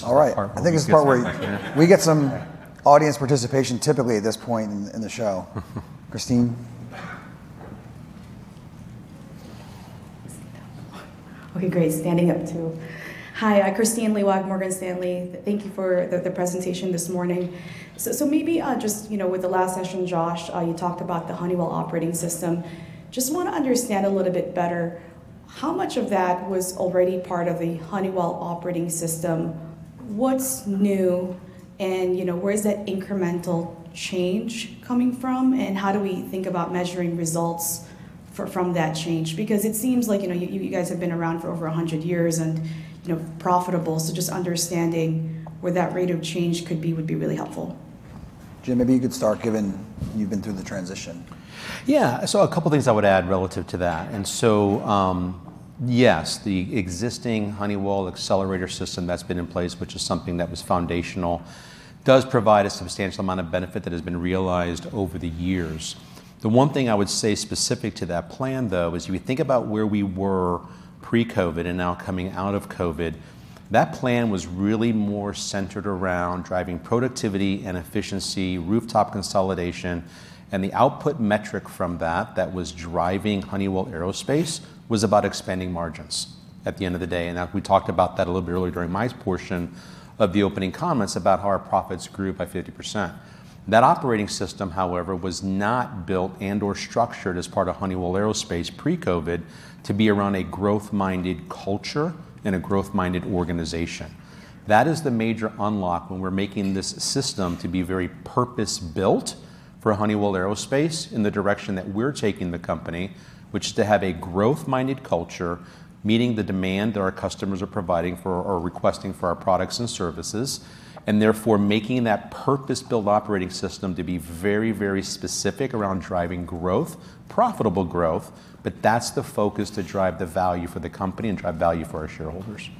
All right. I think this is the part where we get some audience participation typically at this point in the show. Kristine? Okay, great. Standing up, too. Hi, Kristine Liwag, Morgan Stanley. Thank you for the presentation this morning. Maybe just with the last session, Josh, you talked about the Honeywell Operating System. Just want to understand a little bit better, how much of that was already part of the Honeywell Operating System, what's new, and where is that incremental change coming from, and how do we think about measuring results from that change? It seems like you guys have been around for over 100 years and profitable, just understanding where that rate of change could be would be really helpful. Jim, maybe you could start, given you've been through the transition. A couple of things I would add relative to that. Yes, the existing Honeywell Accelerator that's been in place, which is something that was foundational, does provide a substantial amount of benefit that has been realized over the years. The one thing I would say specific to that plan, though, is you think about where we were pre-COVID and now coming out of COVID, that plan was really more centered around driving productivity and efficiency, rooftop consolidation, and the output metric from that was driving Honeywell Aerospace, was about expanding margins at the end of the day. We talked about that a little bit earlier during my portion of the opening comments about how our profits grew by 50%. That operating system, however, was not built and/or structured as part of Honeywell Aerospace pre-COVID to be around a growth-minded culture and a growth-minded organization. That is the major unlock when we're making this system to be very purpose-built for Honeywell Aerospace in the direction that we're taking the company, which is to have a growth-minded culture, meeting the demand that our customers are providing for or requesting for our products and services, and therefore making that purpose-built operating system to be very, very specific around driving growth, profitable growth, but that's the focus to drive the value for the company and drive value for our shareholders.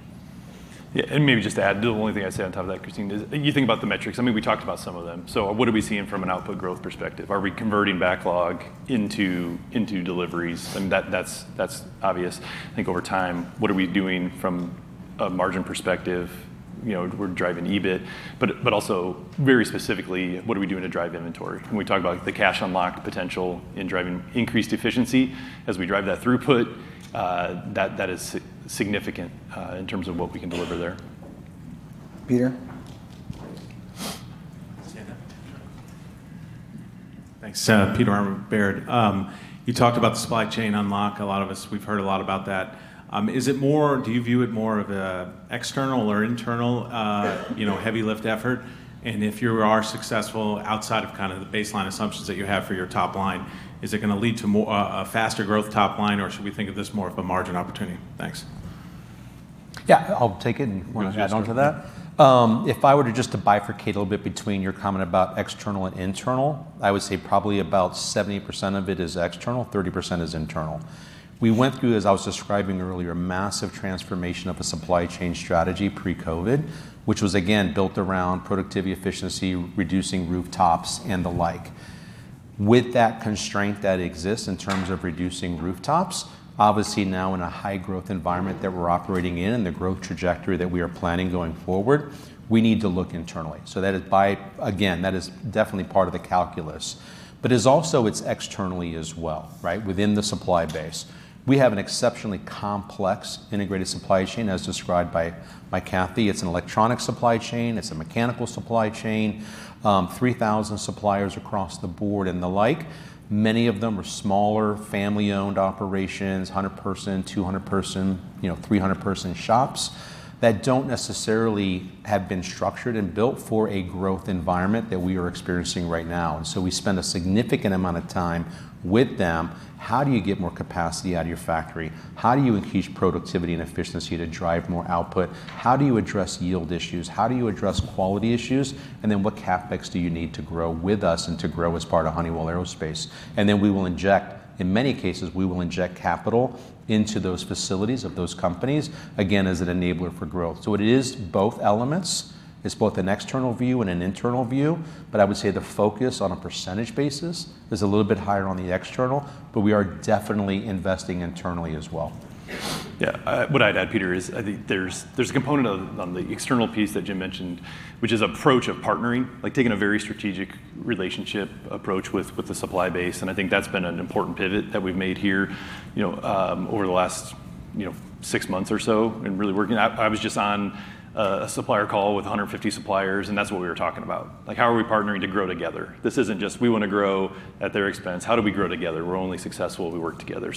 Maybe just to add, the only thing I'd say on top of that, Kristine, is you think about the metrics. I mean, we talked about some of them. What are we seeing from an output growth perspective? Are we converting backlog into deliveries? That's obvious. I think over time, what are we doing from a margin perspective? We're driving EBIT, but also very specifically, what are we doing to drive inventory? We talked about the cash unlock potential in driving increased efficiency as we drive that throughput. That is significant in terms of what we can deliver there. Peter? Stand up. Thanks. Peter Arment, Baird. You talked about the supply chain unlock. A lot of us, we've heard a lot about that. Do you view it more of an external or internal heavy lift effort? If you are successful outside of kind of the baseline assumptions that you have for your top line, is it going to lead to a faster growth top line, or should we think of this more of a margin opportunity? Thanks. I'll take it, and you want to add onto that? If I were to just to bifurcate a little bit between your comment about external and internal, I would say probably about 70% of it is external, 30% is internal. We went through, as I was describing earlier, a massive transformation of a supply chain strategy pre-COVID, which was again built around productivity, efficiency, reducing rooftops, and the like. With that constraint that exists in terms of reducing rooftops, obviously now in a high growth environment that we're operating in and the growth trajectory that we are planning going forward, we need to look internally. That is by, again, that is definitely part of the calculus. But is also it's externally as well, right, within the supply base. We have an exceptionally complex integrated supply chain, as described by Kathy. It's an electronic supply chain, it's a mechanical supply chain, 3,000 suppliers across the board and the like. Many of them are smaller family-owned operations, 100-person, 200-person, 300-person shops that don't necessarily have been structured and built for a growth environment that we are experiencing right now. We spend a significant amount of time with them. How do you get more capacity out of your factory? How do you increase productivity and efficiency to drive more output? How do you address yield issues? How do you address quality issues? What CapEx do you need to grow with us and to grow as part of Honeywell Aerospace? We will inject, in many cases, we will inject capital into those facilities of those companies, again, as an enabler for growth. It is both elements. It's both an external view and an internal view. I would say the focus on a percentage basis is a little bit higher on the external. We are definitely investing internally as well. Yeah. What I'd add, Peter, is I think there's a component on the external piece that Jim mentioned, which is approach of partnering, like taking a very strategic relationship approach with the supply base, and I think that's been an important pivot that we've made here over the last six months or so, and really working. I was just on a supplier call with 150 suppliers, and that's what we were talking about. Like, how are we partnering to grow together? This isn't just we want to grow at their expense. How do we grow together? We're only successful if we work together.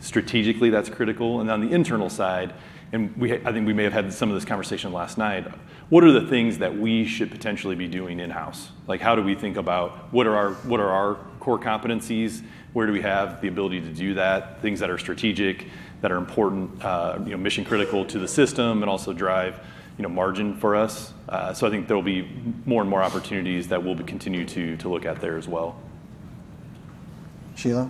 Strategically, that's critical. On the internal side, and I think we may have had some of this conversation last night, what are the things that we should potentially be doing in-house? How do we think about what are our core competencies? Where do we have the ability to do that? Things that are strategic, that are important, mission-critical to the system, and also drive margin for us. I think there'll be more and more opportunities that we'll continue to look at there as well. Sheila?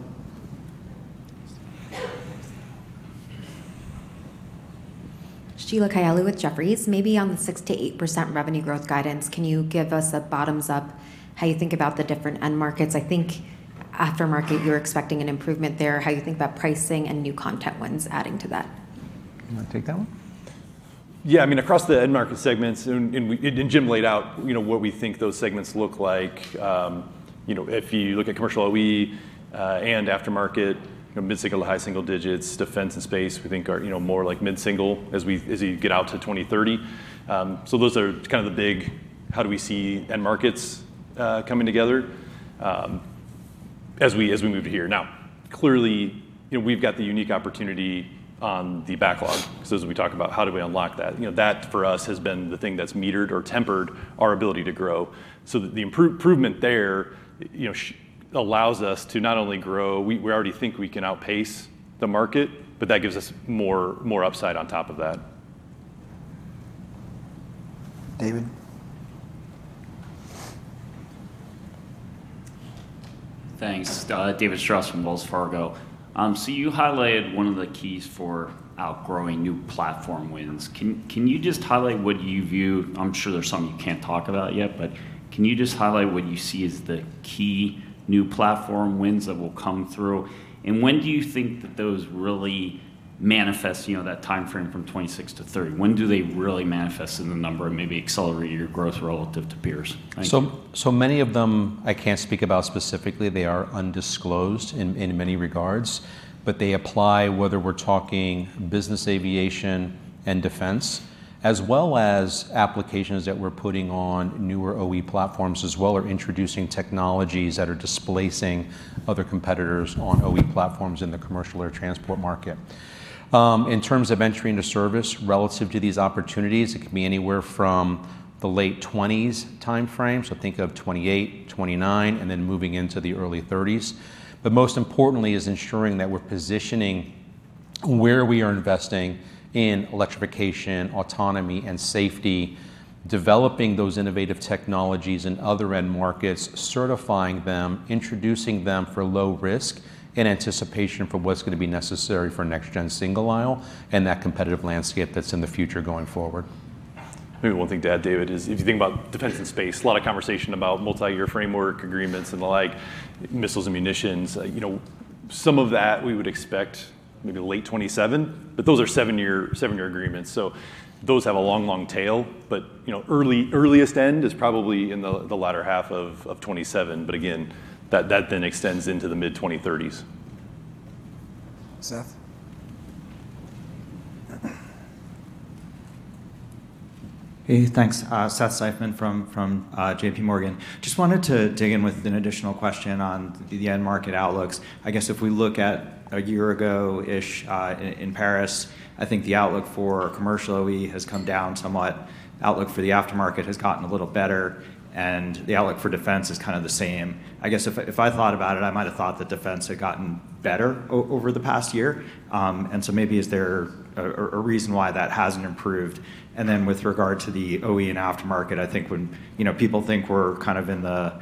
Sheila Kahyaoglu with Jefferies. Maybe on the 6%-8% revenue growth guidance, can you give us a bottoms up how you think about the different end markets? I think aftermarket, you're expecting an improvement there. How you think about pricing and new content wins adding to that? You want to take that one? Yeah, across the end market segments, and Jim laid out what we think those segments look like. If you look at commercial OE and aftermarket, mid-single to high single digits. Defense and Space, we think are more like mid-single as you get out to 2030. Those are kind of the big how do we see end markets coming together as we move here. Now, clearly, we've got the unique opportunity on the backlog because as we talk about how do we unlock that. That for us has been the thing that's metered or tempered our ability to grow, so that the improvement there allows us to not only grow, we already think we can outpace the market, but that gives us more upside on top of that. David? Thanks. David Strauss from Wells Fargo. You highlighted one of the keys for outgrowing new platform wins. Can you just highlight I'm sure there's some you can't talk about yet, but can you just highlight what you see as the key new platform wins that will come through? When do you think that those really manifest, that timeframe from 2026 to 2030? When do they really manifest in the number and maybe accelerate your growth relative to peers? Thank you. Many of them I can't speak about specifically. They are undisclosed in many regards, but they apply whether we're talking business aviation and defense, as well as applications that we're putting on newer OE platforms as well, or introducing technologies that are displacing other competitors on OE platforms in the commercial air transport market. In terms of entering the service relative to these opportunities, it could be anywhere from the late 2020s timeframe, so think of 2028, 2029, and then moving into the early 2030s. Most importantly is ensuring that we're positioning where we are investing in electrification, autonomy, and safety, developing those innovative technologies in other end markets, certifying them, introducing them for low risk in anticipation for what's going to be necessary for next-gen single aisle, and that competitive landscape that's in the future going forward. Maybe one thing to add, David, is if you think about Defense and Space, a lot of conversation about multi-year framework agreements and the like, missiles and munitions. Some of that we would expect maybe late 2027, but those are seven-year agreements, so those have a long, long tail. Earliest end is probably in the latter half of 2027. Again, that then extends into the mid-2030s. Seth? Hey, thanks. Seth Seifman from JPMorgan. Just wanted to dig in with an additional question on the end market outlooks. I guess if we look at a year ago-ish, in Paris, I think the outlook for commercial OE has come down somewhat. Outlook for the aftermarket has gotten a little better, and the outlook for defense is kind of the same. I guess if I thought about it, I might have thought that defense had gotten better over the past year. Maybe is there a reason why that hasn't improved? Then with regard to the OE and aftermarket, I think when people think we're kind of in the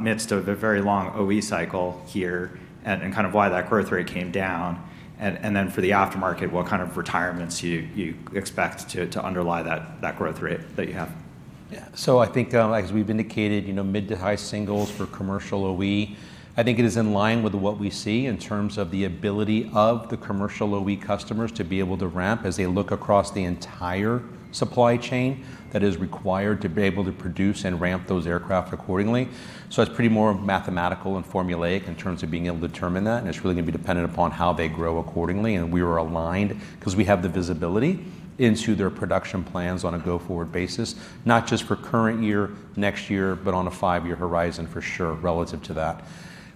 midst of a very long OE cycle here and kind of why that growth rate came down. Then for the aftermarket, what kind of retirements you expect to underlie that growth rate that you have? I think as we've indicated, mid to high singles for commercial OE. I think it is in line with what we see in terms of the ability of the commercial OE customers to be able to ramp as they look across the entire supply chain that is required to be able to produce and ramp those aircraft accordingly. It's pretty more mathematical and formulaic in terms of being able to determine that, and it's really going to be dependent upon how they grow accordingly. We are aligned because we have the visibility into their production plans on a go-forward basis, not just for current year, next year, but on a five-year horizon for sure, relative to that.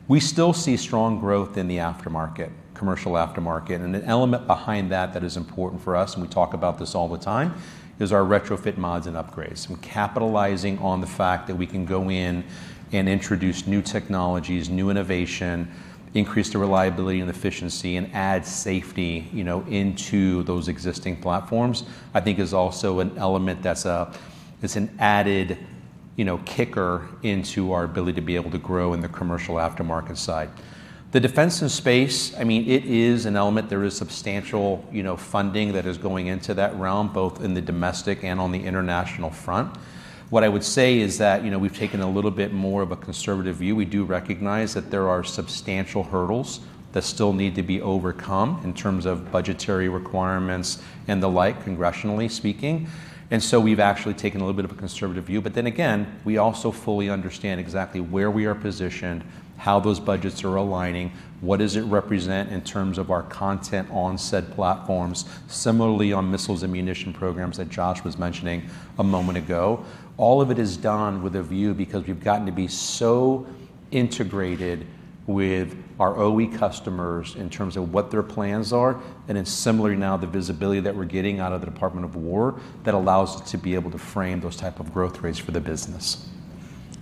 We still see strong growth in the aftermarket, commercial aftermarket. An element behind that that is important for us, and we talk about this all the time, is our retrofit mods and upgrades. We're capitalizing on the fact that we can go in and introduce new technologies, new innovation, increase the reliability and efficiency, and add safety into those existing platforms, I think is also an element that's an added kicker into our ability to be able to grow in the commercial aftermarket side. The Defense and Space, it is an element. There is substantial funding that is going into that realm, both in the domestic and on the international front. What I would say is that we've taken a little bit more of a conservative view. We do recognize that there are substantial hurdles that still need to be overcome in terms of budgetary requirements and the like, congressionally speaking. We've actually taken a little bit of a conservative view. We also fully understand exactly where we are positioned, how those budgets are aligning, what does it represent in terms of our content on said platforms. Similarly, on missiles and munition programs that Josh was mentioning a moment ago. All of it is done with a view because we've gotten to be so integrated with our OE customers in terms of what their plans are, and it's similar now, the visibility that we're getting out of the Department of War that allows us to be able to frame those type of growth rates for the business.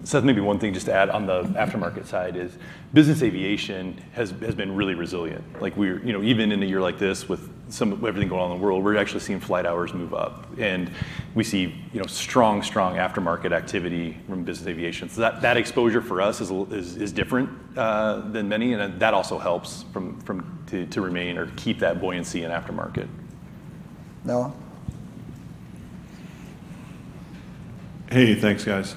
Seth, maybe one thing just to add on the aftermarket side is business aviation has been really resilient. Even in a year like this, with everything going on in the world, we're actually seeing flight hours move up, and we see strong aftermarket activity from business aviation. That exposure for us is different than many, and that also helps to remain or keep that buoyancy in aftermarket. Noah. Hey, thanks guys.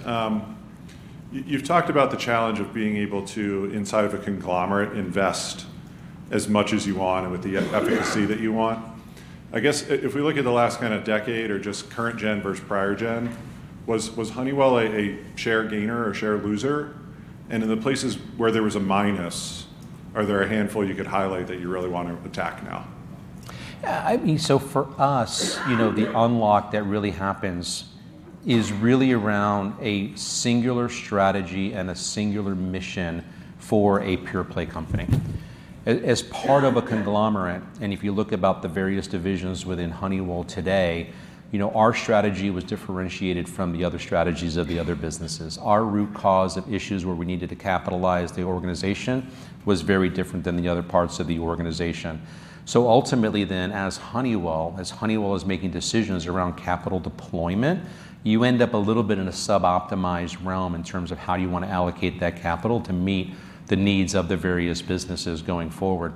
You've talked about the challenge of being able to, inside of a conglomerate, invest as much as you want and with the efficacy that you want. I guess if we look at the last decade or just current gen versus prior gen, was Honeywell a share gainer or share loser? In the places where there was a minus, are there a handful you could highlight that you really want to attack now? Yeah. For us, the unlock that really happens is really around a singular strategy and a singular mission for a pure-play company. As part of a conglomerate, and if you look about the various divisions within Honeywell today, our strategy was differentiated from the other strategies of the other businesses. Our root cause of issues where we needed to capitalize the organization was very different than the other parts of the organization. Ultimately then as Honeywell is making decisions around capital deployment, you end up a little bit in a sub-optimized realm in terms of how you want to allocate that capital to meet the needs of the various businesses going forward.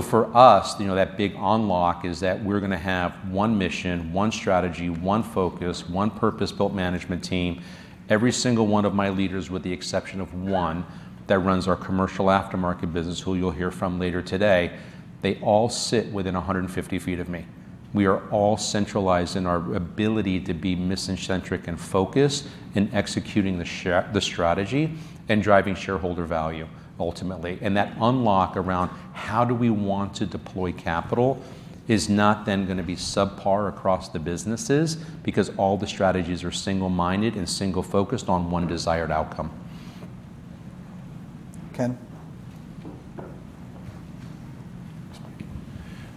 For us, that big unlock is that we're going to have one mission, one strategy, one focus, one purpose-built management team. Every single one of my leaders, with the exception of one, that runs our Commercial Aftermarket business, who you'll hear from later today, they all sit within 150 feet of me. We are all centralized in our ability to be mission-centric and focused in executing the strategy and driving shareholder value, ultimately. That unlock around how do we want to deploy capital is not then going to be subpar across the businesses because all the strategies are single-minded and single-focused on one desired outcome. Ken.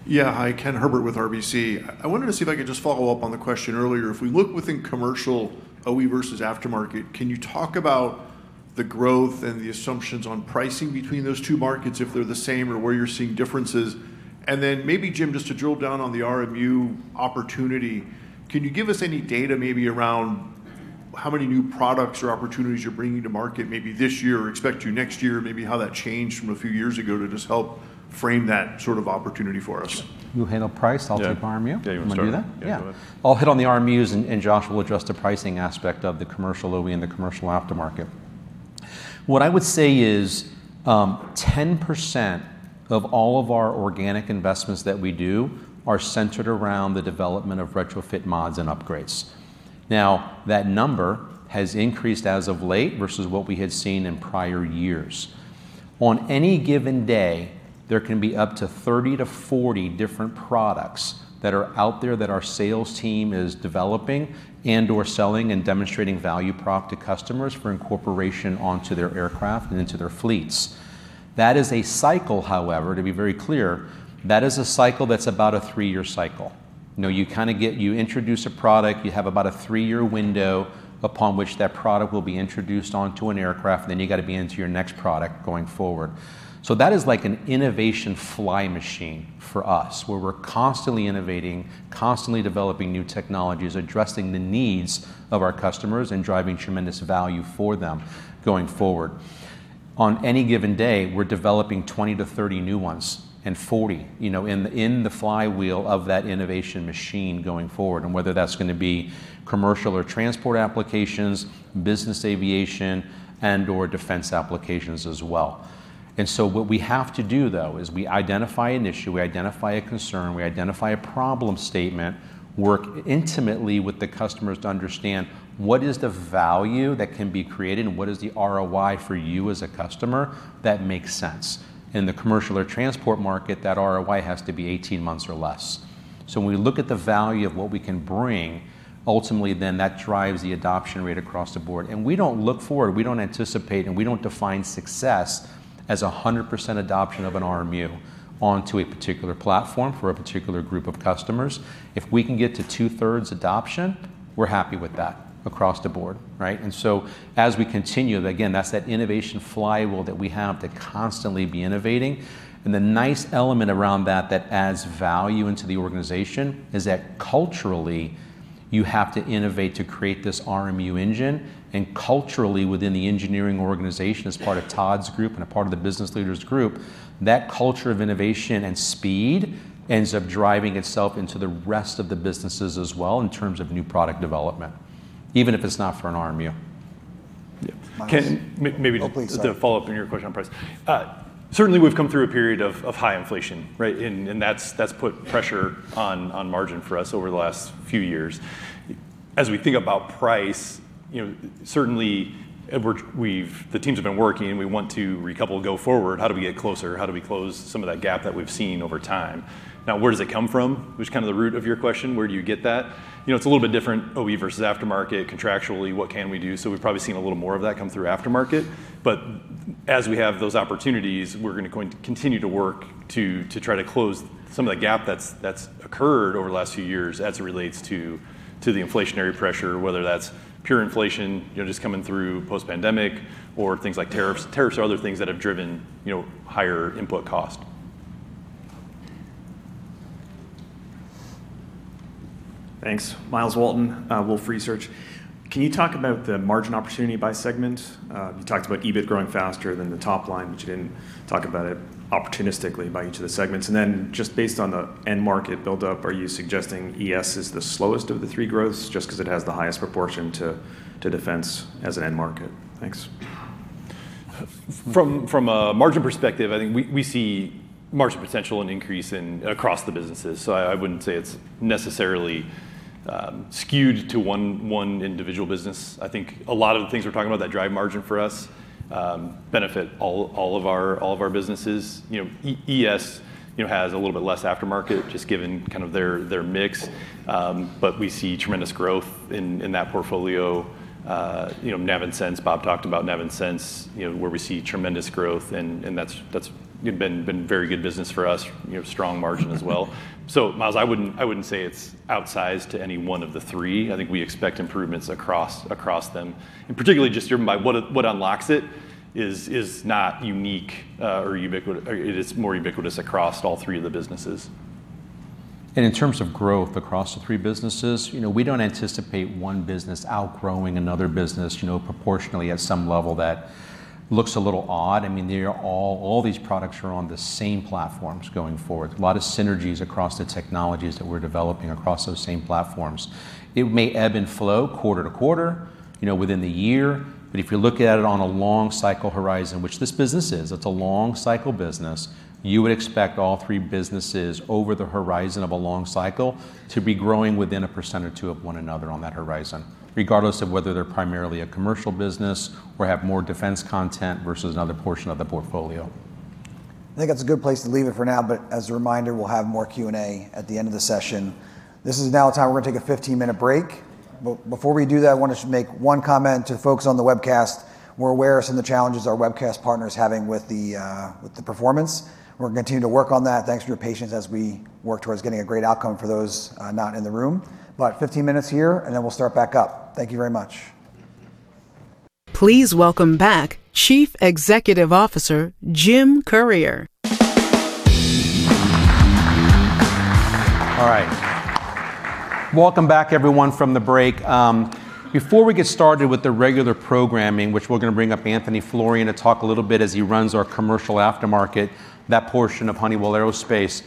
Yeah. Hi, Ken Herbert with RBC. I wanted to see if I could just follow up on the question earlier. If we look within commercial OE versus aftermarket, can you talk about the growth and the assumptions on pricing between those two markets, if they're the same or where you're seeing differences? Then maybe, Jim, just to drill down on the RMU opportunity, can you give us any data maybe around how many new products or opportunities you're bringing to market maybe this year or expect to next year? Maybe how that changed from a few years ago to just help frame that sort of opportunity for us. You handle price, I'll take RMU. Want to do that? Yeah. Yeah, go ahead. I'll hit on the RMU, and Josh will address the pricing aspect of the commercial OE and the commercial aftermarket. What I would say is 10% of all of our organic investments that we do are centered around the development of retrofit mods and upgrades. Now, that number has increased as of late versus what we had seen in prior years. On any given day, there can be up to 30-40 different products that are out there that our sales team is developing and/or selling and demonstrating value prop to customers for incorporation onto their aircraft and into their fleets. That is a cycle, however, to be very clear, that is a cycle that's about a three-year cycle. You introduce a product, you have about a three-year window upon which that product will be introduced onto an aircraft, and then you've got to be onto your next product going forward. That is like an innovation flywheel for us, where we're constantly innovating, constantly developing new technologies, addressing the needs of our customers, and driving tremendous value for them going forward. On any given day, we're developing 20-30 new ones, and 40, in the flywheel of that innovation machine going forward, whether that's going to be commercial air transport applications, business aviation, and/or Defense and Space applications as well. What we have to do, though, is we identify an issue, we identify a concern, we identify a problem statement, work intimately with the customers to understand what is the value that can be created and what is the ROI for you as a customer that makes sense. In the commercial air transport market, that ROI has to be 18 months or less. When we look at the value of what we can bring, ultimately then, that drives the adoption rate across the board, and we don't look for, we don't anticipate, and we don't define success as 100% adoption of an RMU onto a particular platform for a particular group of customers. If we can get to two-thirds adoption, we're happy with that across the board. Right? As we continue, again, that's that innovation flywheel that we have to constantly be innovating. The nice element around that that adds value into the organization is that culturally, you have to innovate to create this RMU engine. Culturally, within the engineering organization, as part of Todd's group and a part of the business leaders group, that culture of innovation and speed ends up driving itself into the rest of the businesses as well in terms of new product development, even if it's not for an RMU. Yeah. Ken. Oh, please. Sorry. Just to follow up on your question on price. Certainly, we've come through a period of high inflation, right? That's put pressure on margin for us over the last few years. As we think about price, certainly, the teams have been working, and we want to recouple go forward. How do we get closer? How do we close some of that gap that we've seen over time? Where does it come from? Which is kind of the root of your question. Where do you get that? It's a little bit different OE versus aftermarket. Contractually, what can we do? We've probably seen a little more of that come through aftermarket. As we have those opportunities, we're going to continue to work to try to close some of the gap that's occurred over the last few years as it relates to the inflationary pressure, whether that's pure inflation just coming through post-pandemic or things like tariffs or other things that have driven higher input cost. Thanks. Myles Walton, Wolfe Research. Can you talk about the margin opportunity by segment? You talked about EBIT growing faster than the top line, but you didn't talk about it opportunistically by each of the segments. Just based on the end market buildup, are you suggesting ES is the slowest of the three growths just because it has the highest proportion to defense as an end market? Thanks. From a margin perspective, I think we see margin potential and increase across the businesses. I wouldn't say it's necessarily skewed to one individual business. I think a lot of the things we're talking about that drive margin for us benefit all of our businesses. ES has a little bit less aftermarket just given their mix, but we see tremendous growth in that portfolio. Nav and Sense, Bob talked about Nav and Sense, where we see tremendous growth, and that's been very good business for us, strong margin as well. Myles, I wouldn't say it's outsized to any one of the three. I think we expect improvements across them, and particularly just driven by what unlocks it is not unique, or it's more ubiquitous across all three of the businesses. In terms of growth across the three businesses, we don't anticipate one business outgrowing another business proportionally at some level that looks a little odd. I mean, all these products are on the same platforms going forward. A lot of synergies across the technologies that we're developing across those same platforms. It may ebb and flow quarter to quarter within the year, but if you look at it on a long cycle horizon, which this business is, it's a long cycle business, you would expect all three businesses over the horizon of a long cycle to be growing within 1% or 2% of one another on that horizon, regardless of whether they're primarily a commercial business or have more defense content versus another portion of the portfolio. I think that's a good place to leave it for now, as a reminder, we'll have more Q&A at the end of the session. This is now time, we're going to take a 15-minute break. Before we do that, I want to make one comment to folks on the webcast. We're aware of some of the challenges our webcast partner's having with the performance. We're going to continue to work on that. Thanks for your patience as we work towards getting a great outcome for those not in the room. About 15 minutes here, then we'll start back up. Thank you very much. Please welcome back Chief Executive Officer, Jim Currier. Welcome back, everyone, from the break. Before we get started with the regular programming, which we're going to bring up Anthony Florian to talk a little bit as he runs our Commercial Aftermarket, that portion of Honeywell Aerospace.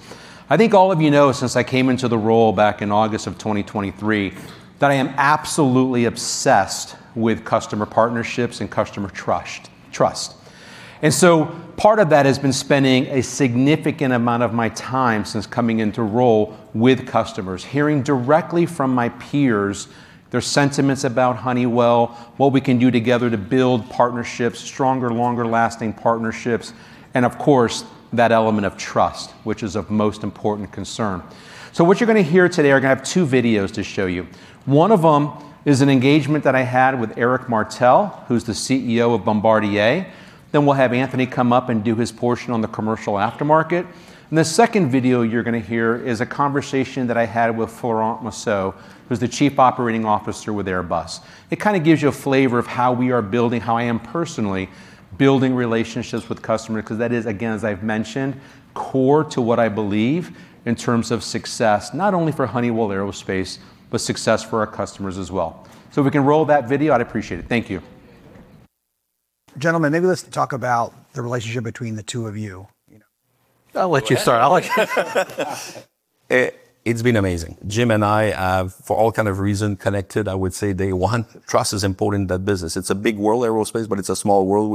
I think all of you know, since I came into the role back in August of 2023, that I am absolutely obsessed with customer partnerships and customer trust. Part of that has been spending a significant amount of my time since coming into role with customers, hearing directly from my peers their sentiments about Honeywell, what we can do together to build partnerships, stronger, longer lasting partnerships, and of course, that element of trust, which is of most important concern. What you're going to hear today, we're going to have two videos to show you. One of them is an engagement that I had with Éric Martel, who's the CEO of Bombardier. We'll have Anthony come up and do his portion on the commercial aftermarket. The second video you're going to hear is a conversation that I had with Florent Massou, who's the Chief Operating Officer with Airbus. It kind of gives you a flavor of how we are building, how I am personally building relationships with customers, because that is, again, as I've mentioned, core to what I believe in terms of success, not only for Honeywell Aerospace, but success for our customers as well. If we can roll that video, I'd appreciate it. Thank you. Gentlemen, maybe let's talk about the relationship between the two of you. I'll let you start. It's been amazing. Jim and I have, for all kind of reason, connected, I would say, day one. Trust is important in that business. It's a big world, aerospace, but it's a small world.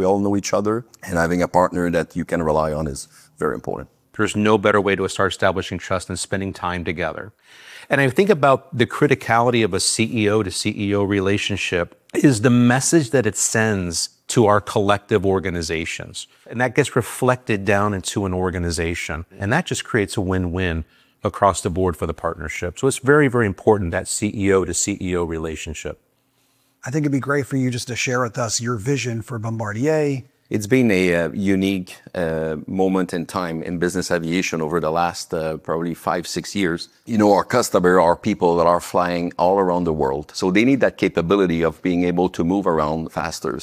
Having a partner that you can rely on is very important. There's no better way to start establishing trust than spending time together. I think about the criticality of a CEO to CEO relationship is the message that it sends to our collective organizations, and that gets reflected down into an organization, and that just creates a win-win across the board for the partnership. It's very important, that CEO to CEO relationship. I think it'd be great for you just to share with us your vision for Bombardier. It's been a unique moment in time in business aviation over the last probably five, six years. Our customers are people that are flying all around the world, they need that capability of being able to move around faster.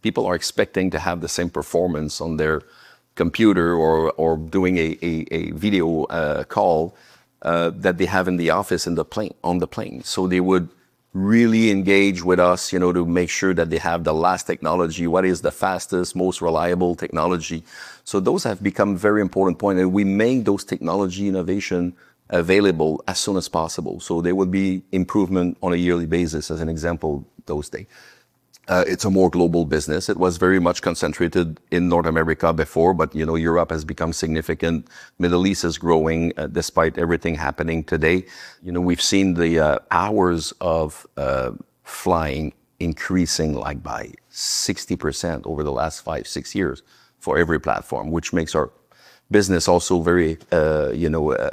People are expecting to have the same performance on their computer or doing a video call that they have in the office on the plane. They would really engage with us to make sure that they have the latest technology, what is the fastest, most reliable technology. Those have become very important point, and we make those technology innovation available as soon as possible. There will be improvement on a yearly basis, as an example, those things. It's a more global business. It was very much concentrated in North America before, but Europe has become significant. Middle East is growing despite everything happening today. We've seen the hours of flying increasing by 60% over the last five, six years for every platform, which makes our business also very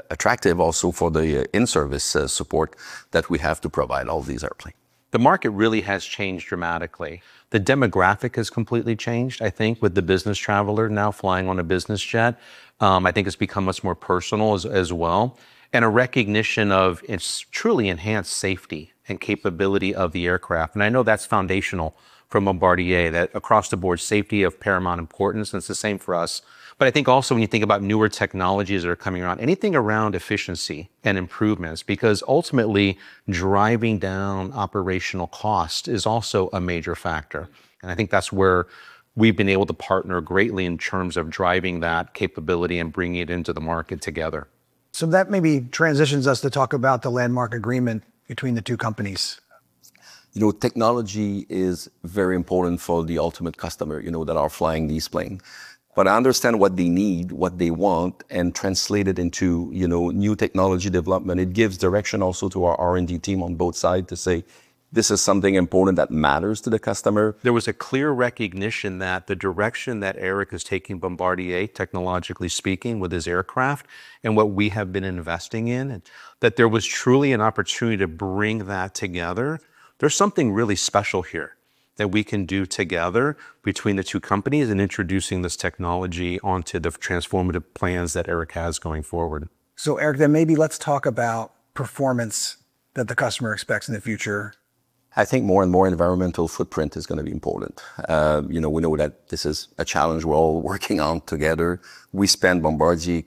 attractive also for the in-service support that we have to provide all these airplanes. The market really has changed dramatically. The demographic has completely changed, I think, with the business traveler now flying on a business jet. I think it's become much more personal as well, and a recognition of its truly enhanced safety and capability of the aircraft. I know that's foundational for Bombardier, that across the board, safety of paramount importance, and it's the same for us. I think also when you think about newer technologies that are coming around, anything around efficiency and improvements, because ultimately, driving down operational cost is also a major factor. I think that's where we've been able to partner greatly in terms of driving that capability and bringing it into the market together. That maybe transitions us to talk about the landmark agreement between the two companies. Technology is very important for the ultimate customer, that are flying these planes. Understand what they need, what they want, and translate it into new technology development. It gives direction also to our R&D team on both sides to say, "This is something important that matters to the customer. There was a clear recognition that the direction that Éric is taking Bombardier, technologically speaking, with his aircraft, and what we have been investing in, that there was truly an opportunity to bring that together. There's something really special here that we can do together between the two companies in introducing this technology onto the transformative plans that Éric has going forward. Éric, maybe let's talk about performance that the customer expects in the future. I think more and more environmental footprint is going to be important. We know that this is a challenge we're all working on together. We spend, Bombardier,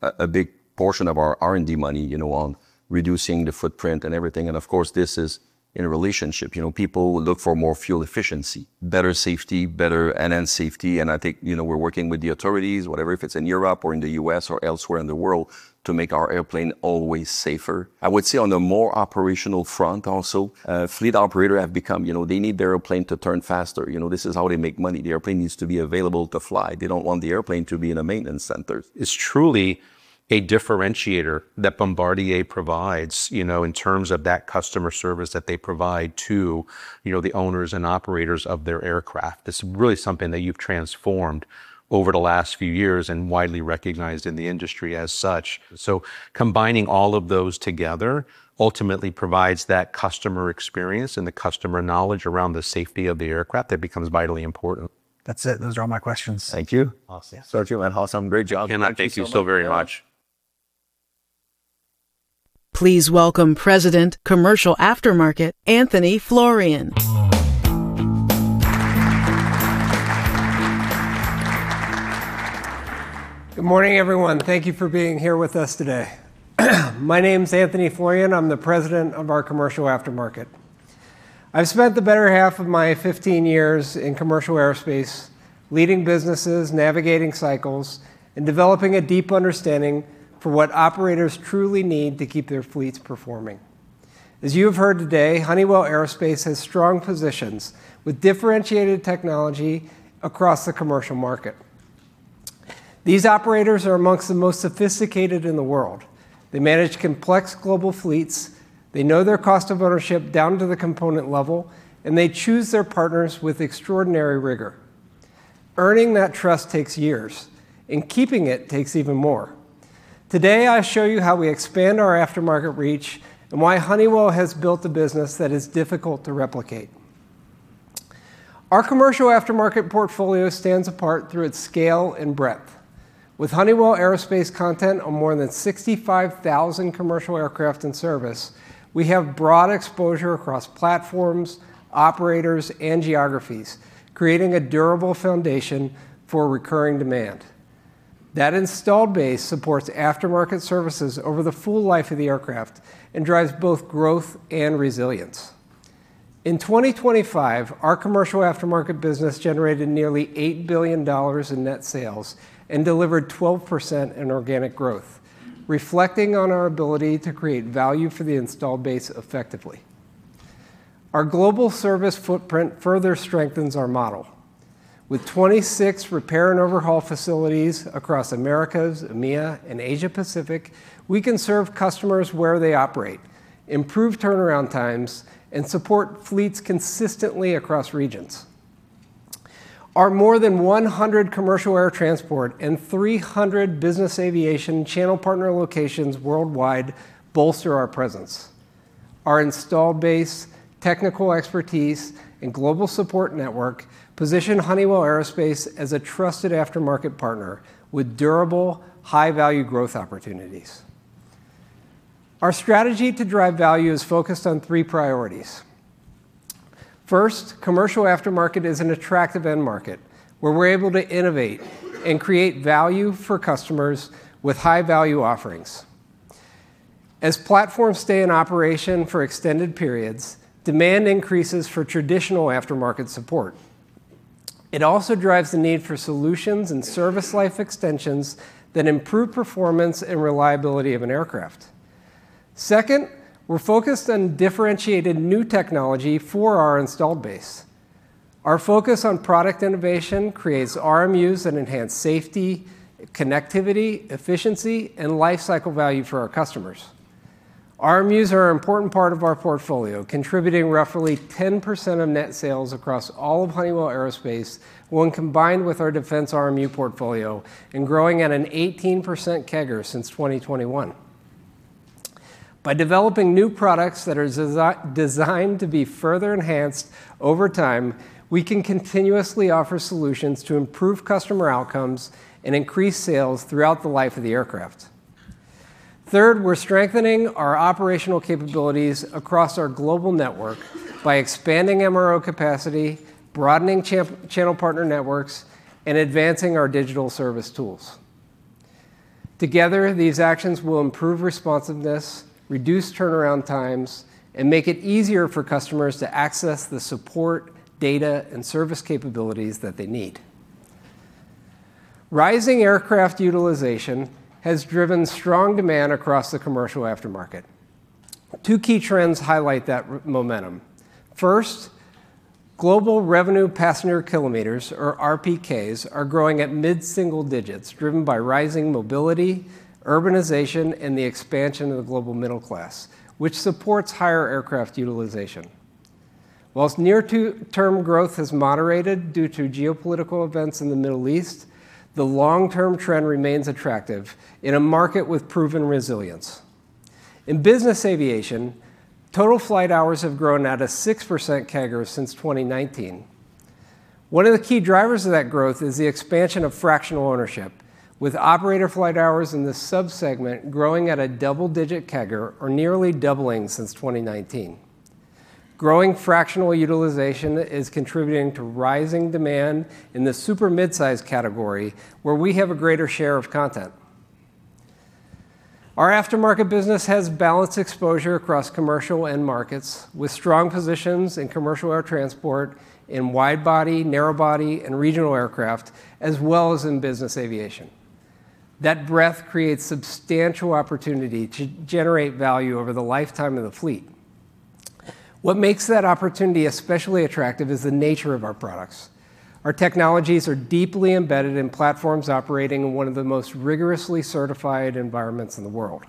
a big portion of our R&D money on reducing the footprint and everything. Of course, this is in a relationship. People look for more fuel efficiency, better safety, better end-to-end safety. I think we're working with the authorities, whatever, if it's in Europe or in the U.S. or elsewhere in the world, to make our airplane always safer. I would say on the more operational front also, fleet operator, they need their airplane to turn faster. This is how they make money. The airplane needs to be available to fly. They don't want the airplane to be in a maintenance center. It's truly a differentiator that Bombardier provides, in terms of that customer service that they provide to the owners and operators of their aircraft. It's really something that you've transformed over the last few years and widely recognized in the industry as such. Combining all of those together ultimately provides that customer experience and the customer knowledge around the safety of the aircraft that becomes vitally important. That's it. Those are all my questions. Thank you. Awesome. You are awesome, great job. Okay, thank you so very much. Please welcome President, Commercial Aftermarket, Anthony Florian. Good morning, everyone. Thank you for being here with us today. My name's Anthony Florian. I'm the president of our commercial aftermarket. I've spent the better half of my 15 years in commercial aerospace leading businesses, navigating cycles, and developing a deep understanding for what operators truly need to keep their fleets performing. As you have heard today, Honeywell Aerospace has strong positions with differentiated technology across the commercial market. These operators are amongst the most sophisticated in the world. They manage complex global fleets, they know their cost of ownership down to the component level, and they choose their partners with extraordinary rigor. Earning that trust takes years, and keeping it takes even more. Today, I show you how we expand our aftermarket reach and why Honeywell has built a business that is difficult to replicate. Our commercial aftermarket portfolio stands apart through its scale and breadth. With Honeywell Aerospace content on more than 65,000 commercial aircraft in service, we have broad exposure across platforms, operators, and geographies, creating a durable foundation for recurring demand. That installed base supports aftermarket services over the full life of the aircraft and drives both growth and resilience. In 2025, our commercial aftermarket business generated nearly $8 billion in net sales and delivered 12% in organic growth, reflecting on our ability to create value for the installed base effectively. Our global service footprint further strengthens our model. With 26 repair and overhaul facilities across Americas, EMEA, and Asia Pacific, we can serve customers where they operate, improve turnaround times, and support fleets consistently across regions. Our more than 100 commercial air transport and 300 business aviation channel partner locations worldwide bolster our presence. Our installed base, technical expertise, and global support network position Honeywell Aerospace as a trusted aftermarket partner with durable, high-value growth opportunities. Our strategy to drive value is focused on three priorities. First, commercial aftermarket is an attractive end market, where we're able to innovate and create value for customers with high-value offerings. As platforms stay in operation for extended periods, demand increases for traditional aftermarket support. It also drives the need for solutions and service life extensions that improve performance and reliability of an aircraft. Second, we're focused on differentiated new technology for our installed base. Our focus on product innovation creates RMUs that enhance safety, connectivity, efficiency, and lifecycle value for our customers. RMUs are an important part of our portfolio, contributing roughly 10% of net sales across all of Honeywell Aerospace when combined with our defense RMU portfolio, and growing at an 18% CAGR since 2021. By developing new products that are designed to be further enhanced over time, we can continuously offer solutions to improve customer outcomes and increase sales throughout the life of the aircraft. Third, we're strengthening our operational capabilities across our global network by expanding MRO capacity, broadening channel partner networks, and advancing our digital service tools. Together, these actions will improve responsiveness, reduce turnaround times, and make it easier for customers to access the support, data, and service capabilities that they need. Rising aircraft utilization has driven strong demand across the commercial aftermarket. Two key trends highlight that momentum. First, global revenue passenger kilometers, or RPKs, are growing at mid-single digits, driven by rising mobility, urbanization, and the expansion of the global middle class, which supports higher aircraft utilization. Whilst near-term growth has moderated due to geopolitical events in the Middle East, the long-term trend remains attractive in a market with proven resilience. In business aviation, total flight hours have grown at a 6% CAGR since 2019. One of the key drivers of that growth is the expansion of fractional ownership, with operator flight hours in this sub-segment growing at a double-digit CAGR or nearly doubling since 2019. Growing fractional utilization is contributing to rising demand in the super midsize category, where we have a greater share of content. Our aftermarket business has balanced exposure across commercial end markets with strong positions in commercial air transport, in wide body, narrow body, and regional aircraft, as well as in business aviation. That breadth creates substantial opportunity to generate value over the lifetime of the fleet. What makes that opportunity especially attractive is the nature of our products. Our technologies are deeply embedded in platforms operating in one of the most rigorously certified environments in the world.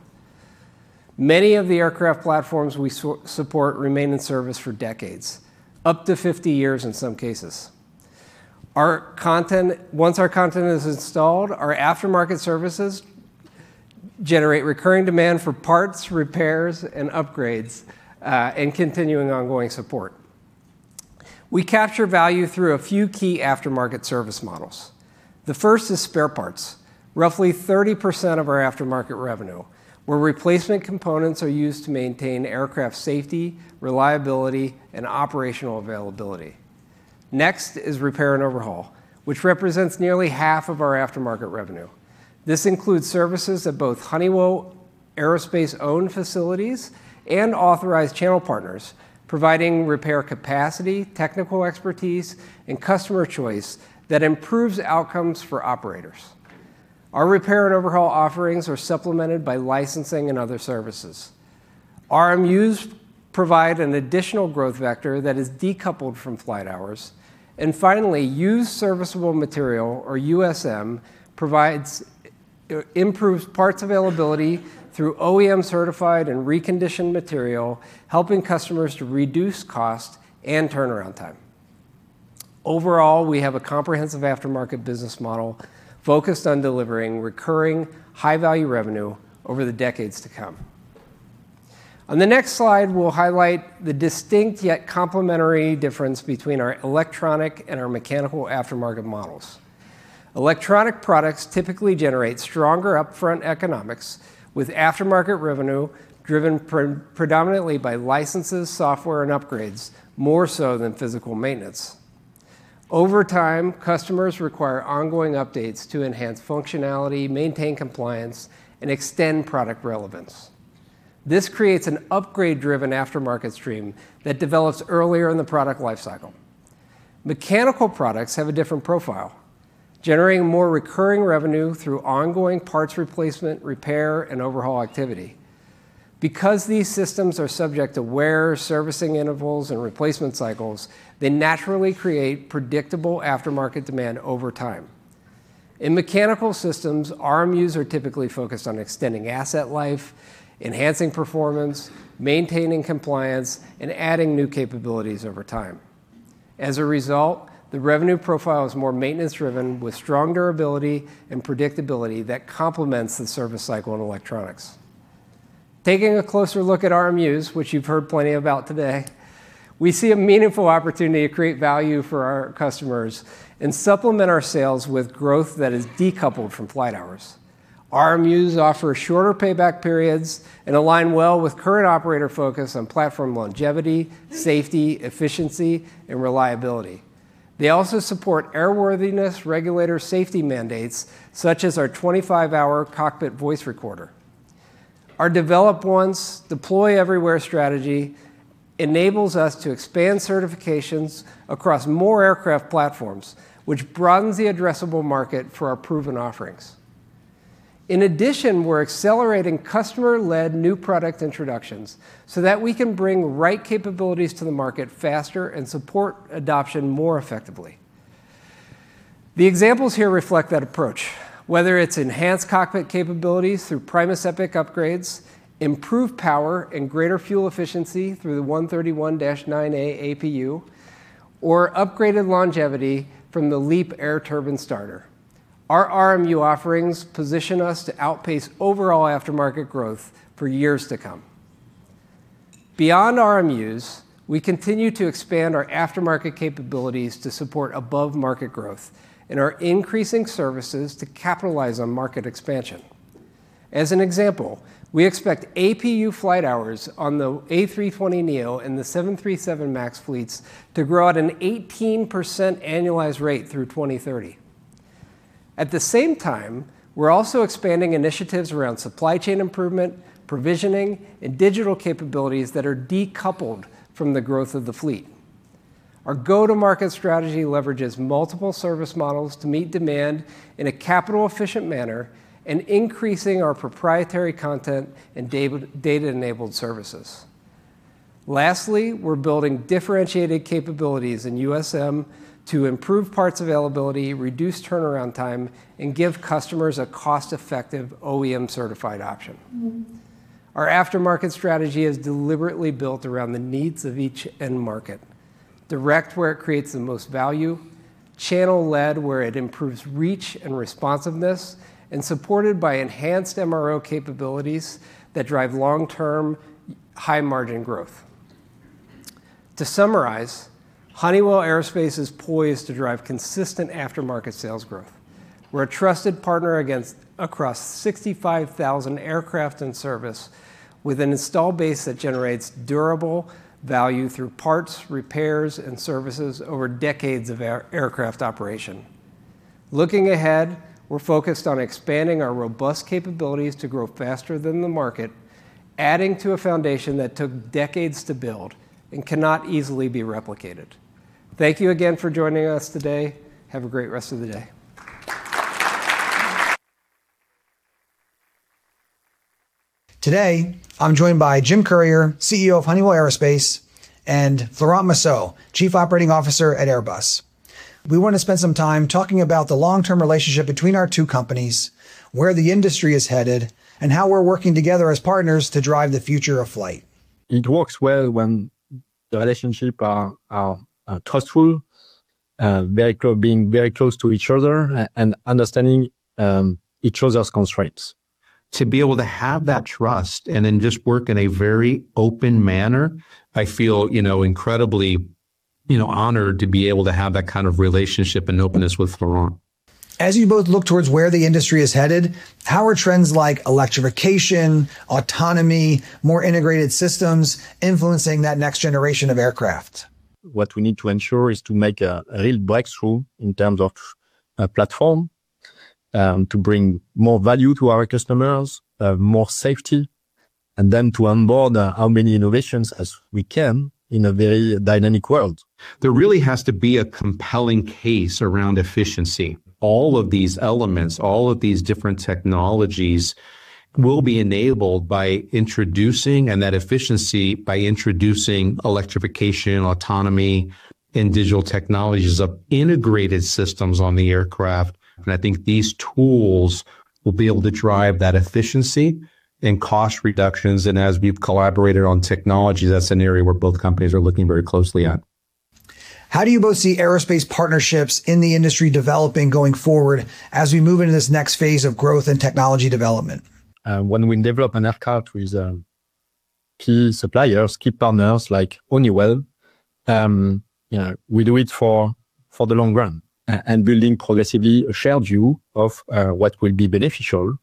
Many of the aircraft platforms we support remain in service for decades, up to 50 years in some cases. Once our content is installed, our aftermarket services generate recurring demand for parts, repairs, and upgrades, and continuing ongoing support. We capture value through a few key aftermarket service models. The first is spare parts, roughly 30% of our aftermarket revenue, where replacement components are used to maintain aircraft safety, reliability, and operational availability. Next is repair and overhaul, which represents nearly half of our aftermarket revenue. This includes services at both Honeywell Aerospace-owned facilities and authorized channel partners, providing repair capacity, technical expertise, and customer choice that improves outcomes for operators. Our repair and overhaul offerings are supplemented by licensing and other services. RMUs provide an additional growth vector that is decoupled from flight hours. Finally, used serviceable material, or USM, improves parts availability through OEM-certified and reconditioned material, helping customers to reduce cost and turnaround time. Overall, we have a comprehensive aftermarket business model focused on delivering recurring high-value revenue over the decades to come. On the next slide, we'll highlight the distinct yet complementary difference between our electronic and our mechanical aftermarket models. Electronic products typically generate stronger upfront economics with aftermarket revenue driven predominantly by licenses, software, and upgrades, more so than physical maintenance. Over time, customers require ongoing updates to enhance functionality, maintain compliance, and extend product relevance. This creates an upgrade-driven aftermarket stream that develops earlier in the product lifecycle. Mechanical products have a different profile, generating more recurring revenue through ongoing parts replacement, repair, and overhaul activity. Because these systems are subject to wear, servicing intervals, and replacement cycles, they naturally create predictable aftermarket demand over time. In mechanical systems, RMUs are typically focused on extending asset life, enhancing performance, maintaining compliance, and adding new capabilities over time. As a result, the revenue profile is more maintenance-driven with strong durability and predictability that complements the service cycle in electronics. Taking a closer look at RMUs, which you've heard plenty about today, we see a meaningful opportunity to create value for our customers and supplement our sales with growth that is decoupled from flight hours. RMUs offer shorter payback periods and align well with current operator focus on platform longevity, safety, efficiency, and reliability. They also support airworthiness regulator safety mandates such as our 25-hour cockpit voice recorder. Our develop once, deploy everywhere strategy enables us to expand certifications across more aircraft platforms, which broadens the addressable market for our proven offerings. In addition, we're accelerating customer-led new product introductions so that we can bring right capabilities to the market faster and support adoption more effectively. The examples here reflect that approach, whether it's enhanced cockpit capabilities through Primus Epic upgrades, improved power and greater fuel efficiency through the 131-9A APU, or upgraded longevity from the LEAP Air Turbine Starter. Our RMU offerings position us to outpace overall aftermarket growth for years to come. Beyond RMUs, we continue to expand our aftermarket capabilities to support above market growth and are increasing services to capitalize on market expansion. As an example, we expect APU flight hours on the A320neo and the 737 MAX fleets to grow at an 18% annualized rate through 2030. At the same time, we're also expanding initiatives around supply chain improvement, provisioning, and digital capabilities that are decoupled from the growth of the fleet. Our go-to-market strategy leverages multiple service models to meet demand in a capital efficient manner and increasing our proprietary content and data-enabled services. Lastly, we're building differentiated capabilities in USM to improve parts availability, reduce turnaround time, and give customers a cost-effective OEM certified option. Our aftermarket strategy is deliberately built around the needs of each end market. Direct where it creates the most value, channel led where it improves reach and responsiveness, and supported by enhanced MRO capabilities that drive long-term high margin growth. To summarize, Honeywell Aerospace is poised to drive consistent aftermarket sales growth. We're a trusted partner across 65,000 aircraft in service with an install base that generates durable value through parts, repairs, and services over decades of aircraft operation. Looking ahead, we're focused on expanding our robust capabilities to grow faster than the market, adding to a foundation that took decades to build and cannot easily be replicated. Thank you again for joining us today. Have a great rest of the day. Today, I'm joined by Jim Currier, CEO of Honeywell Aerospace, and Florent Massou, Chief Operating Officer at Airbus. We want to spend some time talking about the long-term relationship between our two companies, where the industry is headed, and how we're working together as partners to drive the future of flight. It works well when the relationship are trustful, being very close to each other and understanding each other's constraints. To be able to have that trust and then just work in a very open manner, I feel incredibly honored to be able to have that kind of relationship and openness with Florent. As you both look towards where the industry is headed, how are trends like electrification, autonomy, more integrated systems influencing that next generation of aircraft? What we need to ensure is to make a real breakthrough in terms of a platform, to bring more value to our customers, more safety, and then to onboard how many innovations as we can in a very dynamic world. There really has to be a compelling case around efficiency. All of these elements, all of these different technologies will be enabled by introducing, and that efficiency by introducing electrification, autonomy, and digital technologies of integrated systems on the aircraft. I think these tools will be able to drive that efficiency and cost reductions. As we've collaborated on technology, that's an area where both companies are looking very closely at. How do you both see aerospace partnerships in the industry developing going forward as we move into this next phase of growth and technology development? When we develop an aircraft with key suppliers, key partners like Honeywell, we do it for the long run and building progressively a shared view of what will be beneficial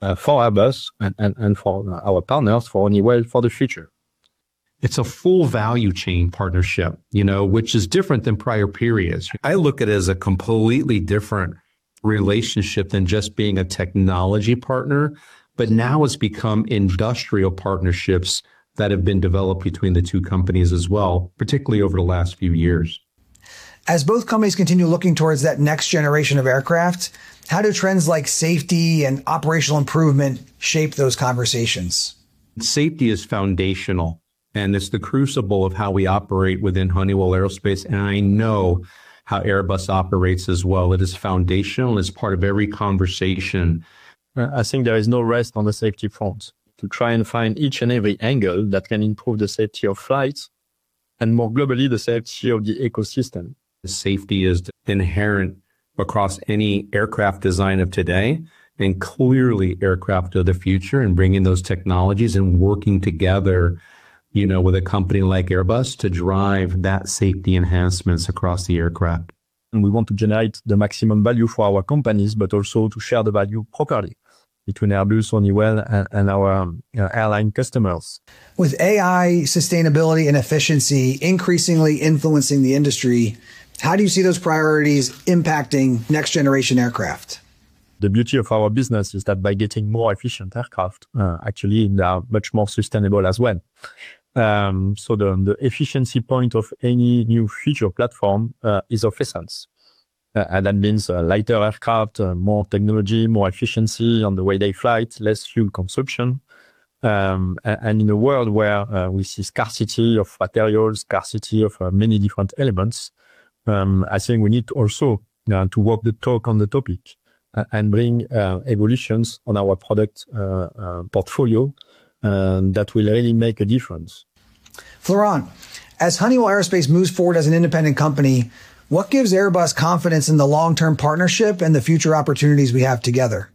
for Airbus and for our partners, for Honeywell for the future. It's a full value chain partnership, which is different than prior periods. I look at it as a completely different relationship than just being a technology partner, but now it's become industrial partnerships that have been developed between the two companies as well, particularly over the last few years. As both companies continue looking towards that next generation of aircraft, how do trends like safety and operational improvement shape those conversations? Safety is foundational, and it's the crucible of how we operate within Honeywell Aerospace, and I know how Airbus operates as well. It is foundational and it's part of every conversation. I think there is no rest on the safety front. To try and find each and every angle that can improve the safety of flights, and more globally, the safety of the ecosystem. Safety is inherent across any aircraft design of today, and clearly aircraft of the future, and bringing those technologies and working together, you know, with a company like Airbus to drive that safety enhancements across the aircraft. We want to generate the maximum value for our companies, but also to share the value properly between Airbus, Honeywell, and our airline customers. With AI, sustainability, and efficiency increasingly influencing the industry, how do you see those priorities impacting next generation aircraft? The beauty of our business is that by getting more efficient aircraft, actually they are much more sustainable as well. The efficiency point of any new future platform is of essence. That means a lighter aircraft, more technology, more efficiency on the way they fly, less fuel consumption. In a world where we see scarcity of materials, scarcity of many different elements, I think we need also to walk the talk on the topic and bring evolutions on our product portfolio that will really make a difference. Florent, as Honeywell Aerospace moves forward as an independent company, what gives Airbus confidence in the long-term partnership and the future opportunities we have together?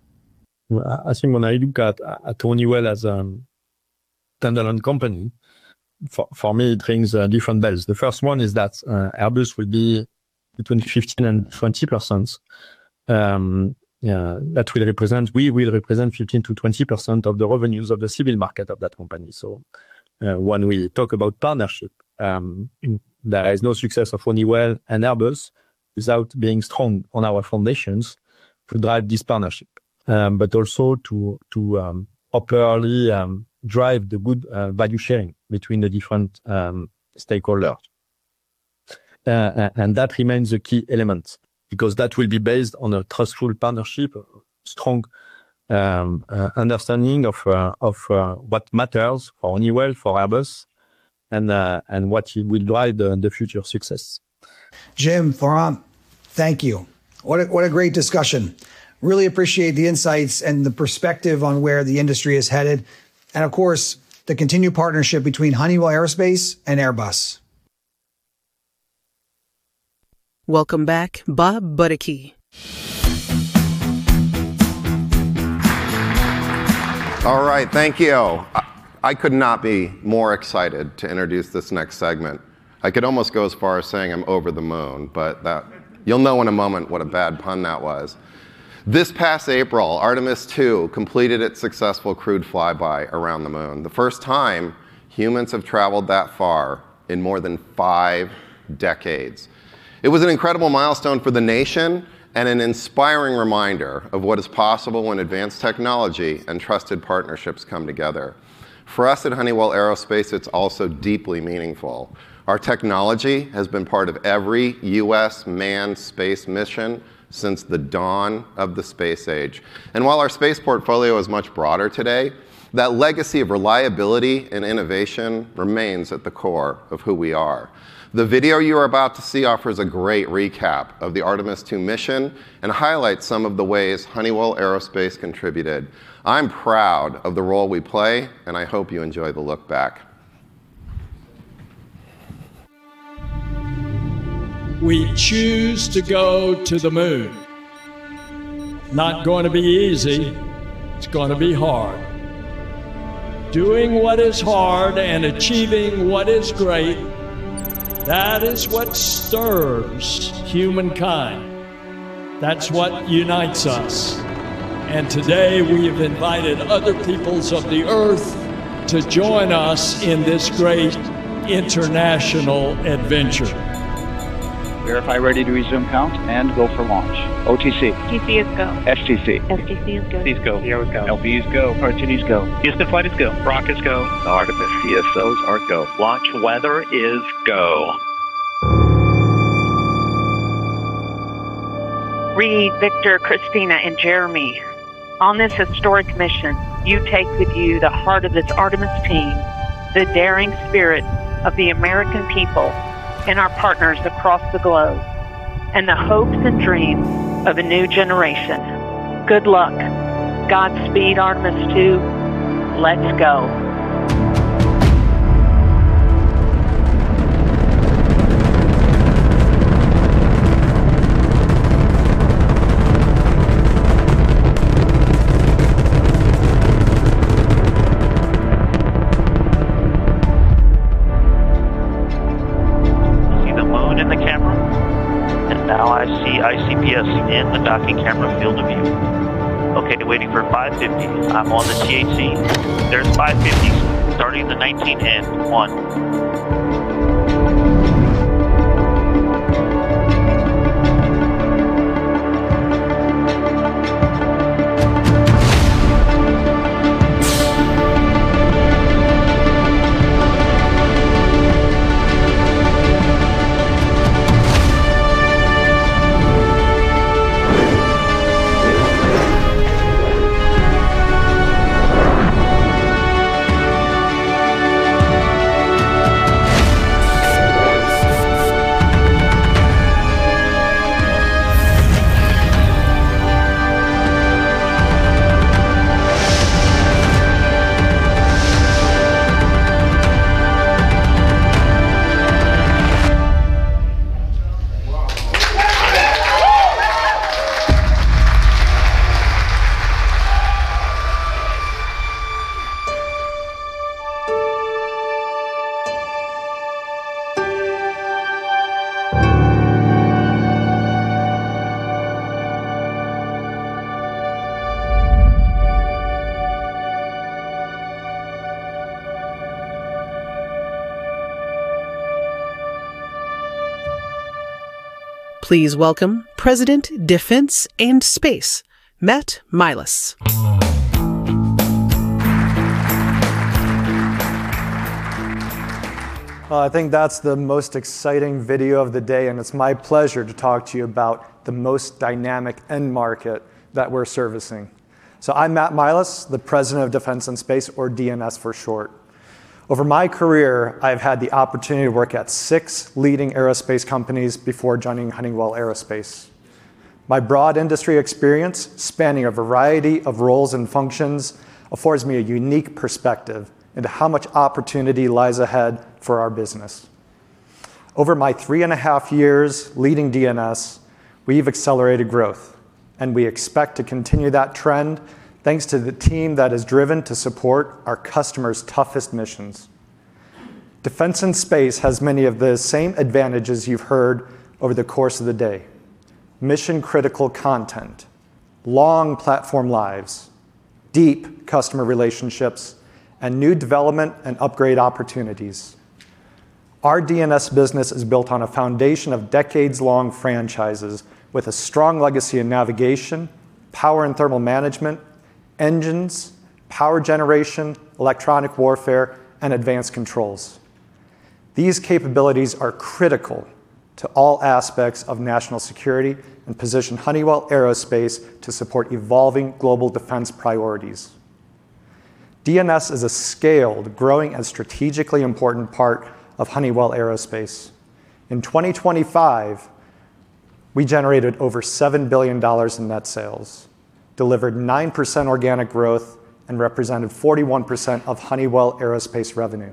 I think when I look at Honeywell as a standalone company, for me, it rings different bells. The first one is that Airbus will be between 15% and 20%. We will represent 15%-20% of the revenues of the civil market of that company. When we talk about partnership, there is no success of Honeywell and Airbus without being strong on our foundations to drive this partnership. Also to properly drive the good value sharing between the different stakeholders. That remains a key element because that will be based on a trustful partnership, strong understanding of what matters for Honeywell, for Airbus, and what will drive the future success. Jim, Florent, thank you. What a great discussion. Really appreciate the insights and the perspective on where the industry is headed, and of course, the continued partnership between Honeywell Aerospace and Airbus. Welcome back. Bob Buddecke. All right. Thank you. I could not be more excited to introduce this next segment. I could almost go as far as saying I'm over the moon, but you'll know in a moment what a bad pun that was. This past April, Artemis II completed its successful crewed flyby around the moon. The first time humans have traveled that far in more than five decades. It was an incredible milestone for the nation and an inspiring reminder of what is possible when advanced technology and trusted partnerships come together. For us at Honeywell Aerospace, it's also deeply meaningful. Our technology has been part of every U.S. manned space mission since the dawn of the space age. While our space portfolio is much broader today, that legacy of reliability and innovation remains at the core of who we are. The video you are about to see offers a great recap of the Artemis II mission and highlights some of the ways Honeywell Aerospace contributed. I'm proud of the role we play, and I hope you enjoy the look back. We choose to go to the moon. Not going to be easy. It's going to be hard. Doing what is hard and achieving what is great, that is what stirs humankind. That's what unites us. Today, we have invited other peoples of the Earth to join us in this great international adventure. Verify ready to resume count, and go for launch. OTC. TC is go. STC. STC is go. C's go. CO's go. LV's go. R2D's go. Houston Flight is go. Rock is go. Artemis CSOs are go. Launch weather is go. Reid, Victor, Christina, and Jeremy, on this historic mission, you take with you the heart of this Artemis team, the daring spirit of the American people and our partners across the globe, and the hopes and dreams of a new generation. Good luck. Godspeed, Artemis II. Let's go. See the moon in the camera. I see ICPS in the docking camera field of view. Waiting for 550. I'm on the THC. There's 550. Starting the 19-10-1. Please welcome President Defense and Space, Matt Milas. Well, I think that's the most exciting video of the day. It's my pleasure to talk to you about the most dynamic end market that we're servicing. I'm Matt Milas, the President of Defense and Space, or D&S for short. Over my career, I've had the opportunity to work at six leading aerospace companies before joining Honeywell Aerospace. My broad industry experience, spanning a variety of roles and functions, affords me a unique perspective into how much opportunity lies ahead for our business. Over my three and a half years leading D&S, we've accelerated growth. We expect to continue that trend thanks to the team that is driven to support our customers' toughest missions. Defense and Space has many of the same advantages you've heard over the course of the day. Mission-critical content, long platform lives, deep customer relationships, and new development and upgrade opportunities. Our D&S business is built on a foundation of decades-long franchises with a strong legacy in navigation, power and thermal management, engines, power generation, electronic warfare, and advanced controls. These capabilities are critical to all aspects of national security and position Honeywell Aerospace to support evolving global defense priorities. D&S is a scaled, growing, and strategically important part of Honeywell Aerospace. In 2025, we generated over $7 billion in net sales, delivered 9% organic growth, and represented 41% of Honeywell Aerospace revenue.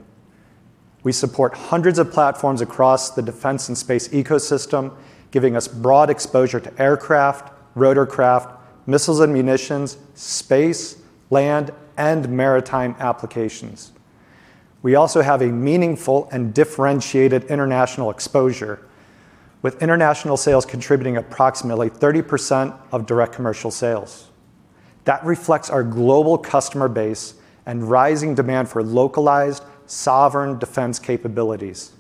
We support hundreds of platforms across the defense and space ecosystem, giving us broad exposure to aircraft, rotorcraft, missiles and munitions, space, land, and maritime applications. We also have a meaningful and differentiated international exposure, with international sales contributing approximately 30% of direct commercial sales. That reflects our global customer base and rising demand for localized sovereign defense capabilities.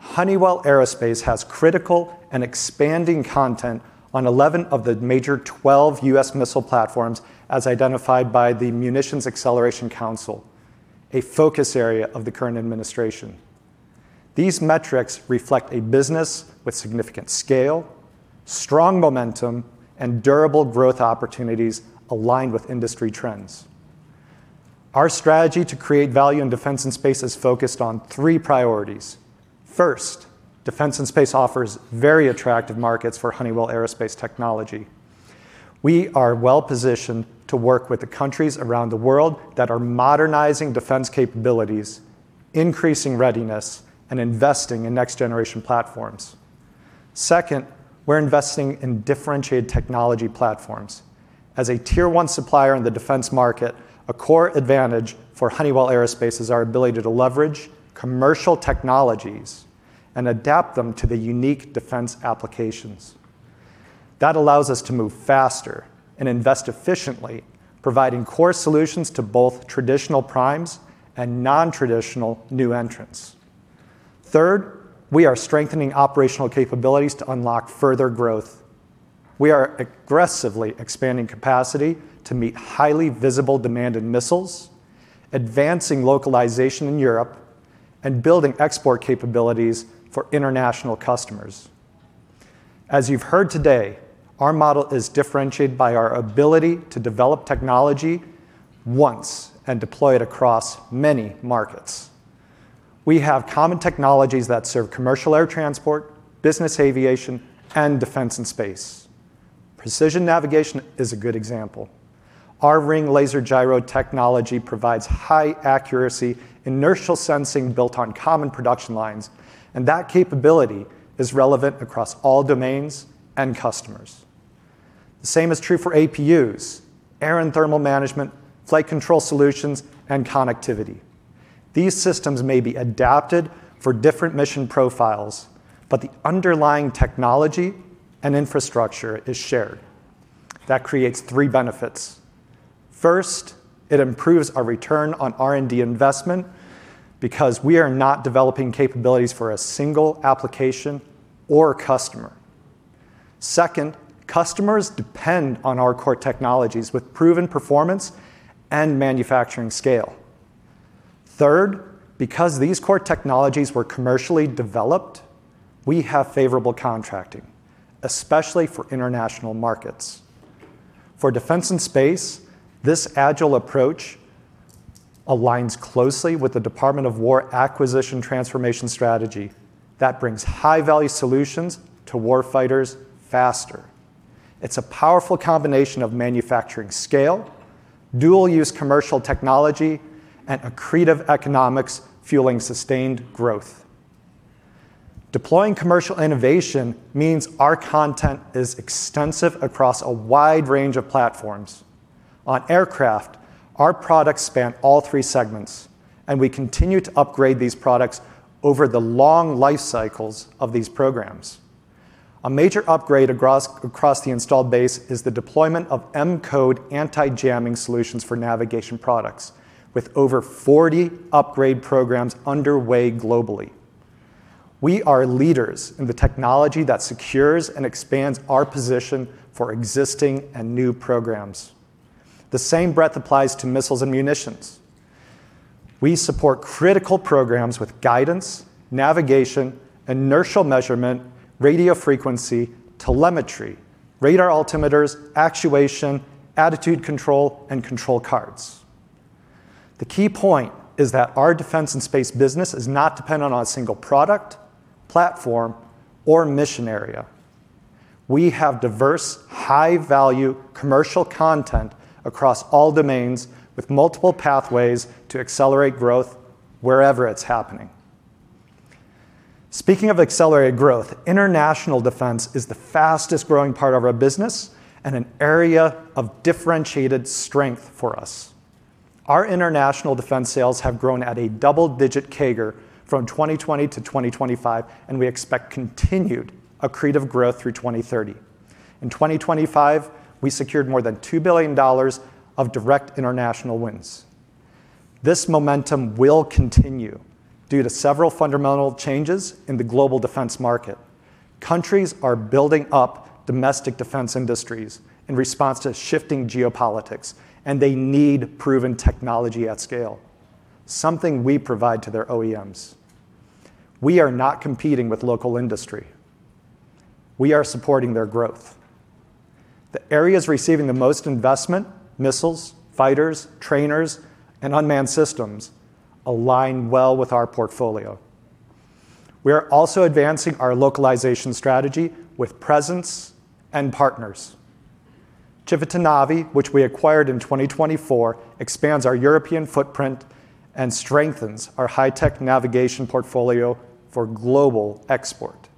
Honeywell Aerospace has critical and expanding content on 11 of the major 12 U.S. missile platforms as identified by the Munitions Acceleration Council, a focus area of the current administration. These metrics reflect a business with significant scale, strong momentum, and durable growth opportunities aligned with industry trends. Our strategy to create value in Defense and Space is focused on three priorities. Defense and Space offers very attractive markets for Honeywell Aerospace technology. We are well-positioned to work with the countries around the world that are modernizing defense capabilities, increasing readiness, and investing in next-generation platforms. We're investing in differentiated technology platforms. As a Tier 1 supplier in the defense market, a core advantage for Honeywell Aerospace is our ability to leverage commercial technologies and adapt them to the unique defense applications. That allows us to move faster and invest efficiently, providing core solutions to both traditional primes and non-traditional new entrants. Third, we are strengthening operational capabilities to unlock further growth. We are aggressively expanding capacity to meet highly visible demand in missiles, advancing localization in Europe, and building export capabilities for international customers. As you've heard today, our model is differentiated by our ability to develop technology once and deploy it across many markets. We have common technologies that serve commercial air transport, business aviation, and Defense and Space. Precision navigation is a good example. Our ring laser gyro technology provides high-accuracy inertial sensing built on common production lines, and that capability is relevant across all domains and customers. The same is true for APUs, air and thermal management, flight control solutions, and connectivity. These systems may be adapted for different mission profiles, but the underlying technology and infrastructure is shared. That creates three benefits. First, it improves our return on R&D investment because we are not developing capabilities for a single application or customer. Second, customers depend on our core technologies with proven performance and manufacturing scale. Third, because these core technologies were commercially developed, we have favorable contracting, especially for international markets. For Defense and Space, this agile approach aligns closely with the Department of War acquisition transformation strategy that brings high-value solutions to war fighters faster. It's a powerful combination of manufacturing scale, dual use commercial technology, and accretive economics fueling sustained growth. Deploying commercial innovation means our content is extensive across a wide range of platforms. On aircraft, our products span all three segments, and we continue to upgrade these products over the long life cycles of these programs. A major upgrade across the installed base is the deployment of M-code anti-jamming solutions for navigation products, with over 40 upgrade programs underway globally. We are leaders in the technology that secures and expands our position for existing and new programs. The same breadth applies to missiles and munitions. We support critical programs with guidance, navigation, inertial measurement, radio frequency, telemetry, radar altimeters, actuation, attitude control, and control cards. The key point is that our Defense and Space business is not dependent on a single product, platform, or mission area. We have diverse, high-value commercial content across all domains, with multiple pathways to accelerate growth wherever it's happening. Speaking of accelerated growth, international defense is the fastest-growing part of our business and an area of differentiated strength for us. Our international defense sales have grown at a double-digit CAGR from 2020 to 2025, and we expect continued accretive growth through 2030. In 2025, we secured more than $2 billion of direct international wins. This momentum will continue due to several fundamental changes in the global defense market. Countries are building up domestic defense industries in response to shifting geopolitics, and they need proven technology at scale, something we provide to their OEMs. We are not competing with local industry. We are supporting their growth. The areas receiving the most investment, missiles, fighters, trainers, and unmanned systems, align well with our portfolio. We are also advancing our localization strategy with presence and partners. Civitanavi, which we acquired in 2024, expands our European footprint and strengthens our high-tech navigation portfolio for global export.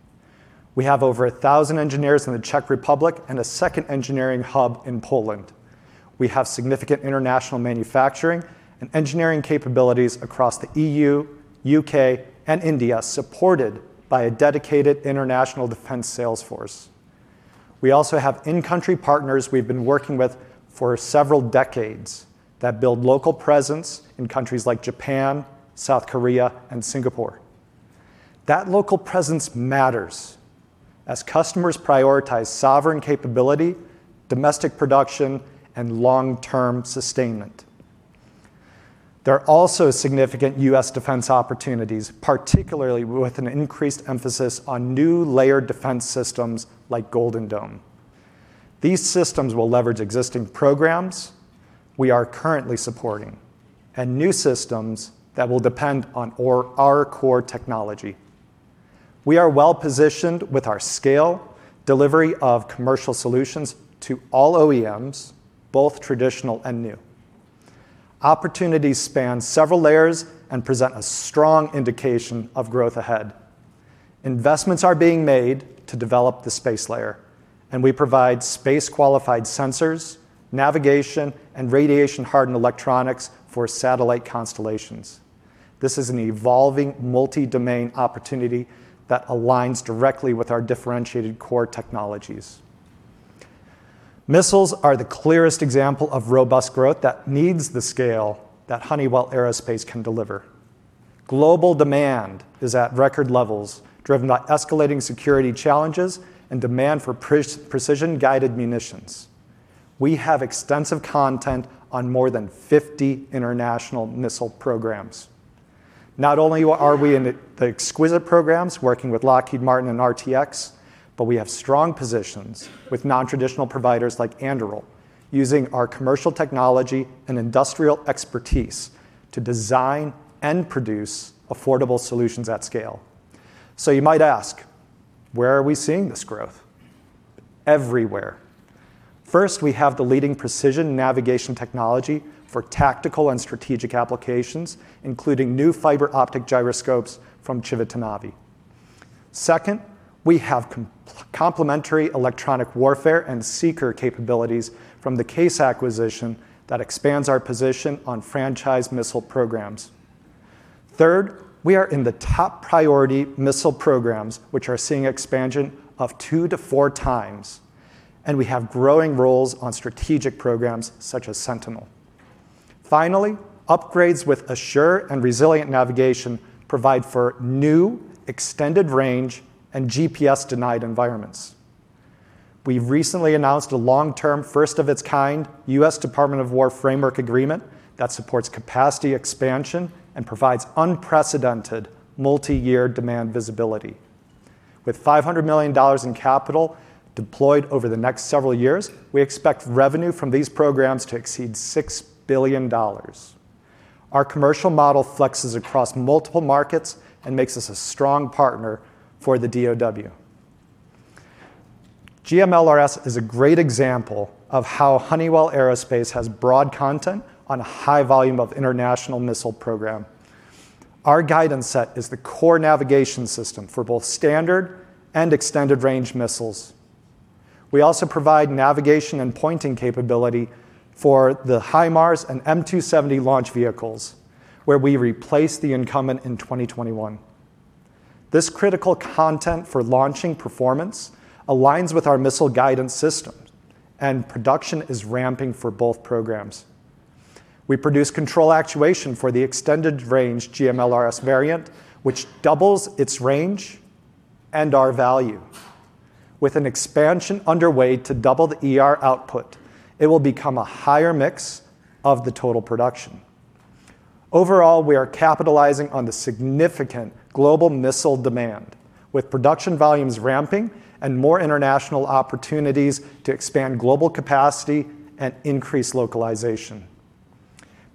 We have over 1,000 engineers in the Czech Republic and a second engineering hub in Poland. We have significant international manufacturing and engineering capabilities across the EU, UK, and India, supported by a dedicated international defense sales force. We also have in-country partners we've been working with for several decades that build local presence in countries like Japan, South Korea, and Singapore. That local presence matters as customers prioritize sovereign capability, domestic production, and long-term sustainment. There are also significant U.S. defense opportunities, particularly with an increased emphasis on new layered defense systems like Golden Dome. These systems will leverage existing programs we are currently supporting and new systems that will depend on our core technology. We are well-positioned with our scale, delivery of commercial solutions to all OEMs, both traditional and new. Opportunities span several layers and present a strong indication of growth ahead. Investments are being made to develop the space layer, and we provide space-qualified sensors, navigation, and radiation-hardened electronics for satellite constellations. This is an evolving multi-domain opportunity that aligns directly with our differentiated core technologies. Missiles are the clearest example of robust growth that needs the scale that Honeywell Aerospace can deliver. Global demand is at record levels, driven by escalating security challenges and demand for precision-guided munitions. We have extensive content on more than 50 international missile programs. Not only are we in the exquisite programs working with Lockheed Martin and RTX, but we have strong positions with non-traditional providers like Anduril, using our commercial technology and industrial expertise to design and produce affordable solutions at scale. You might ask, where are we seeing this growth? Everywhere. First, we have the leading precision navigation technology for tactical and strategic applications, including new fiber optic gyroscopes from Civitanavi. Second, we have complementary electronic warfare and seeker capabilities from the CAES acquisition that expands our position on franchise missile programs. Third, we are in the top priority missile programs, which are seeing expansion of two to four times, and we have growing roles on strategic programs such as Sentinel. Finally, upgrades with Assured and resilient navigation provide for new extended range and GPS-denied environments. We've recently announced a long-term, first-of-its-kind U.S. Department of War framework agreement that supports capacity expansion and provides unprecedented multi-year demand visibility. With $500 million in capital deployed over the next several years, we expect revenue from these programs to exceed $6 billion. Our commercial model flexes across multiple markets and makes us a strong partner for the DOW. GMLRS is a great example of how Honeywell Aerospace has broad content on a high volume of international missile program. Our guidance set is the core navigation system for both standard and extended range missiles. We also provide navigation and pointing capability for the HIMARS and M270 launch vehicles, where we replace the incumbent in 2021. This critical content for launching performance aligns with our missile guidance systems, and production is ramping for both programs. We produce control actuation for the extended range GMLRS variant, which doubles its range and our value. With an expansion underway to double the ER output, it will become a higher mix of the total production. Overall, we are capitalizing on the significant global missile demand, with production volumes ramping and more international opportunities to expand global capacity and increase localization.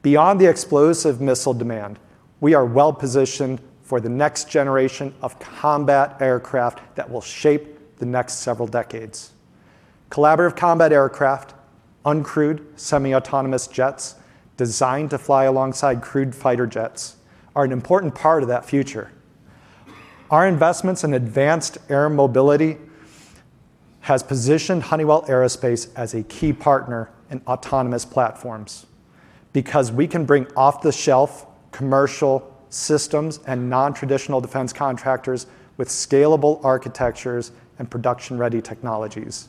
Beyond the explosive missile demand, we are well-positioned for the next generation of combat aircraft that will shape the next several decades. Collaborative combat aircraft, uncrewed semi-autonomous jets designed to fly alongside crewed fighter jets, are an important part of that future. Our investments in advanced air mobility has positioned Honeywell Aerospace as a key partner in autonomous platforms because we can bring off-the-shelf commercial systems and non-traditional defense contractors with scalable architectures and production-ready technologies.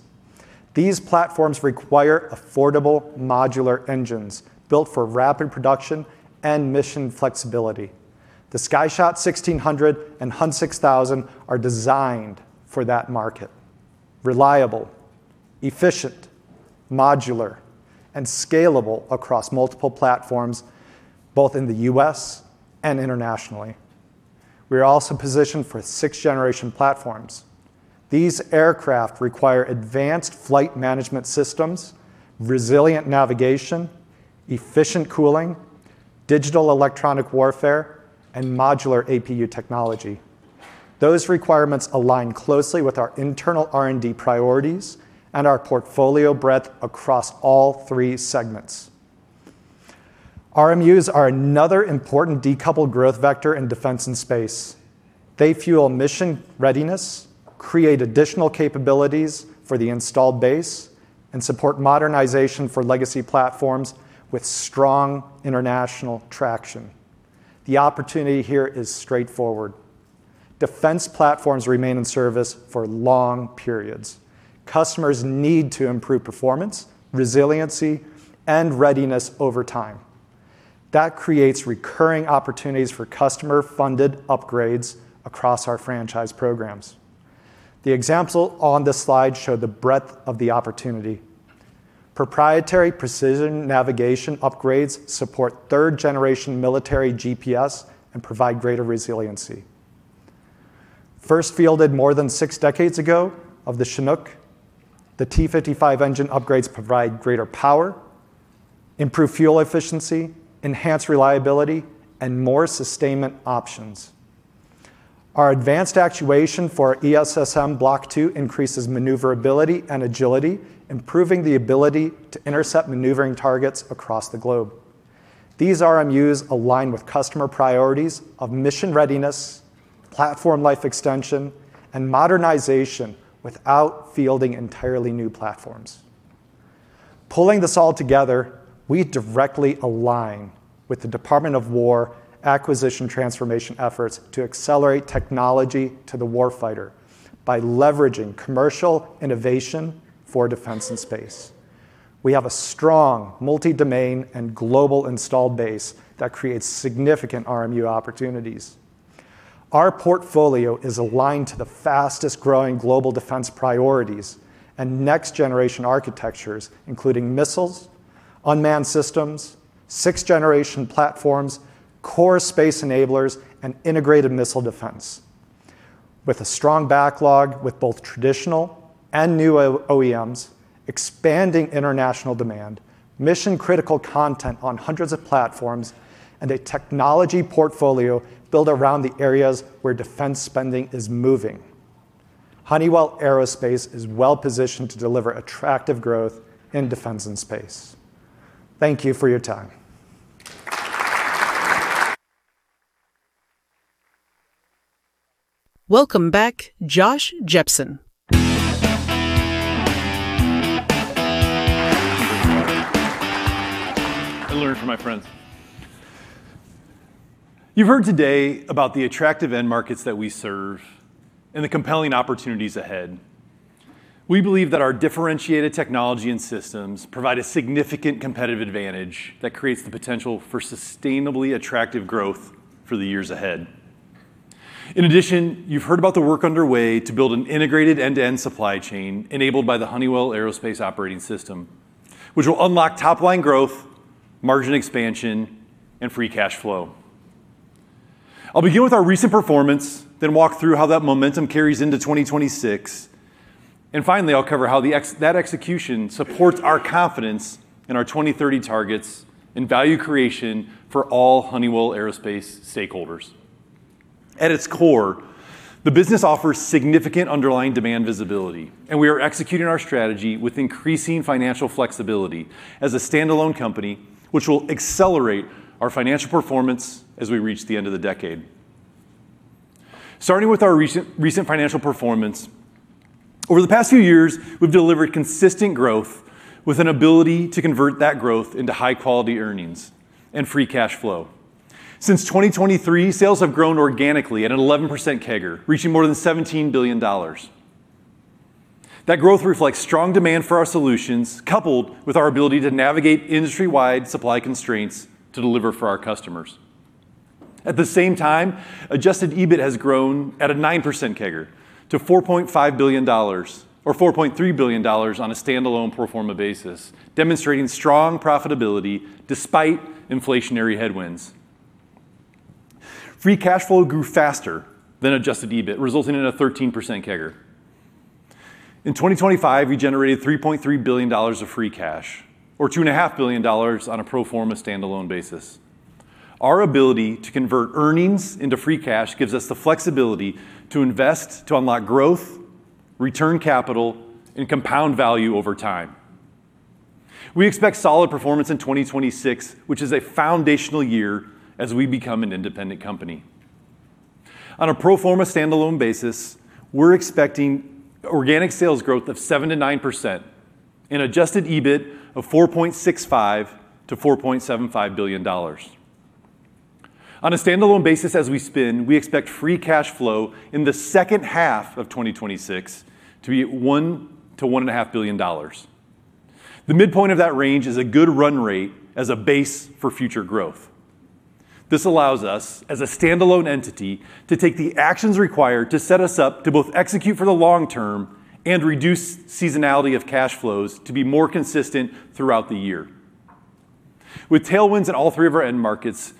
These platforms require affordable modular engines built for rapid production and mission flexibility. The SkyShot 1600 and HON6000 are designed for that market: reliable, efficient, modular, and scalable across multiple platforms, both in the U.S. and internationally. We're also positioned for sixth-generation platforms. These aircraft require advanced flight management systems, resilient navigation, efficient cooling, digital electronic warfare, and modular APU technology. Those requirements align closely with our internal R&D priorities and our portfolio breadth across all three segments. RMUs are another important decoupled growth vector in Defense and Space. They fuel mission readiness, create additional capabilities for the installed base, and support modernization for legacy platforms with strong international traction. The opportunity here is straightforward. Defense platforms remain in service for long periods. Customers need to improve performance, resiliency, and readiness over time. That creates recurring opportunities for customer-funded upgrades across our franchise programs. The examples on this slide show the breadth of the opportunity. Proprietary precision navigation upgrades support third-generation military GPS and provide greater resiliency. First fielded more than six decades ago of the Chinook, the T55 engine upgrades provide greater power, improve fuel efficiency, enhance reliability, and more sustainment options. Our advanced actuation for ESSM Block 2 increases maneuverability and agility, improving the ability to intercept maneuvering targets across the globe. These RMUs align with customer priorities of mission readiness, platform life extension, and modernization without fielding entirely new platforms. Pulling this all together, we directly align with the Department of War acquisition transformation efforts to accelerate technology to the war fighter by leveraging commercial innovation for Defense and Space. We have a strong multi-domain and global installed base that creates significant RMU opportunities. Our portfolio is aligned to the fastest-growing global defense priorities and next-generation architectures, including missiles, unmanned systems, sixth-generation platforms, core space enablers, and integrated missile defense. With a strong backlog with both traditional and new OEMs, expanding international demand, mission-critical content on hundreds of platforms, and a technology portfolio built around the areas where Defense and Space spending is moving, Honeywell Aerospace is well-positioned to deliver attractive growth in Defense and Space. Thank you for your time. Welcome back, Josh Jepsen. I learned from my friends. You've heard today about the attractive end markets that we serve and the compelling opportunities ahead. We believe that our differentiated technology and systems provide a significant competitive advantage that creates the potential for sustainably attractive growth for the years ahead. You've heard about the work underway to build an integrated end-to-end supply chain enabled by the Honeywell Aerospace Operating System, which will unlock top-line growth, margin expansion, and free cash flow. I'll begin with our recent performance, then walk through how that momentum carries into 2026, and finally, I'll cover how that execution supports our confidence in our 2030 targets and value creation for all Honeywell Aerospace stakeholders. At its core, the business offers significant underlying demand visibility, and we are executing our strategy with increasing financial flexibility as a standalone company, which will accelerate our financial performance as we reach the end of the decade. Starting with our recent financial performance. Over the past few years, we've delivered consistent growth with an ability to convert that growth into high-quality earnings and free cash flow. Since 2023, sales have grown organically at an 11% CAGR, reaching more than $17 billion. That growth reflects strong demand for our solutions, coupled with our ability to navigate industry-wide supply constraints to deliver for our customers. At the same time, adjusted EBIT has grown at a 9% CAGR to $4.5 billion, or $4.3 billion on a standalone pro forma basis, demonstrating strong profitability despite inflationary headwinds. Free cash flow grew faster than adjusted EBIT, resulting in a 13% CAGR. In 2025, we generated $3.3 billion of free cash, or $2.5 billion on a pro forma standalone basis. Our ability to convert earnings into free cash gives us the flexibility to invest to unlock growth, return capital, and compound value over time. We expect solid performance in 2026, which is a foundational year as we become an independent company. On a pro forma standalone basis, we're expecting organic sales growth of 7%-9% and adjusted EBIT of $4.65 billion-$4.75 billion. On a standalone basis as we spin, we expect free cash flow in the second half of 2026 to be $1 billion-$1.5 billion. The midpoint of that range is a good run rate as a base for future growth. This allows us, as a standalone entity, to take the actions required to set us up to both execute for the long term and reduce seasonality of cash flows to be more consistent throughout the year. With tailwinds at all three of our end markets,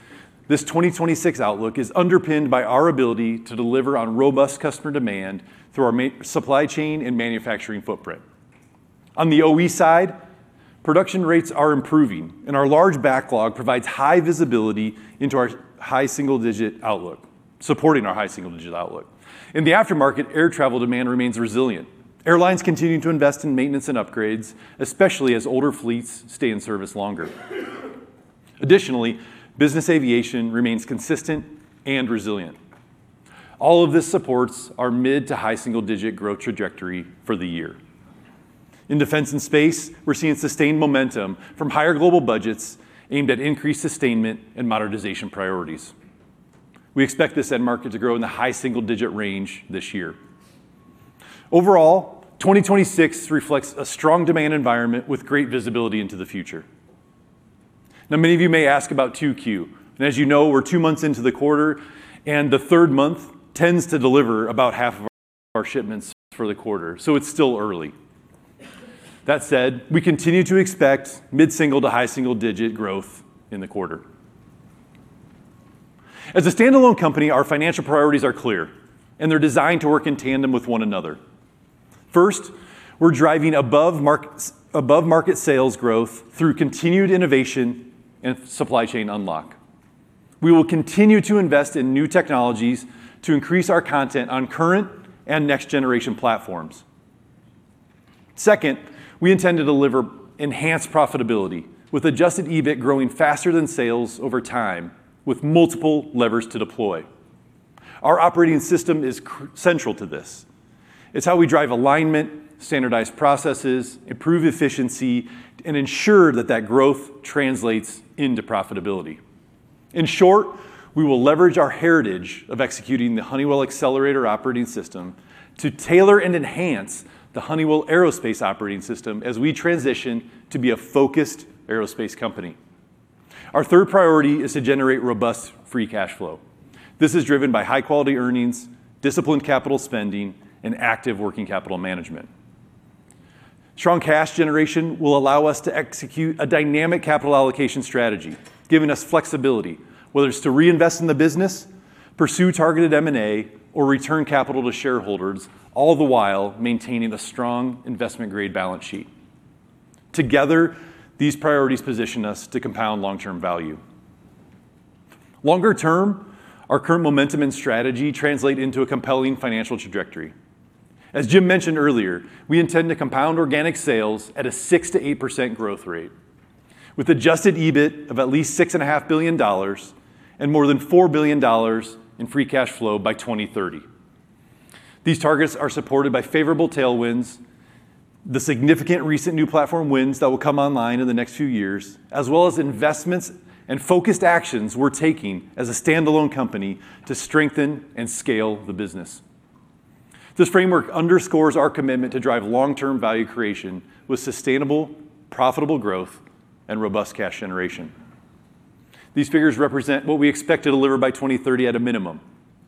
this 2026 outlook is underpinned by our ability to deliver on robust customer demand through our supply chain and manufacturing footprint. On the OE side, production rates are improving, and our large backlog provides high visibility into our high single-digit outlook, supporting our high single-digit outlook. In the aftermarket, air travel demand remains resilient. Airlines continue to invest in maintenance and upgrades, especially as older fleets stay in service longer. Additionally, business aviation remains consistent and resilient. All of this supports our mid to high single-digit growth trajectory for the year. In Defense and Space, we're seeing sustained momentum from higher global budgets aimed at increased sustainment and modernization priorities. We expect this end market to grow in the high single-digit range this year. Overall, 2026 reflects a strong demand environment with great visibility into the future. Many of you may ask about 2Q, and as you know, we're two months into the quarter, and the third month tends to deliver about half of our shipments for the quarter, so it's still early. That said, we continue to expect mid-single to high single-digit growth in the quarter. As a standalone company, our financial priorities are clear, and they're designed to work in tandem with one another. First, we're driving above-market sales growth through continued innovation and supply chain unlock. We will continue to invest in new technologies to increase our content on current and next-generation platforms. Second, we intend to deliver enhanced profitability with adjusted EBIT growing faster than sales over time with multiple levers to deploy. Our operating system is central to this. It's how we drive alignment, standardized processes, improve efficiency, and ensure that growth translates into profitability. In short, we will leverage our heritage of executing the Honeywell Accelerator operating system to tailor and enhance the Honeywell Aerospace Operating System as we transition to be a focused aerospace company. Our third priority is to generate robust free cash flow. This is driven by high-quality earnings, disciplined capital spending, and active working capital management. Strong cash generation will allow us to execute a dynamic capital allocation strategy, giving us flexibility, whether it's to reinvest in the business, pursue targeted M&A, or return capital to shareholders, all the while maintaining a strong investment-grade balance sheet. Together, these priorities position us to compound long-term value. Longer term, our current momentum and strategy translate into a compelling financial trajectory. As Jim mentioned earlier, we intend to compound organic sales at a 6%-8% growth rate with adjusted EBIT of at least $6.5 billion and more than $4 billion in free cash flow by 2030. These targets are supported by favorable tailwinds, the significant recent new platform wins that will come online in the next few years, as well as investments and focused actions we're taking as a standalone company to strengthen and scale the business. This framework underscores our commitment to drive long-term value creation with sustainable, profitable growth, and robust cash generation. These figures represent what we expect to deliver by 2030 at a minimum.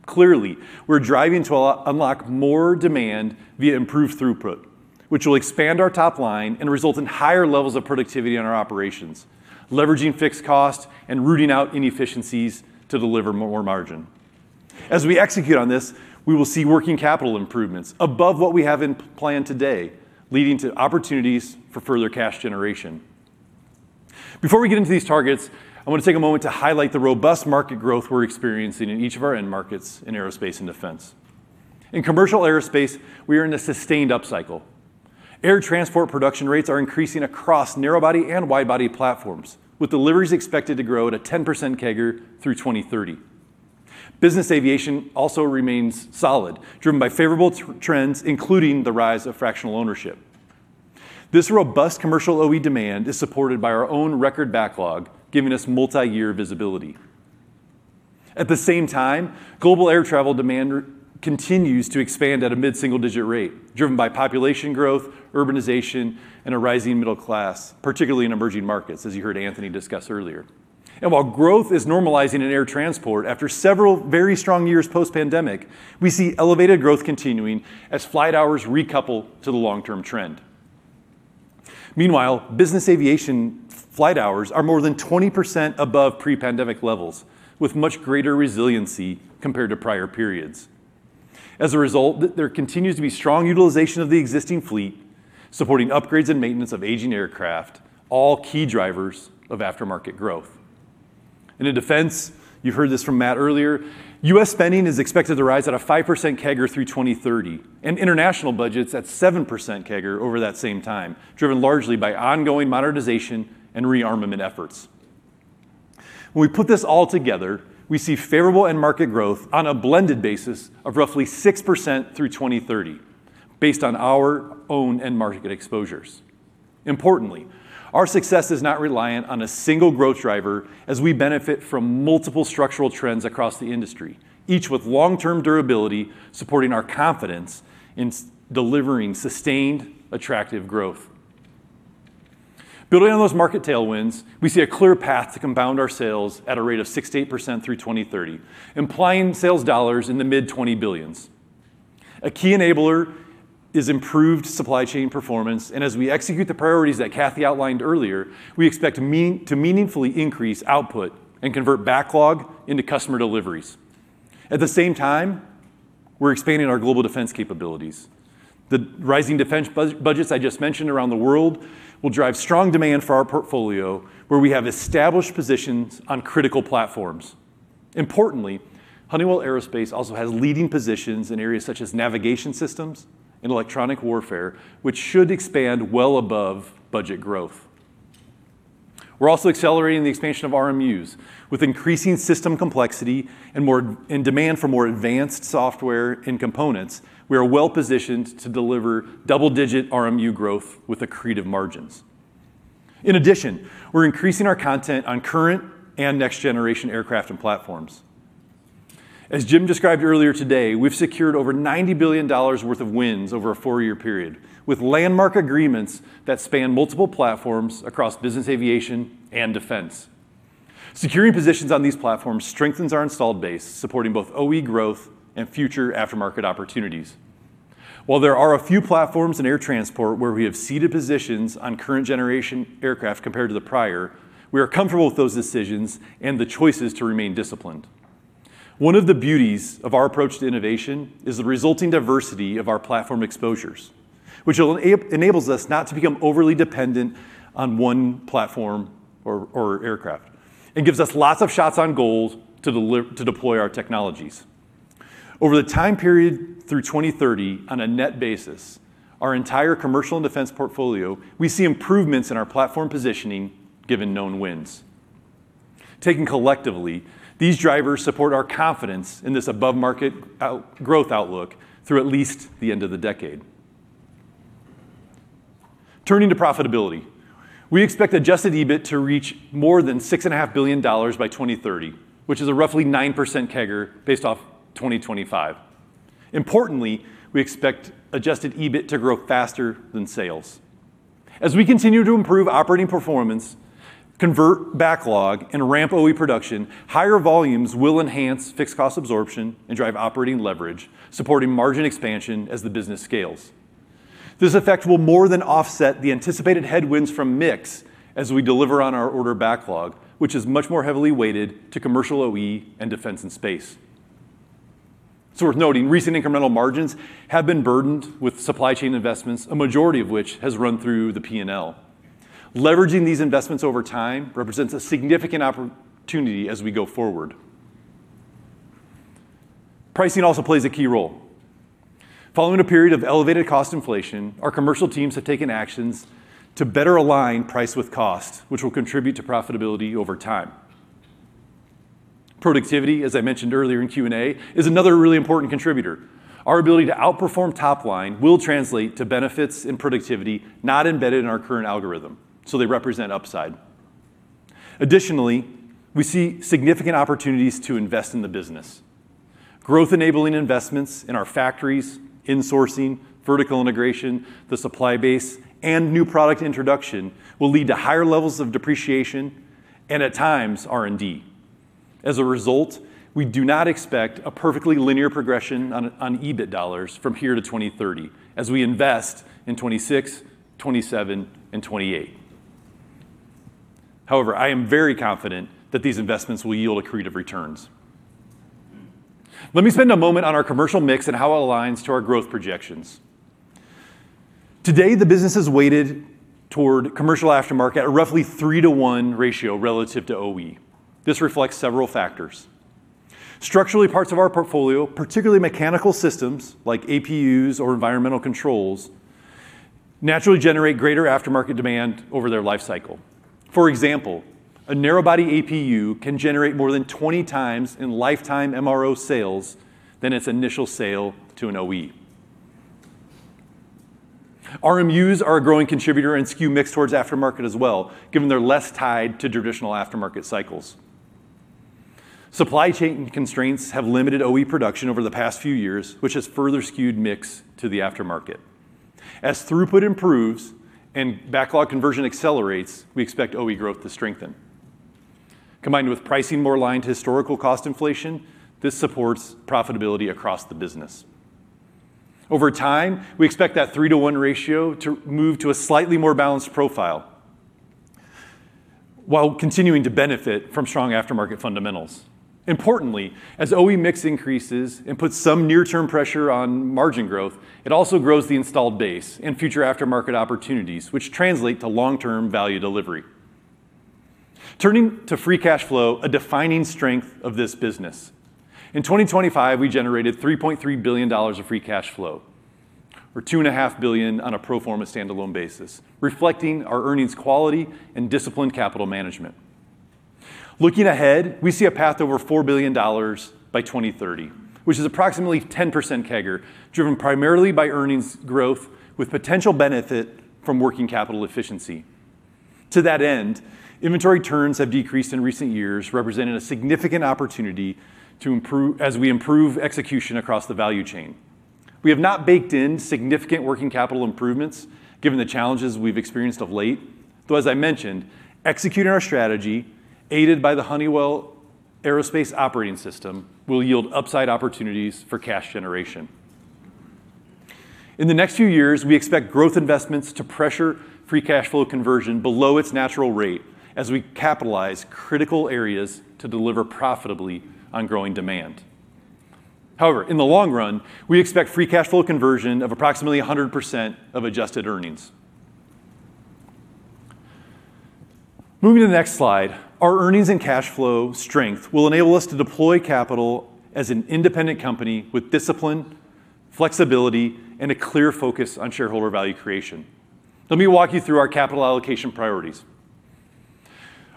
Clearly, we're driving to unlock more demand via improved throughput, which will expand our top line and result in higher levels of productivity in our operations, leveraging fixed costs and rooting out inefficiencies to deliver more margin. As we execute on this, we will see working capital improvements above what we have in plan today, leading to opportunities for further cash generation. Before we get into these targets, I want to take a moment to highlight the robust market growth we're experiencing in each of our end markets in aerospace and defense. In commercial aerospace, we are in a sustained upcycle. Air transport production rates are increasing across narrow-body and wide-body platforms, with deliveries expected to grow at a 10% CAGR through 2030. Business aviation also remains solid, driven by favorable trends, including the rise of fractional ownership. This robust commercial OE demand is supported by our own record backlog, giving us multi-year visibility. At the same time, global air travel demand continues to expand at a mid-single-digit rate, driven by population growth, urbanization, and a rising middle class, particularly in emerging markets, as you heard Anthony discuss earlier. While growth is normalizing in air transport after several very strong years post-pandemic, we see elevated growth continuing as flight hours recouple to the long-term trend. Meanwhile, business aviation flight hours are more than 20% above pre-pandemic levels, with much greater resiliency compared to prior periods. As a result, there continues to be strong utilization of the existing fleet, supporting upgrades and maintenance of aging aircraft, all key drivers of aftermarket growth. In defense, you heard this from Matt earlier, U.S. spending is expected to rise at a 5% CAGR through 2030, and international budgets at 7% CAGR over that same time, driven largely by ongoing modernization and rearmament efforts. When we put this all together, we see favorable end market growth on a blended basis of roughly 6% through 2030, based on our own end market exposures. Importantly, our success is not reliant on a single growth driver as we benefit from multiple structural trends across the industry, each with long-term durability supporting our confidence in delivering sustained attractive growth. Building on those market tailwinds, we see a clear path to compound our sales at a rate of 6%-8% through 2030, implying sales dollars in the $mid-20 billions. A key enabler is improved supply chain performance, and as we execute the priorities that Kathy outlined earlier, we expect to meaningfully increase output and convert backlog into customer deliveries. At the same time, we're expanding our global defense capabilities. The rising defense budgets I just mentioned around the world will drive strong demand for our portfolio where we have established positions on critical platforms. Importantly, Honeywell Aerospace also has leading positions in areas such as navigation systems and electronic warfare, which should expand well above budget growth. We're also accelerating the expansion of RMUs. With increasing system complexity and demand for more advanced software and components, we are well-positioned to deliver double-digit RMU growth with accretive margins. In addition, we're increasing our content on current and next-generation aircraft and platforms. As Jim described earlier today, we've secured over $90 billion worth of wins over a four-year period, with landmark agreements that span multiple platforms across business aviation and defense. Securing positions on these platforms strengthens our installed base, supporting both OE growth and future aftermarket opportunities. While there are a few platforms in air transport where we have ceded positions on current generation aircraft compared to the prior, we are comfortable with those decisions and the choices to remain disciplined. One of the beauties of our approach to innovation is the resulting diversity of our platform exposures, which enables us not to become overly dependent on one platform or aircraft and gives us lots of shots on goal to deploy our technologies. Over the time period through 2030, on a net basis, our entire commercial and defense portfolio, we see improvements in our platform positioning given known wins. Taken collectively, these drivers support our confidence in this above-market growth outlook through at least the end of the decade. Turning to profitability, we expect adjusted EBIT to reach more than $6.5 billion by 2030, which is a roughly 9% CAGR based off 2025. Importantly, we expect adjusted EBIT to grow faster than sales. As we continue to improve operating performance, convert backlog, and ramp OE production, higher volumes will enhance fixed cost absorption and drive operating leverage, supporting margin expansion as the business scales. This effect will more than offset the anticipated headwinds from mix as we deliver on our order backlog, which is much more heavily weighted to commercial OE and Defense and Space. It's worth noting recent incremental margins have been burdened with supply chain investments, a majority of which has run through the P&L. Leveraging these investments over time represents a significant opportunity as we go forward. Pricing also plays a key role. Following a period of elevated cost inflation, our commercial teams have taken actions to better align price with cost, which will contribute to profitability over time. Productivity, as I mentioned earlier in Q&A, is another really important contributor. Our ability to outperform top line will translate to benefits in productivity not embedded in our current algorithm, so they represent upside. Additionally, we see significant opportunities to invest in the business. Growth-enabling investments in our factories, insourcing, vertical integration, the supply base, and new product introduction will lead to higher levels of depreciation and, at times, R&D. As a result, we do not expect a perfectly linear progression on EBIT dollars from here to 2030 as we invest in 2026, 2027, and 2028. However, I am very confident that these investments will yield accretive returns. Let me spend a moment on our commercial mix and how it aligns to our growth projections. Today, the business is weighted toward commercial aftermarket at a roughly 3:1 ratio relative to OE. This reflects several factors. Structurally, parts of our portfolio, particularly mechanical systems like APUs or environmental controls, naturally generate greater aftermarket demand over their life cycle. For example, a narrow body APU can generate more than 20 times in lifetime MRO sales than its initial sale to an OE. RMUs are a growing contributor and skew mix towards aftermarket as well, given they're less tied to traditional aftermarket cycles. Supply chain constraints have limited OE production over the past few years, which has further skewed mix to the aftermarket. As throughput improves and backlog conversion accelerates, we expect OE growth to strengthen. Combined with pricing more aligned to historical cost inflation, this supports profitability across the business. Over time, we expect that 3:1 ratio to move to a slightly more balanced profile while continuing to benefit from strong aftermarket fundamentals. Importantly, as OE mix increases and puts some near-term pressure on margin growth, it also grows the installed base and future aftermarket opportunities, which translate to long-term value delivery. Turning to free cash flow, a defining strength of this business. In 2025, we generated $3.3 billion of free cash flow, or $2.5 billion on a pro forma standalone basis, reflecting our earnings quality and disciplined capital management. Looking ahead, we see a path over $4 billion by 2030, which is approximately 10% CAGR, driven primarily by earnings growth with potential benefit from working capital efficiency. To that end, inventory turns have decreased in recent years, representing a significant opportunity as we improve execution across the value chain. We have not baked in significant working capital improvements given the challenges we've experienced of late, though as I mentioned, executing our strategy aided by the Honeywell Aerospace Operating System will yield upside opportunities for cash generation. In the next few years, we expect growth investments to pressure free cash flow conversion below its natural rate as we capitalize critical areas to deliver profitably on growing demand. However, in the long run, we expect free cash flow conversion of approximately 100% of adjusted earnings. Moving to the next slide, our earnings and cash flow strength will enable us to deploy capital as an independent company with discipline, flexibility, and a clear focus on shareholder value creation. Let me walk you through our capital allocation priorities.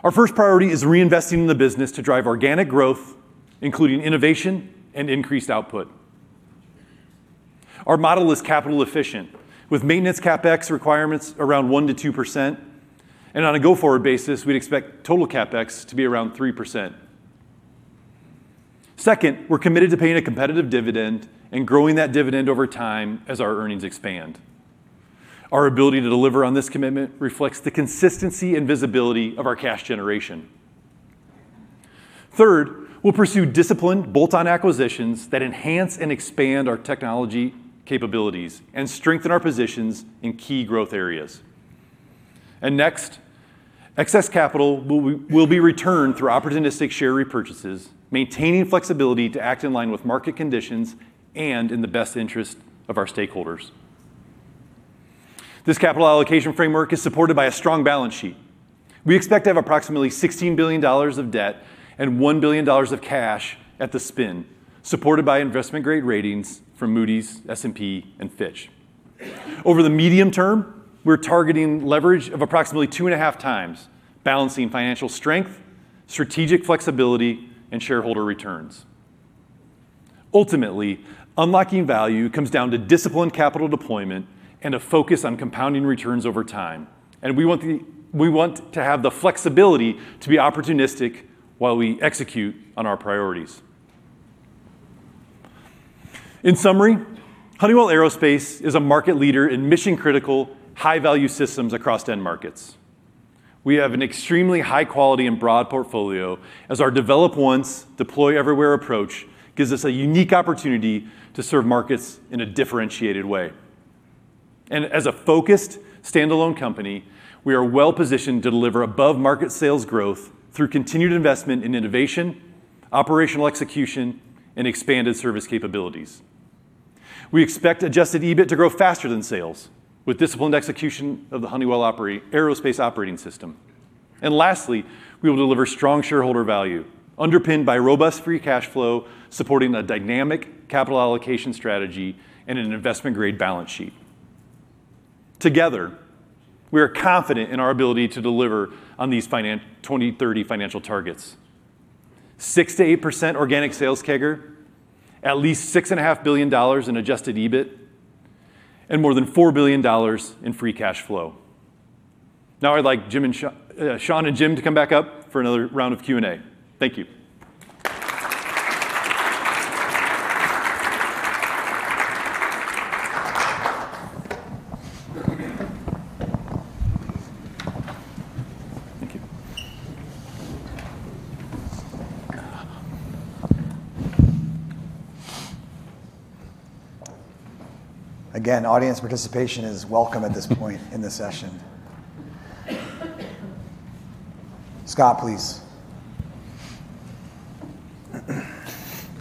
Our first priority is reinvesting in the business to drive organic growth, including innovation and increased output. Our model is capital efficient with maintenance CapEx requirements around 1%-2%. On a go-forward basis, we'd expect total CapEx to be around 3%. Second, we're committed to paying a competitive dividend and growing that dividend over time as our earnings expand. Our ability to deliver on this commitment reflects the consistency and visibility of our cash generation. Third, we'll pursue disciplined bolt-on acquisitions that enhance and expand our technology capabilities and strengthen our positions in key growth areas. Next, excess capital will be returned through opportunistic share repurchases, maintaining flexibility to act in line with market conditions and in the best interest of our stakeholders. This capital allocation framework is supported by a strong balance sheet. We expect to have approximately $16 billion of debt and $1 billion of cash at the spin, supported by investment-grade ratings from Moody's, S&P, and Fitch. Over the medium term, we're targeting leverage of approximately 2.5x, balancing financial strength, strategic flexibility, and shareholder returns. Ultimately, unlocking value comes down to disciplined capital deployment and a focus on compounding returns over time. We want to have the flexibility to be opportunistic while we execute on our priorities. In summary, Honeywell Aerospace is a market leader in mission-critical, high-value systems across end markets. We have an extremely high quality and broad portfolio as our develop once, deploy everywhere approach gives us a unique opportunity to serve markets in a differentiated way. As a focused standalone company, we are well-positioned to deliver above-market sales growth through continued investment in innovation, operational execution, and expanded service capabilities. We expect adjusted EBIT to grow faster than sales with disciplined execution of the Honeywell Aerospace Operating System. Lastly, we will deliver strong shareholder value underpinned by robust free cash flow, supporting a dynamic capital allocation strategy and an investment-grade balance sheet. Together, we are confident in our ability to deliver on these 2030 financial targets: 6%-8% organic sales CAGR, at least $6.5 billion in adjusted EBIT, and more than $4 billion in free cash flow. Now, I'd like Sean and Jim to come back up for another round of Q&A. Thank you. Again, audience participation is welcome at this point in the session. Scott, please.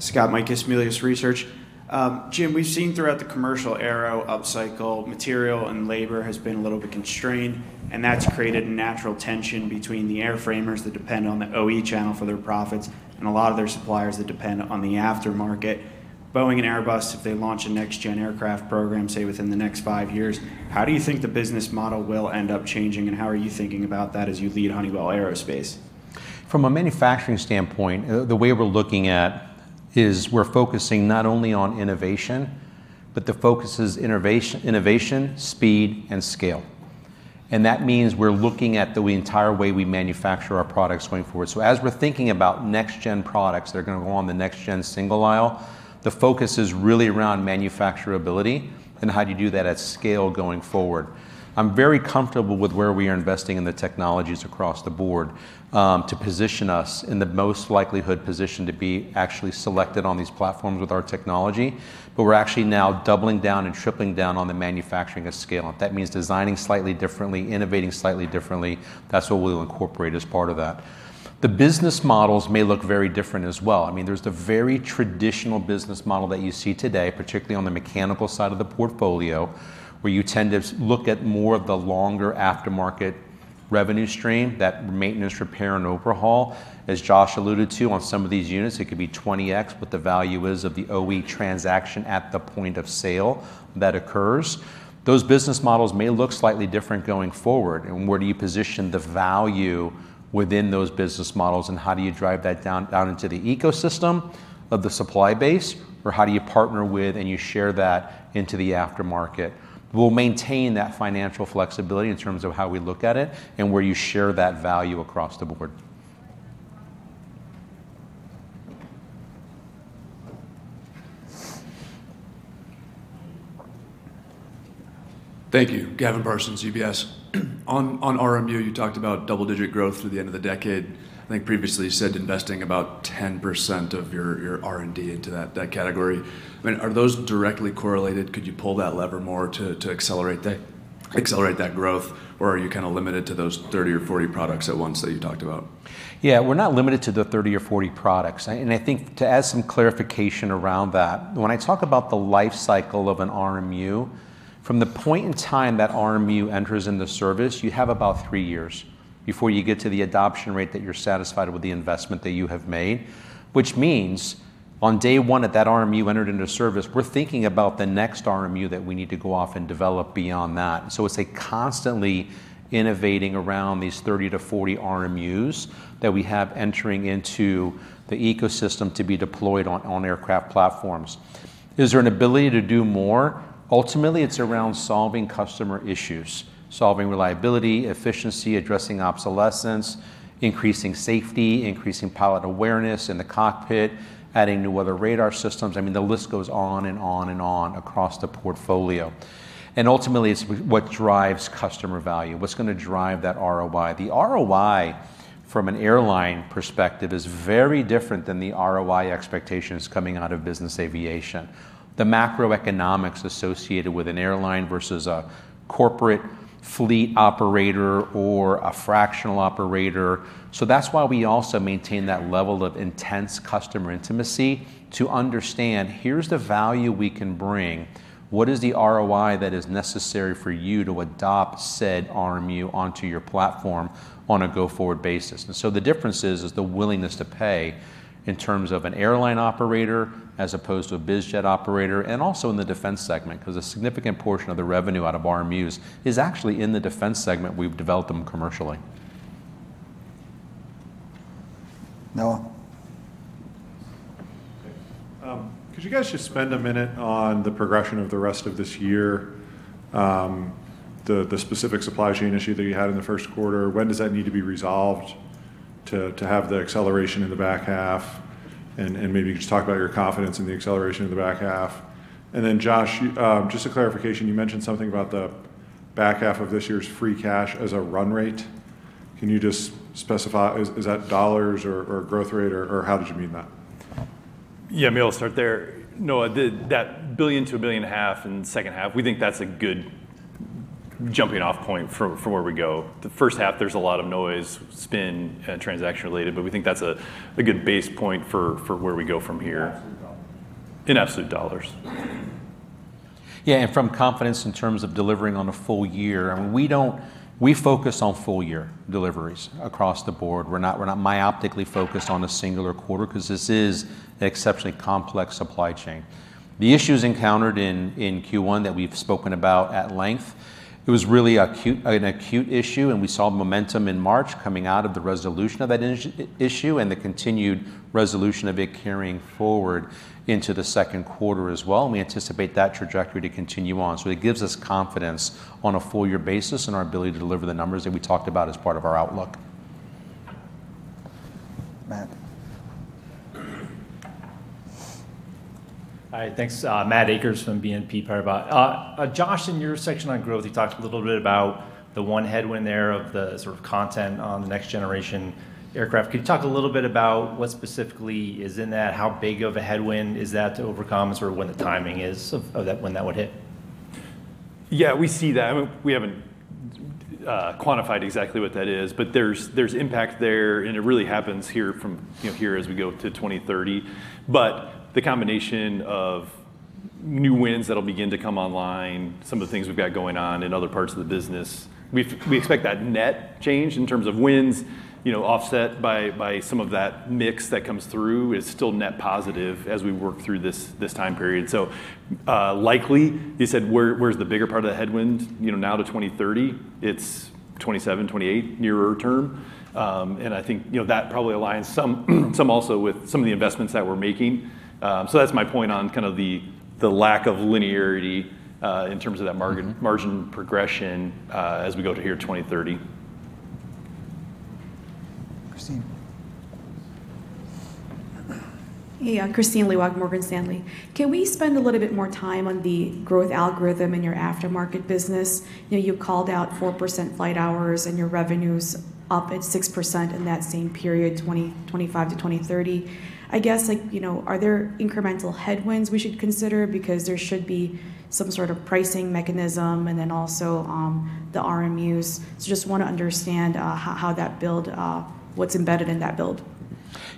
Scott Mikus, Melius Research. Jim, we've seen throughout the commercial aero upcycle, material and labor has been a little bit constrained, and that's created a natural tension between the airframers that depend on the OE channel for their profits and a lot of their suppliers that depend on the aftermarket. Boeing and Airbus, if they launch a next-gen aircraft program, say, within the next five years, how do you think the business model will end up changing, and how are you thinking about that as you lead Honeywell Aerospace? From a manufacturing standpoint, the way we're looking at is we're focusing not only on innovation, but the focus is innovation, speed, and scale. That means we're looking at the entire way we manufacture our products going forward. As we're thinking about next-gen products that are going to go on the next-gen single aisle, the focus is really around manufacturability and how do you do that at scale going forward. I'm very comfortable with where we are investing in the technologies across the board to position us in the most likelihood position to be actually selected on these platforms with our technology, but we're actually now doubling down and tripling down on the manufacturing of scale. That means designing slightly differently, innovating slightly differently. That's what we'll incorporate as part of that. The business models may look very different as well. There's the very traditional business model that you see today, particularly on the mechanical side of the portfolio, where you tend to look at more of the longer aftermarket revenue stream, that maintenance repair and overhaul. As Josh alluded to, on some of these units, it could be 20x what the value is of the OE transaction at the point of sale that occurs. Those business models may look slightly different going forward. Where do you position the value within those business models, and how do you drive that down into the ecosystem of the supply base? How do you partner with and you share that into the aftermarket? We'll maintain that financial flexibility in terms of how we look at it and where you share that value across the board. Thank you. Gavin Parsons, UBS. On RMU, you talked about double-digit growth through the end of the decade. I think previously, you said investing about 10% of your R&D into that category. Are those directly correlated? Could you pull that lever more to accelerate that growth, or are you kind of limited to those 30 or 40 products at once that you talked about? Yeah, we're not limited to the 30 or 40 products. I think to add some clarification around that, when I talk about the life cycle of an RMU, from the point in time that RMU enters into service, you have about three years before you get to the adoption rate that you're satisfied with the investment that you have made, which means on day one that that RMU entered into service, we're thinking about the next RMU that we need to go off and develop beyond that. It's a constantly innovating around these 30 to 40 RMU that we have entering into the ecosystem to be deployed on aircraft platforms. Is there an ability to do more? Ultimately, it's around solving customer issues, solving reliability, efficiency, addressing obsolescence, increasing safety, increasing pilot awareness in the cockpit, adding new weather radar systems. The list goes on and on and on across the portfolio. Ultimately, it's what drives customer value. What's going to drive that ROI? The ROI from an airline perspective is very different than the ROI expectations coming out of business aviation. The macroeconomics associated with an airline versus a corporate fleet operator or a fractional operator. That's why we also maintain that level of intense customer intimacy to understand here's the value we can bring. What is the ROI that is necessary for you to adopt said RMU onto your platform on a go-forward basis? The difference is the willingness to pay in terms of an airline operator as opposed to a biz jet operator, and also in the defense segment, because a significant portion of the revenue out of RMU is actually in the defense segment. We've developed them commercially. Noah. Could you guys just spend a minute on the progression of the rest of this year, the specific supply chain issue that you had in the first quarter? When does that need to be resolved to have the acceleration in the back half? Maybe you could just talk about your confidence in the acceleration in the back half. Then Josh, just a clarification, you mentioned something about the back half of this year's free cash as a run rate. Can you just specify, is that dollars or growth rate, or how did you mean that? Yeah, maybe I'll start there. Noah, that $1 billion-$1.5 billion in the second half, we think that's a good jumping-off point for where we go. The first half, there's a lot of noise, spin, transaction related, but we think that's a good base point for where we go from here. In absolute dollars. In absolute dollars. Yeah, from confidence in terms of delivering on a full year, we focus on full-year deliveries across the board. We're not myopically focused on a singular quarter because this is an exceptionally complex supply chain. The issues encountered in Q1 that we've spoken about at length, it was really an acute issue, and we saw momentum in March coming out of the resolution of that issue, and the continued resolution of it carrying forward into the second quarter as well, and we anticipate that trajectory to continue on. It gives us confidence on a full-year basis in our ability to deliver the numbers that we talked about as part of our outlook. Matt. Hi, thanks. Matt Akers from BNP Paribas. Josh, in your section on growth, you talked a little bit about the one headwind there of the sort of content on the next-generation aircraft. Could you talk a little bit about what specifically is in that? How big of a headwind is that to overcome, sort of when the timing is of when that would hit? Yeah, we see that. We haven't quantified exactly what that is, but there's impact there, and it really happens here as we go to 2030. The combination of new wins that'll begin to come online, some of the things we've got going on in other parts of the business, we expect that net change in terms of wins, offset by some of that mix that comes through, is still net positive as we work through this time period. Likely, you said, where's the bigger part of the headwind now to 2030? It's 2027, 2028, nearer term. I think that probably aligns some also with some of the investments that we're making. That's my point on kind of the lack of linearity in terms of that margin progression as we go to here 2030. Kristine. Hey, Kristine Liwag, Morgan Stanley. Can we spend a little bit more time on the growth algorithm in your aftermarket business? You called out 4% flight hours and your revenues up at 6% in that same period, 2025 to 2030. I guess, are there incremental headwinds we should consider because there should be some sort of pricing mechanism and then also the RMU. Just want to understand what's embedded in that build.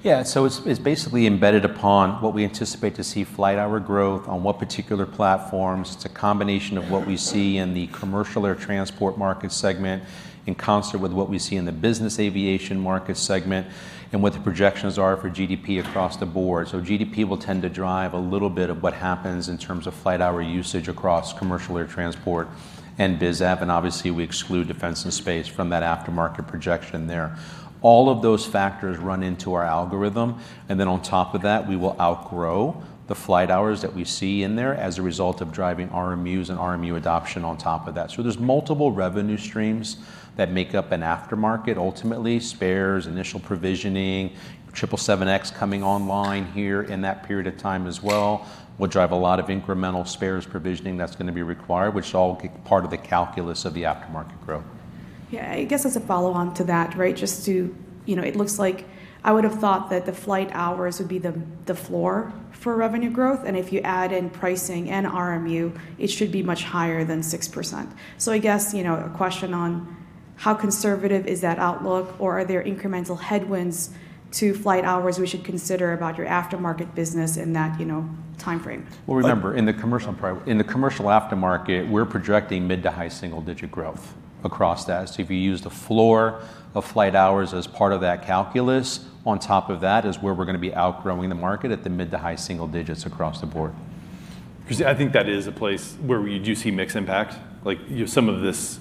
Yeah. It's basically embedded upon what we anticipate to see flight hour growth on what particular platforms. It's a combination of what we see in the commercial air transport market segment in concert with what we see in the business aviation market segment and what the projections are for GDP across the board. GDP will tend to drive a little bit of what happens in terms of flight hour usage across commercial air transport and BizAv, and obviously we exclude Defense and Space from that aftermarket projection there. All of those factors run into our algorithm, and then on top of that, we will outgrow the flight hours that we see in there as a result of driving RMU and RMU adoption on top of that. There's multiple revenue streams that make up an aftermarket, ultimately spares, initial provisioning, 777X coming online here in that period of time as well, will drive a lot of incremental spares provisioning that's going to be required, which is all part of the calculus of the aftermarket growth. Yeah, I guess as a follow on to that, it looks like I would have thought that the flight hours would be the floor for revenue growth, and if you add in pricing and RMU, it should be much higher than 6%. I guess, a question on how conservative is that outlook, or are there incremental headwinds to flight hours we should consider about your aftermarket business in that timeframe? Well, remember, in the commercial aftermarket, we're projecting mid to high single-digit growth across that. If you use the floor of flight hours as part of that calculus, on top of that is where we're going to be outgrowing the market at the mid to high single digits across the board. Kristine, I think that is a place where we do see mix impact, like some of this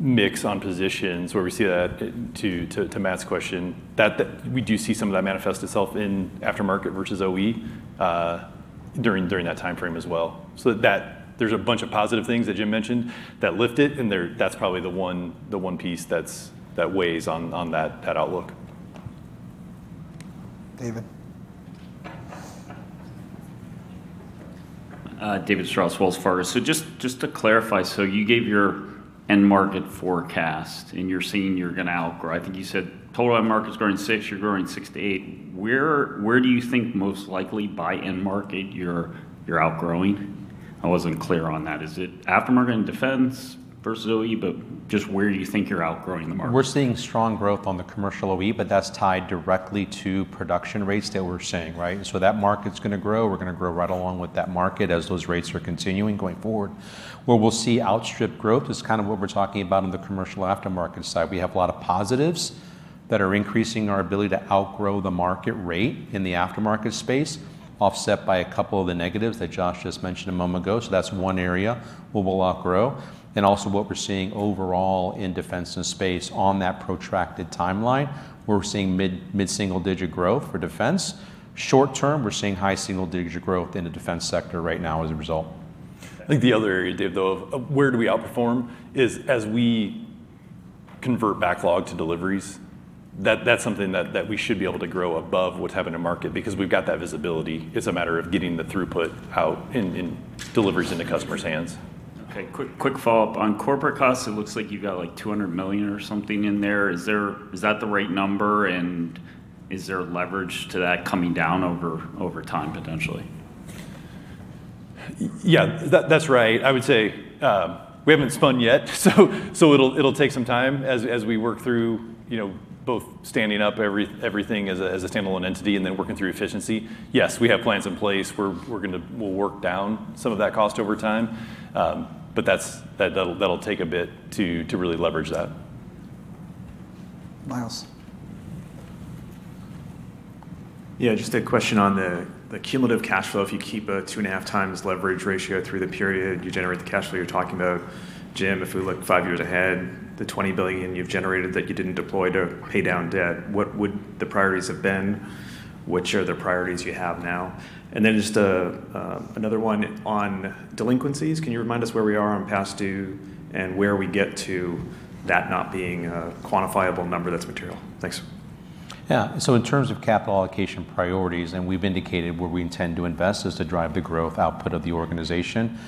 mix on positions where we see that, to Matt's question, that we do see some of that manifest itself in aftermarket versus OE during that timeframe as well. There's a bunch of positive things that Jim mentioned that lift it, and that's probably the one piece that weighs on that outlook. David. David Strauss, Wells Fargo. Just to clarify, so you gave your end market forecast and you're saying you're going to outgrow. I think you said total end market's growing 6%, you're growing 6%-8%. Where do you think most likely by end market you're outgrowing? I wasn't clear on that. Is it aftermarket and defense versus OE, but just where do you think you're outgrowing the market? We're seeing strong growth on the commercial OE, that's tied directly to production rates that we're seeing, right? That market's going to grow. We're going to grow right along with that market as those rates are continuing going forward. Where we'll see outstrip growth is kind of what we're talking about on the commercial aftermarket side. We have a lot of positives that are increasing our ability to outgrow the market rate in the aftermarket space, offset by a couple of the negatives that Josh just mentioned a moment ago. That's one area where we'll outgrow, and also what we're seeing overall in Defense and Space on that protracted timeline, where we're seeing mid-single digit growth for Defense. Short term, we're seeing high single digit growth in the Defense sector right now as a result. I think the other area, Dave, though, of where do we outperform is as we convert backlog to deliveries. That's something that we should be able to grow above what's happening to market because we've got that visibility. It's a matter of getting the throughput out in deliveries into customers' hands. Okay, quick follow-up. On corporate costs, it looks like you've got like $200 million or something in there. Is that the right number, and is there leverage to that coming down over time potentially? Yeah, that's right. I would say we haven't spun yet, so it'll take some time as we work through both standing up everything as a standalone entity and then working through efficiency. Yes, we have plans in place. We'll work down some of that cost over time. That'll take a bit to really leverage that. Myles. Just a question on the cumulative cash flow. If you keep a two and a half times leverage ratio through the period, you generate the cash flow you're talking about. Jim, if we look five years ahead, the $20 billion you've generated that you didn't deploy to pay down debt, what would the priorities have been? Which are the priorities you have now? Just another one on delinquencies. Can you remind us where we are on past due and where we get to that not being a quantifiable number that's material? Thanks. In terms of capital allocation priorities, and we've indicated where we intend to invest is to drive the growth output of the organization.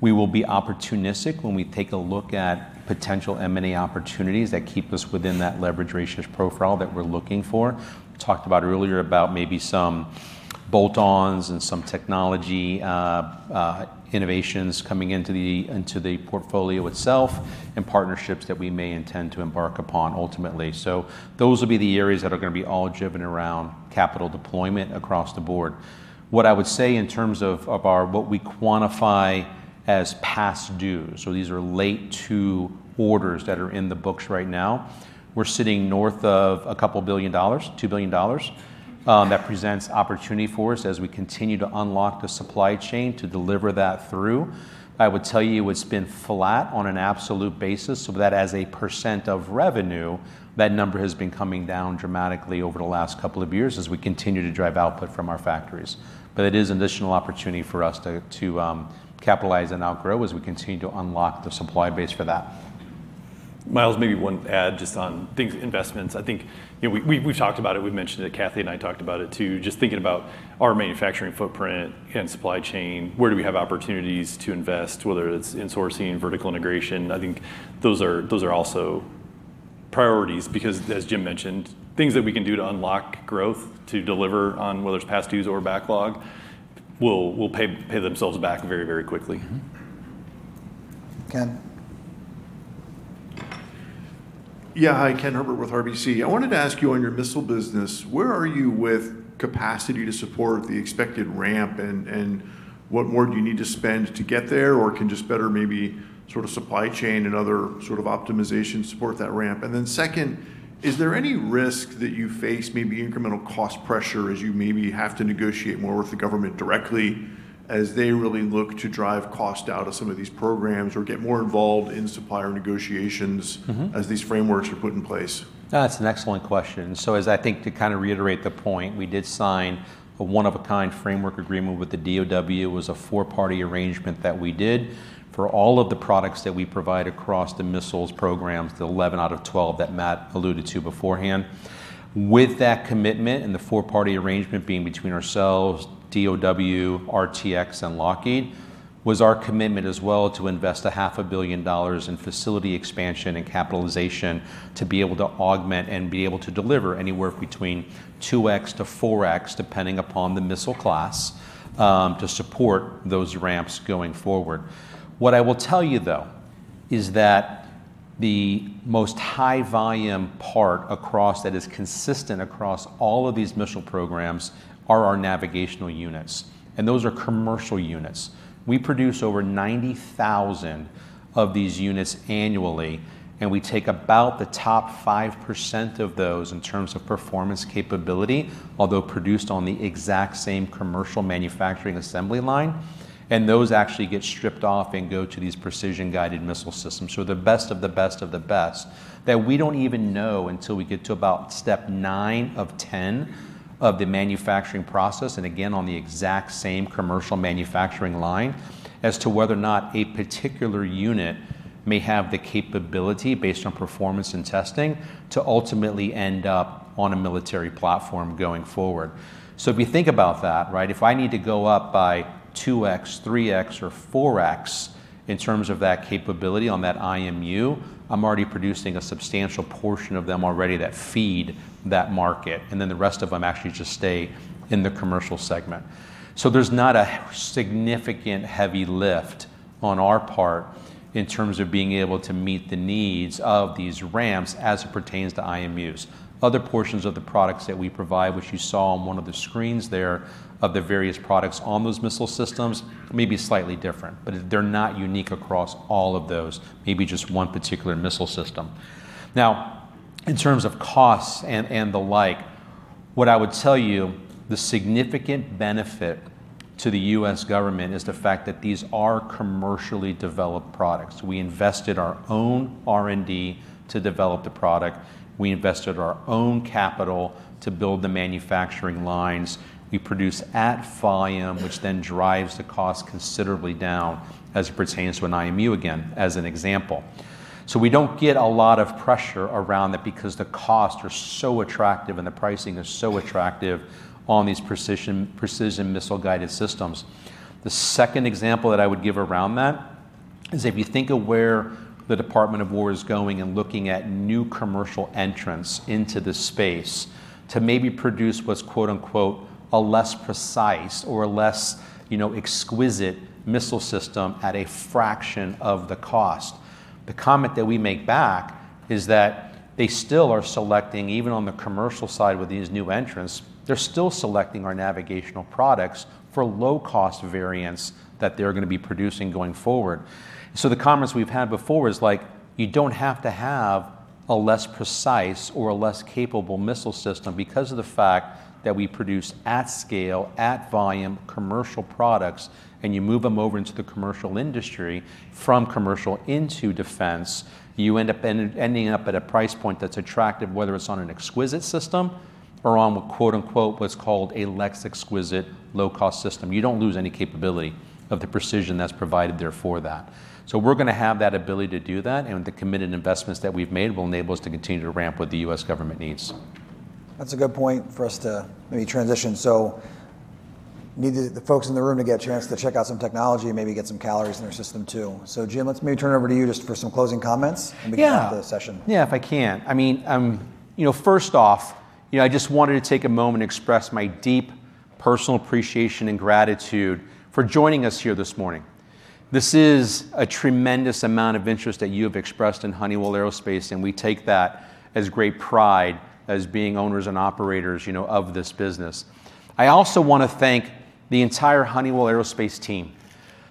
We will be opportunistic when we take a look at potential M&A opportunities that keep us within that leverage ratio profile that we're looking for. We talked about earlier about maybe some bolt-ons and some technology innovations coming into the portfolio itself, and partnerships that we may intend to embark upon ultimately. Those will be the areas that are going to be all driven around capital deployment across the board. What I would say in terms of what we quantify as past due, so these are late to orders that are in the books right now. We're sitting north of a couple billion dollars, $2 billion. That presents opportunity for us as we continue to unlock the supply chain to deliver that through. I would tell you it's been flat on an absolute basis so that as a % of revenue, that number has been coming down dramatically over the last couple of years as we continue to drive output from our factories. It is an additional opportunity for us to capitalize and now grow as we continue to unlock the supply base for that. Myles, maybe one add just on investments. I think we've talked about it, we've mentioned it, Kathy and I talked about it, too, just thinking about our manufacturing footprint and supply chain. Where do we have opportunities to invest, whether it's in-sourcing, vertical integration? I think those are also priorities because, as Jim mentioned, things that we can do to unlock growth to deliver on whether it's past dues or backlog will pay themselves back very, very quickly. Ken. Yeah. Hi, Ken Herbert with RBC. I wanted to ask you on your missile business, where are you with capacity to support the expected ramp, and what more do you need to spend to get there, or can just better maybe sort of supply chain and other sort of optimization support that ramp? Second, is there any risk that you face, maybe incremental cost pressure as you maybe have to negotiate more with the government directly as they really look to drive cost out of some of these programs or get more involved in supplier negotiations as these frameworks are put in place? That's an excellent question. As I think to kind of reiterate the point, we did sign a one-of-a-kind framework agreement with the DOW. It was a four-party arrangement that we did for all of the products that we provide across the missiles programs, the 11 out of 12 that Matt alluded to beforehand. With that commitment and the four-party arrangement being between ourselves, DOW, RTX, and Lockheed, was our commitment as well to invest a half a billion dollars in facility expansion and capitalization to be able to augment and be able to deliver anywhere between 2x to 4x, depending upon the missile class, to support those ramps going forward. What I will tell you, though, is that the most high-volume part that is consistent across all of these missile programs are our navigational units, and those are commercial units. We produce over 90,000 of these units annually, and we take about the top 5% of those in terms of performance capability, although produced on the exact same commercial manufacturing assembly line, and those actually get stripped off and go to these precision-guided missile systems. The best of the best of the best that we don't even know until we get to about step 9 of 10 of the manufacturing process, and again, on the exact same commercial manufacturing line, as to whether or not a particular unit may have the capability based on performance and testing to ultimately end up on a military platform going forward. If you think about that, right, if I need to go up by 2x, 3x, or 4x in terms of that capability on that IMU, I'm already producing a substantial portion of them already that feed that market, and then the rest of them actually just stay in the commercial segment. There's not a significant heavy lift on our part in terms of being able to meet the needs of these ramps as it pertains to IMUs. Other portions of the products that we provide, which you saw on one of the screens there of the various products on those missile systems may be slightly different. They're not unique across all of those, maybe just one particular missile system. In terms of costs and the like, what I would tell you, the significant benefit to the U.S. government is the fact that these are commercially developed products. We invested our own R&D to develop the product. We invested our own capital to build the manufacturing lines. We produce at volume, which then drives the cost considerably down as it pertains to an IMU, again, as an example. We don't get a lot of pressure around it because the costs are so attractive, and the pricing is so attractive on these precision missile-guided systems. The second example that I would give around that is if you think of where the Department of War is going and looking at new commercial entrants into the space to maybe produce what's, quote, unquote, "a less precise or a less exquisite missile system at a fraction of the cost." The comment that we make back is that they still are selecting, even on the commercial side with these new entrants, they're still selecting our navigational products for low-cost variants that they're going to be producing going forward. The comments we've had before is like, you don't have to have a less precise or a less capable missile system because of the fact that we produce at scale, at volume, commercial products, and you move them over into the commercial industry from commercial into defense. You end up at a price point that's attractive, whether it's on an exquisite system or on what, quote, unquote, what's called a less exquisite low-cost system. You don't lose any capability of the precision that's provided there for that. We're going to have that ability to do that, and the committed investments that we've made will enable us to continue to ramp what the U.S. government needs. That's a good point for us to maybe transition. Need the folks in the room to get a chance to check out some technology and maybe get some calories in their system, too. Jim, let's maybe turn it over to you just for some closing comments. We can end the session. If I can. First off, I just wanted to take a moment to express my deep personal appreciation and gratitude for joining us here this morning. This is a tremendous amount of interest that you have expressed in Honeywell Aerospace. We take that as great pride as being owners and operators of this business. I also want to thank the entire Honeywell Aerospace team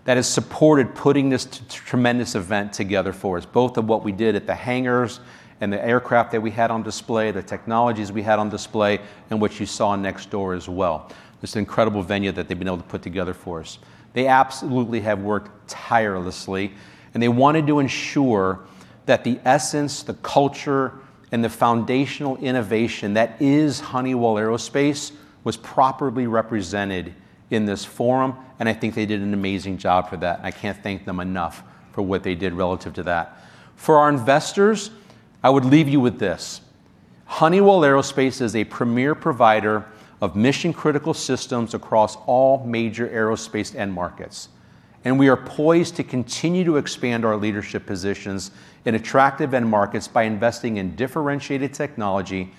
that has supported putting this tremendous event together for us, both of what we did at the hangars and the aircraft that we had on display, the technologies we had on display, and what you saw next door as well, this incredible venue that they've been able to put together for us. They absolutely have worked tirelessly, and they wanted to ensure that the essence, the culture, and the foundational innovation that is Honeywell Aerospace was properly represented in this forum, and I think they did an amazing job for that, and I can't thank them enough for what they did relative to that. For our investors, I would leave you with this: Honeywell Aerospace is a premier provider of mission-critical systems across all major aerospace end markets, and we are poised to continue to expand our leadership positions in attractive end markets by investing in differentiated technology,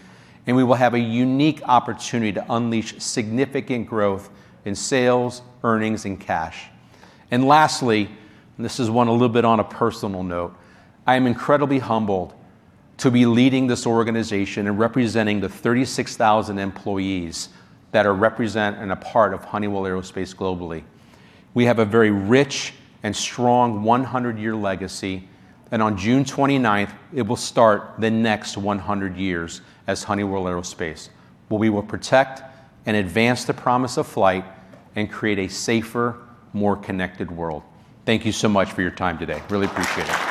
and we will have a unique opportunity to unleash significant growth in sales, earnings, and cash. Lastly, and this is one a little bit on a personal note, I am incredibly humbled to be leading this organization and representing the 36,000 employees that are represent and a part of Honeywell Aerospace globally. We have a very rich and strong 100-year legacy, and on June 29th, it will start the next 100 years as Honeywell Aerospace, where we will protect and advance the promise of flight and create a safer, more connected world. Thank you so much for your time today. Really appreciate it.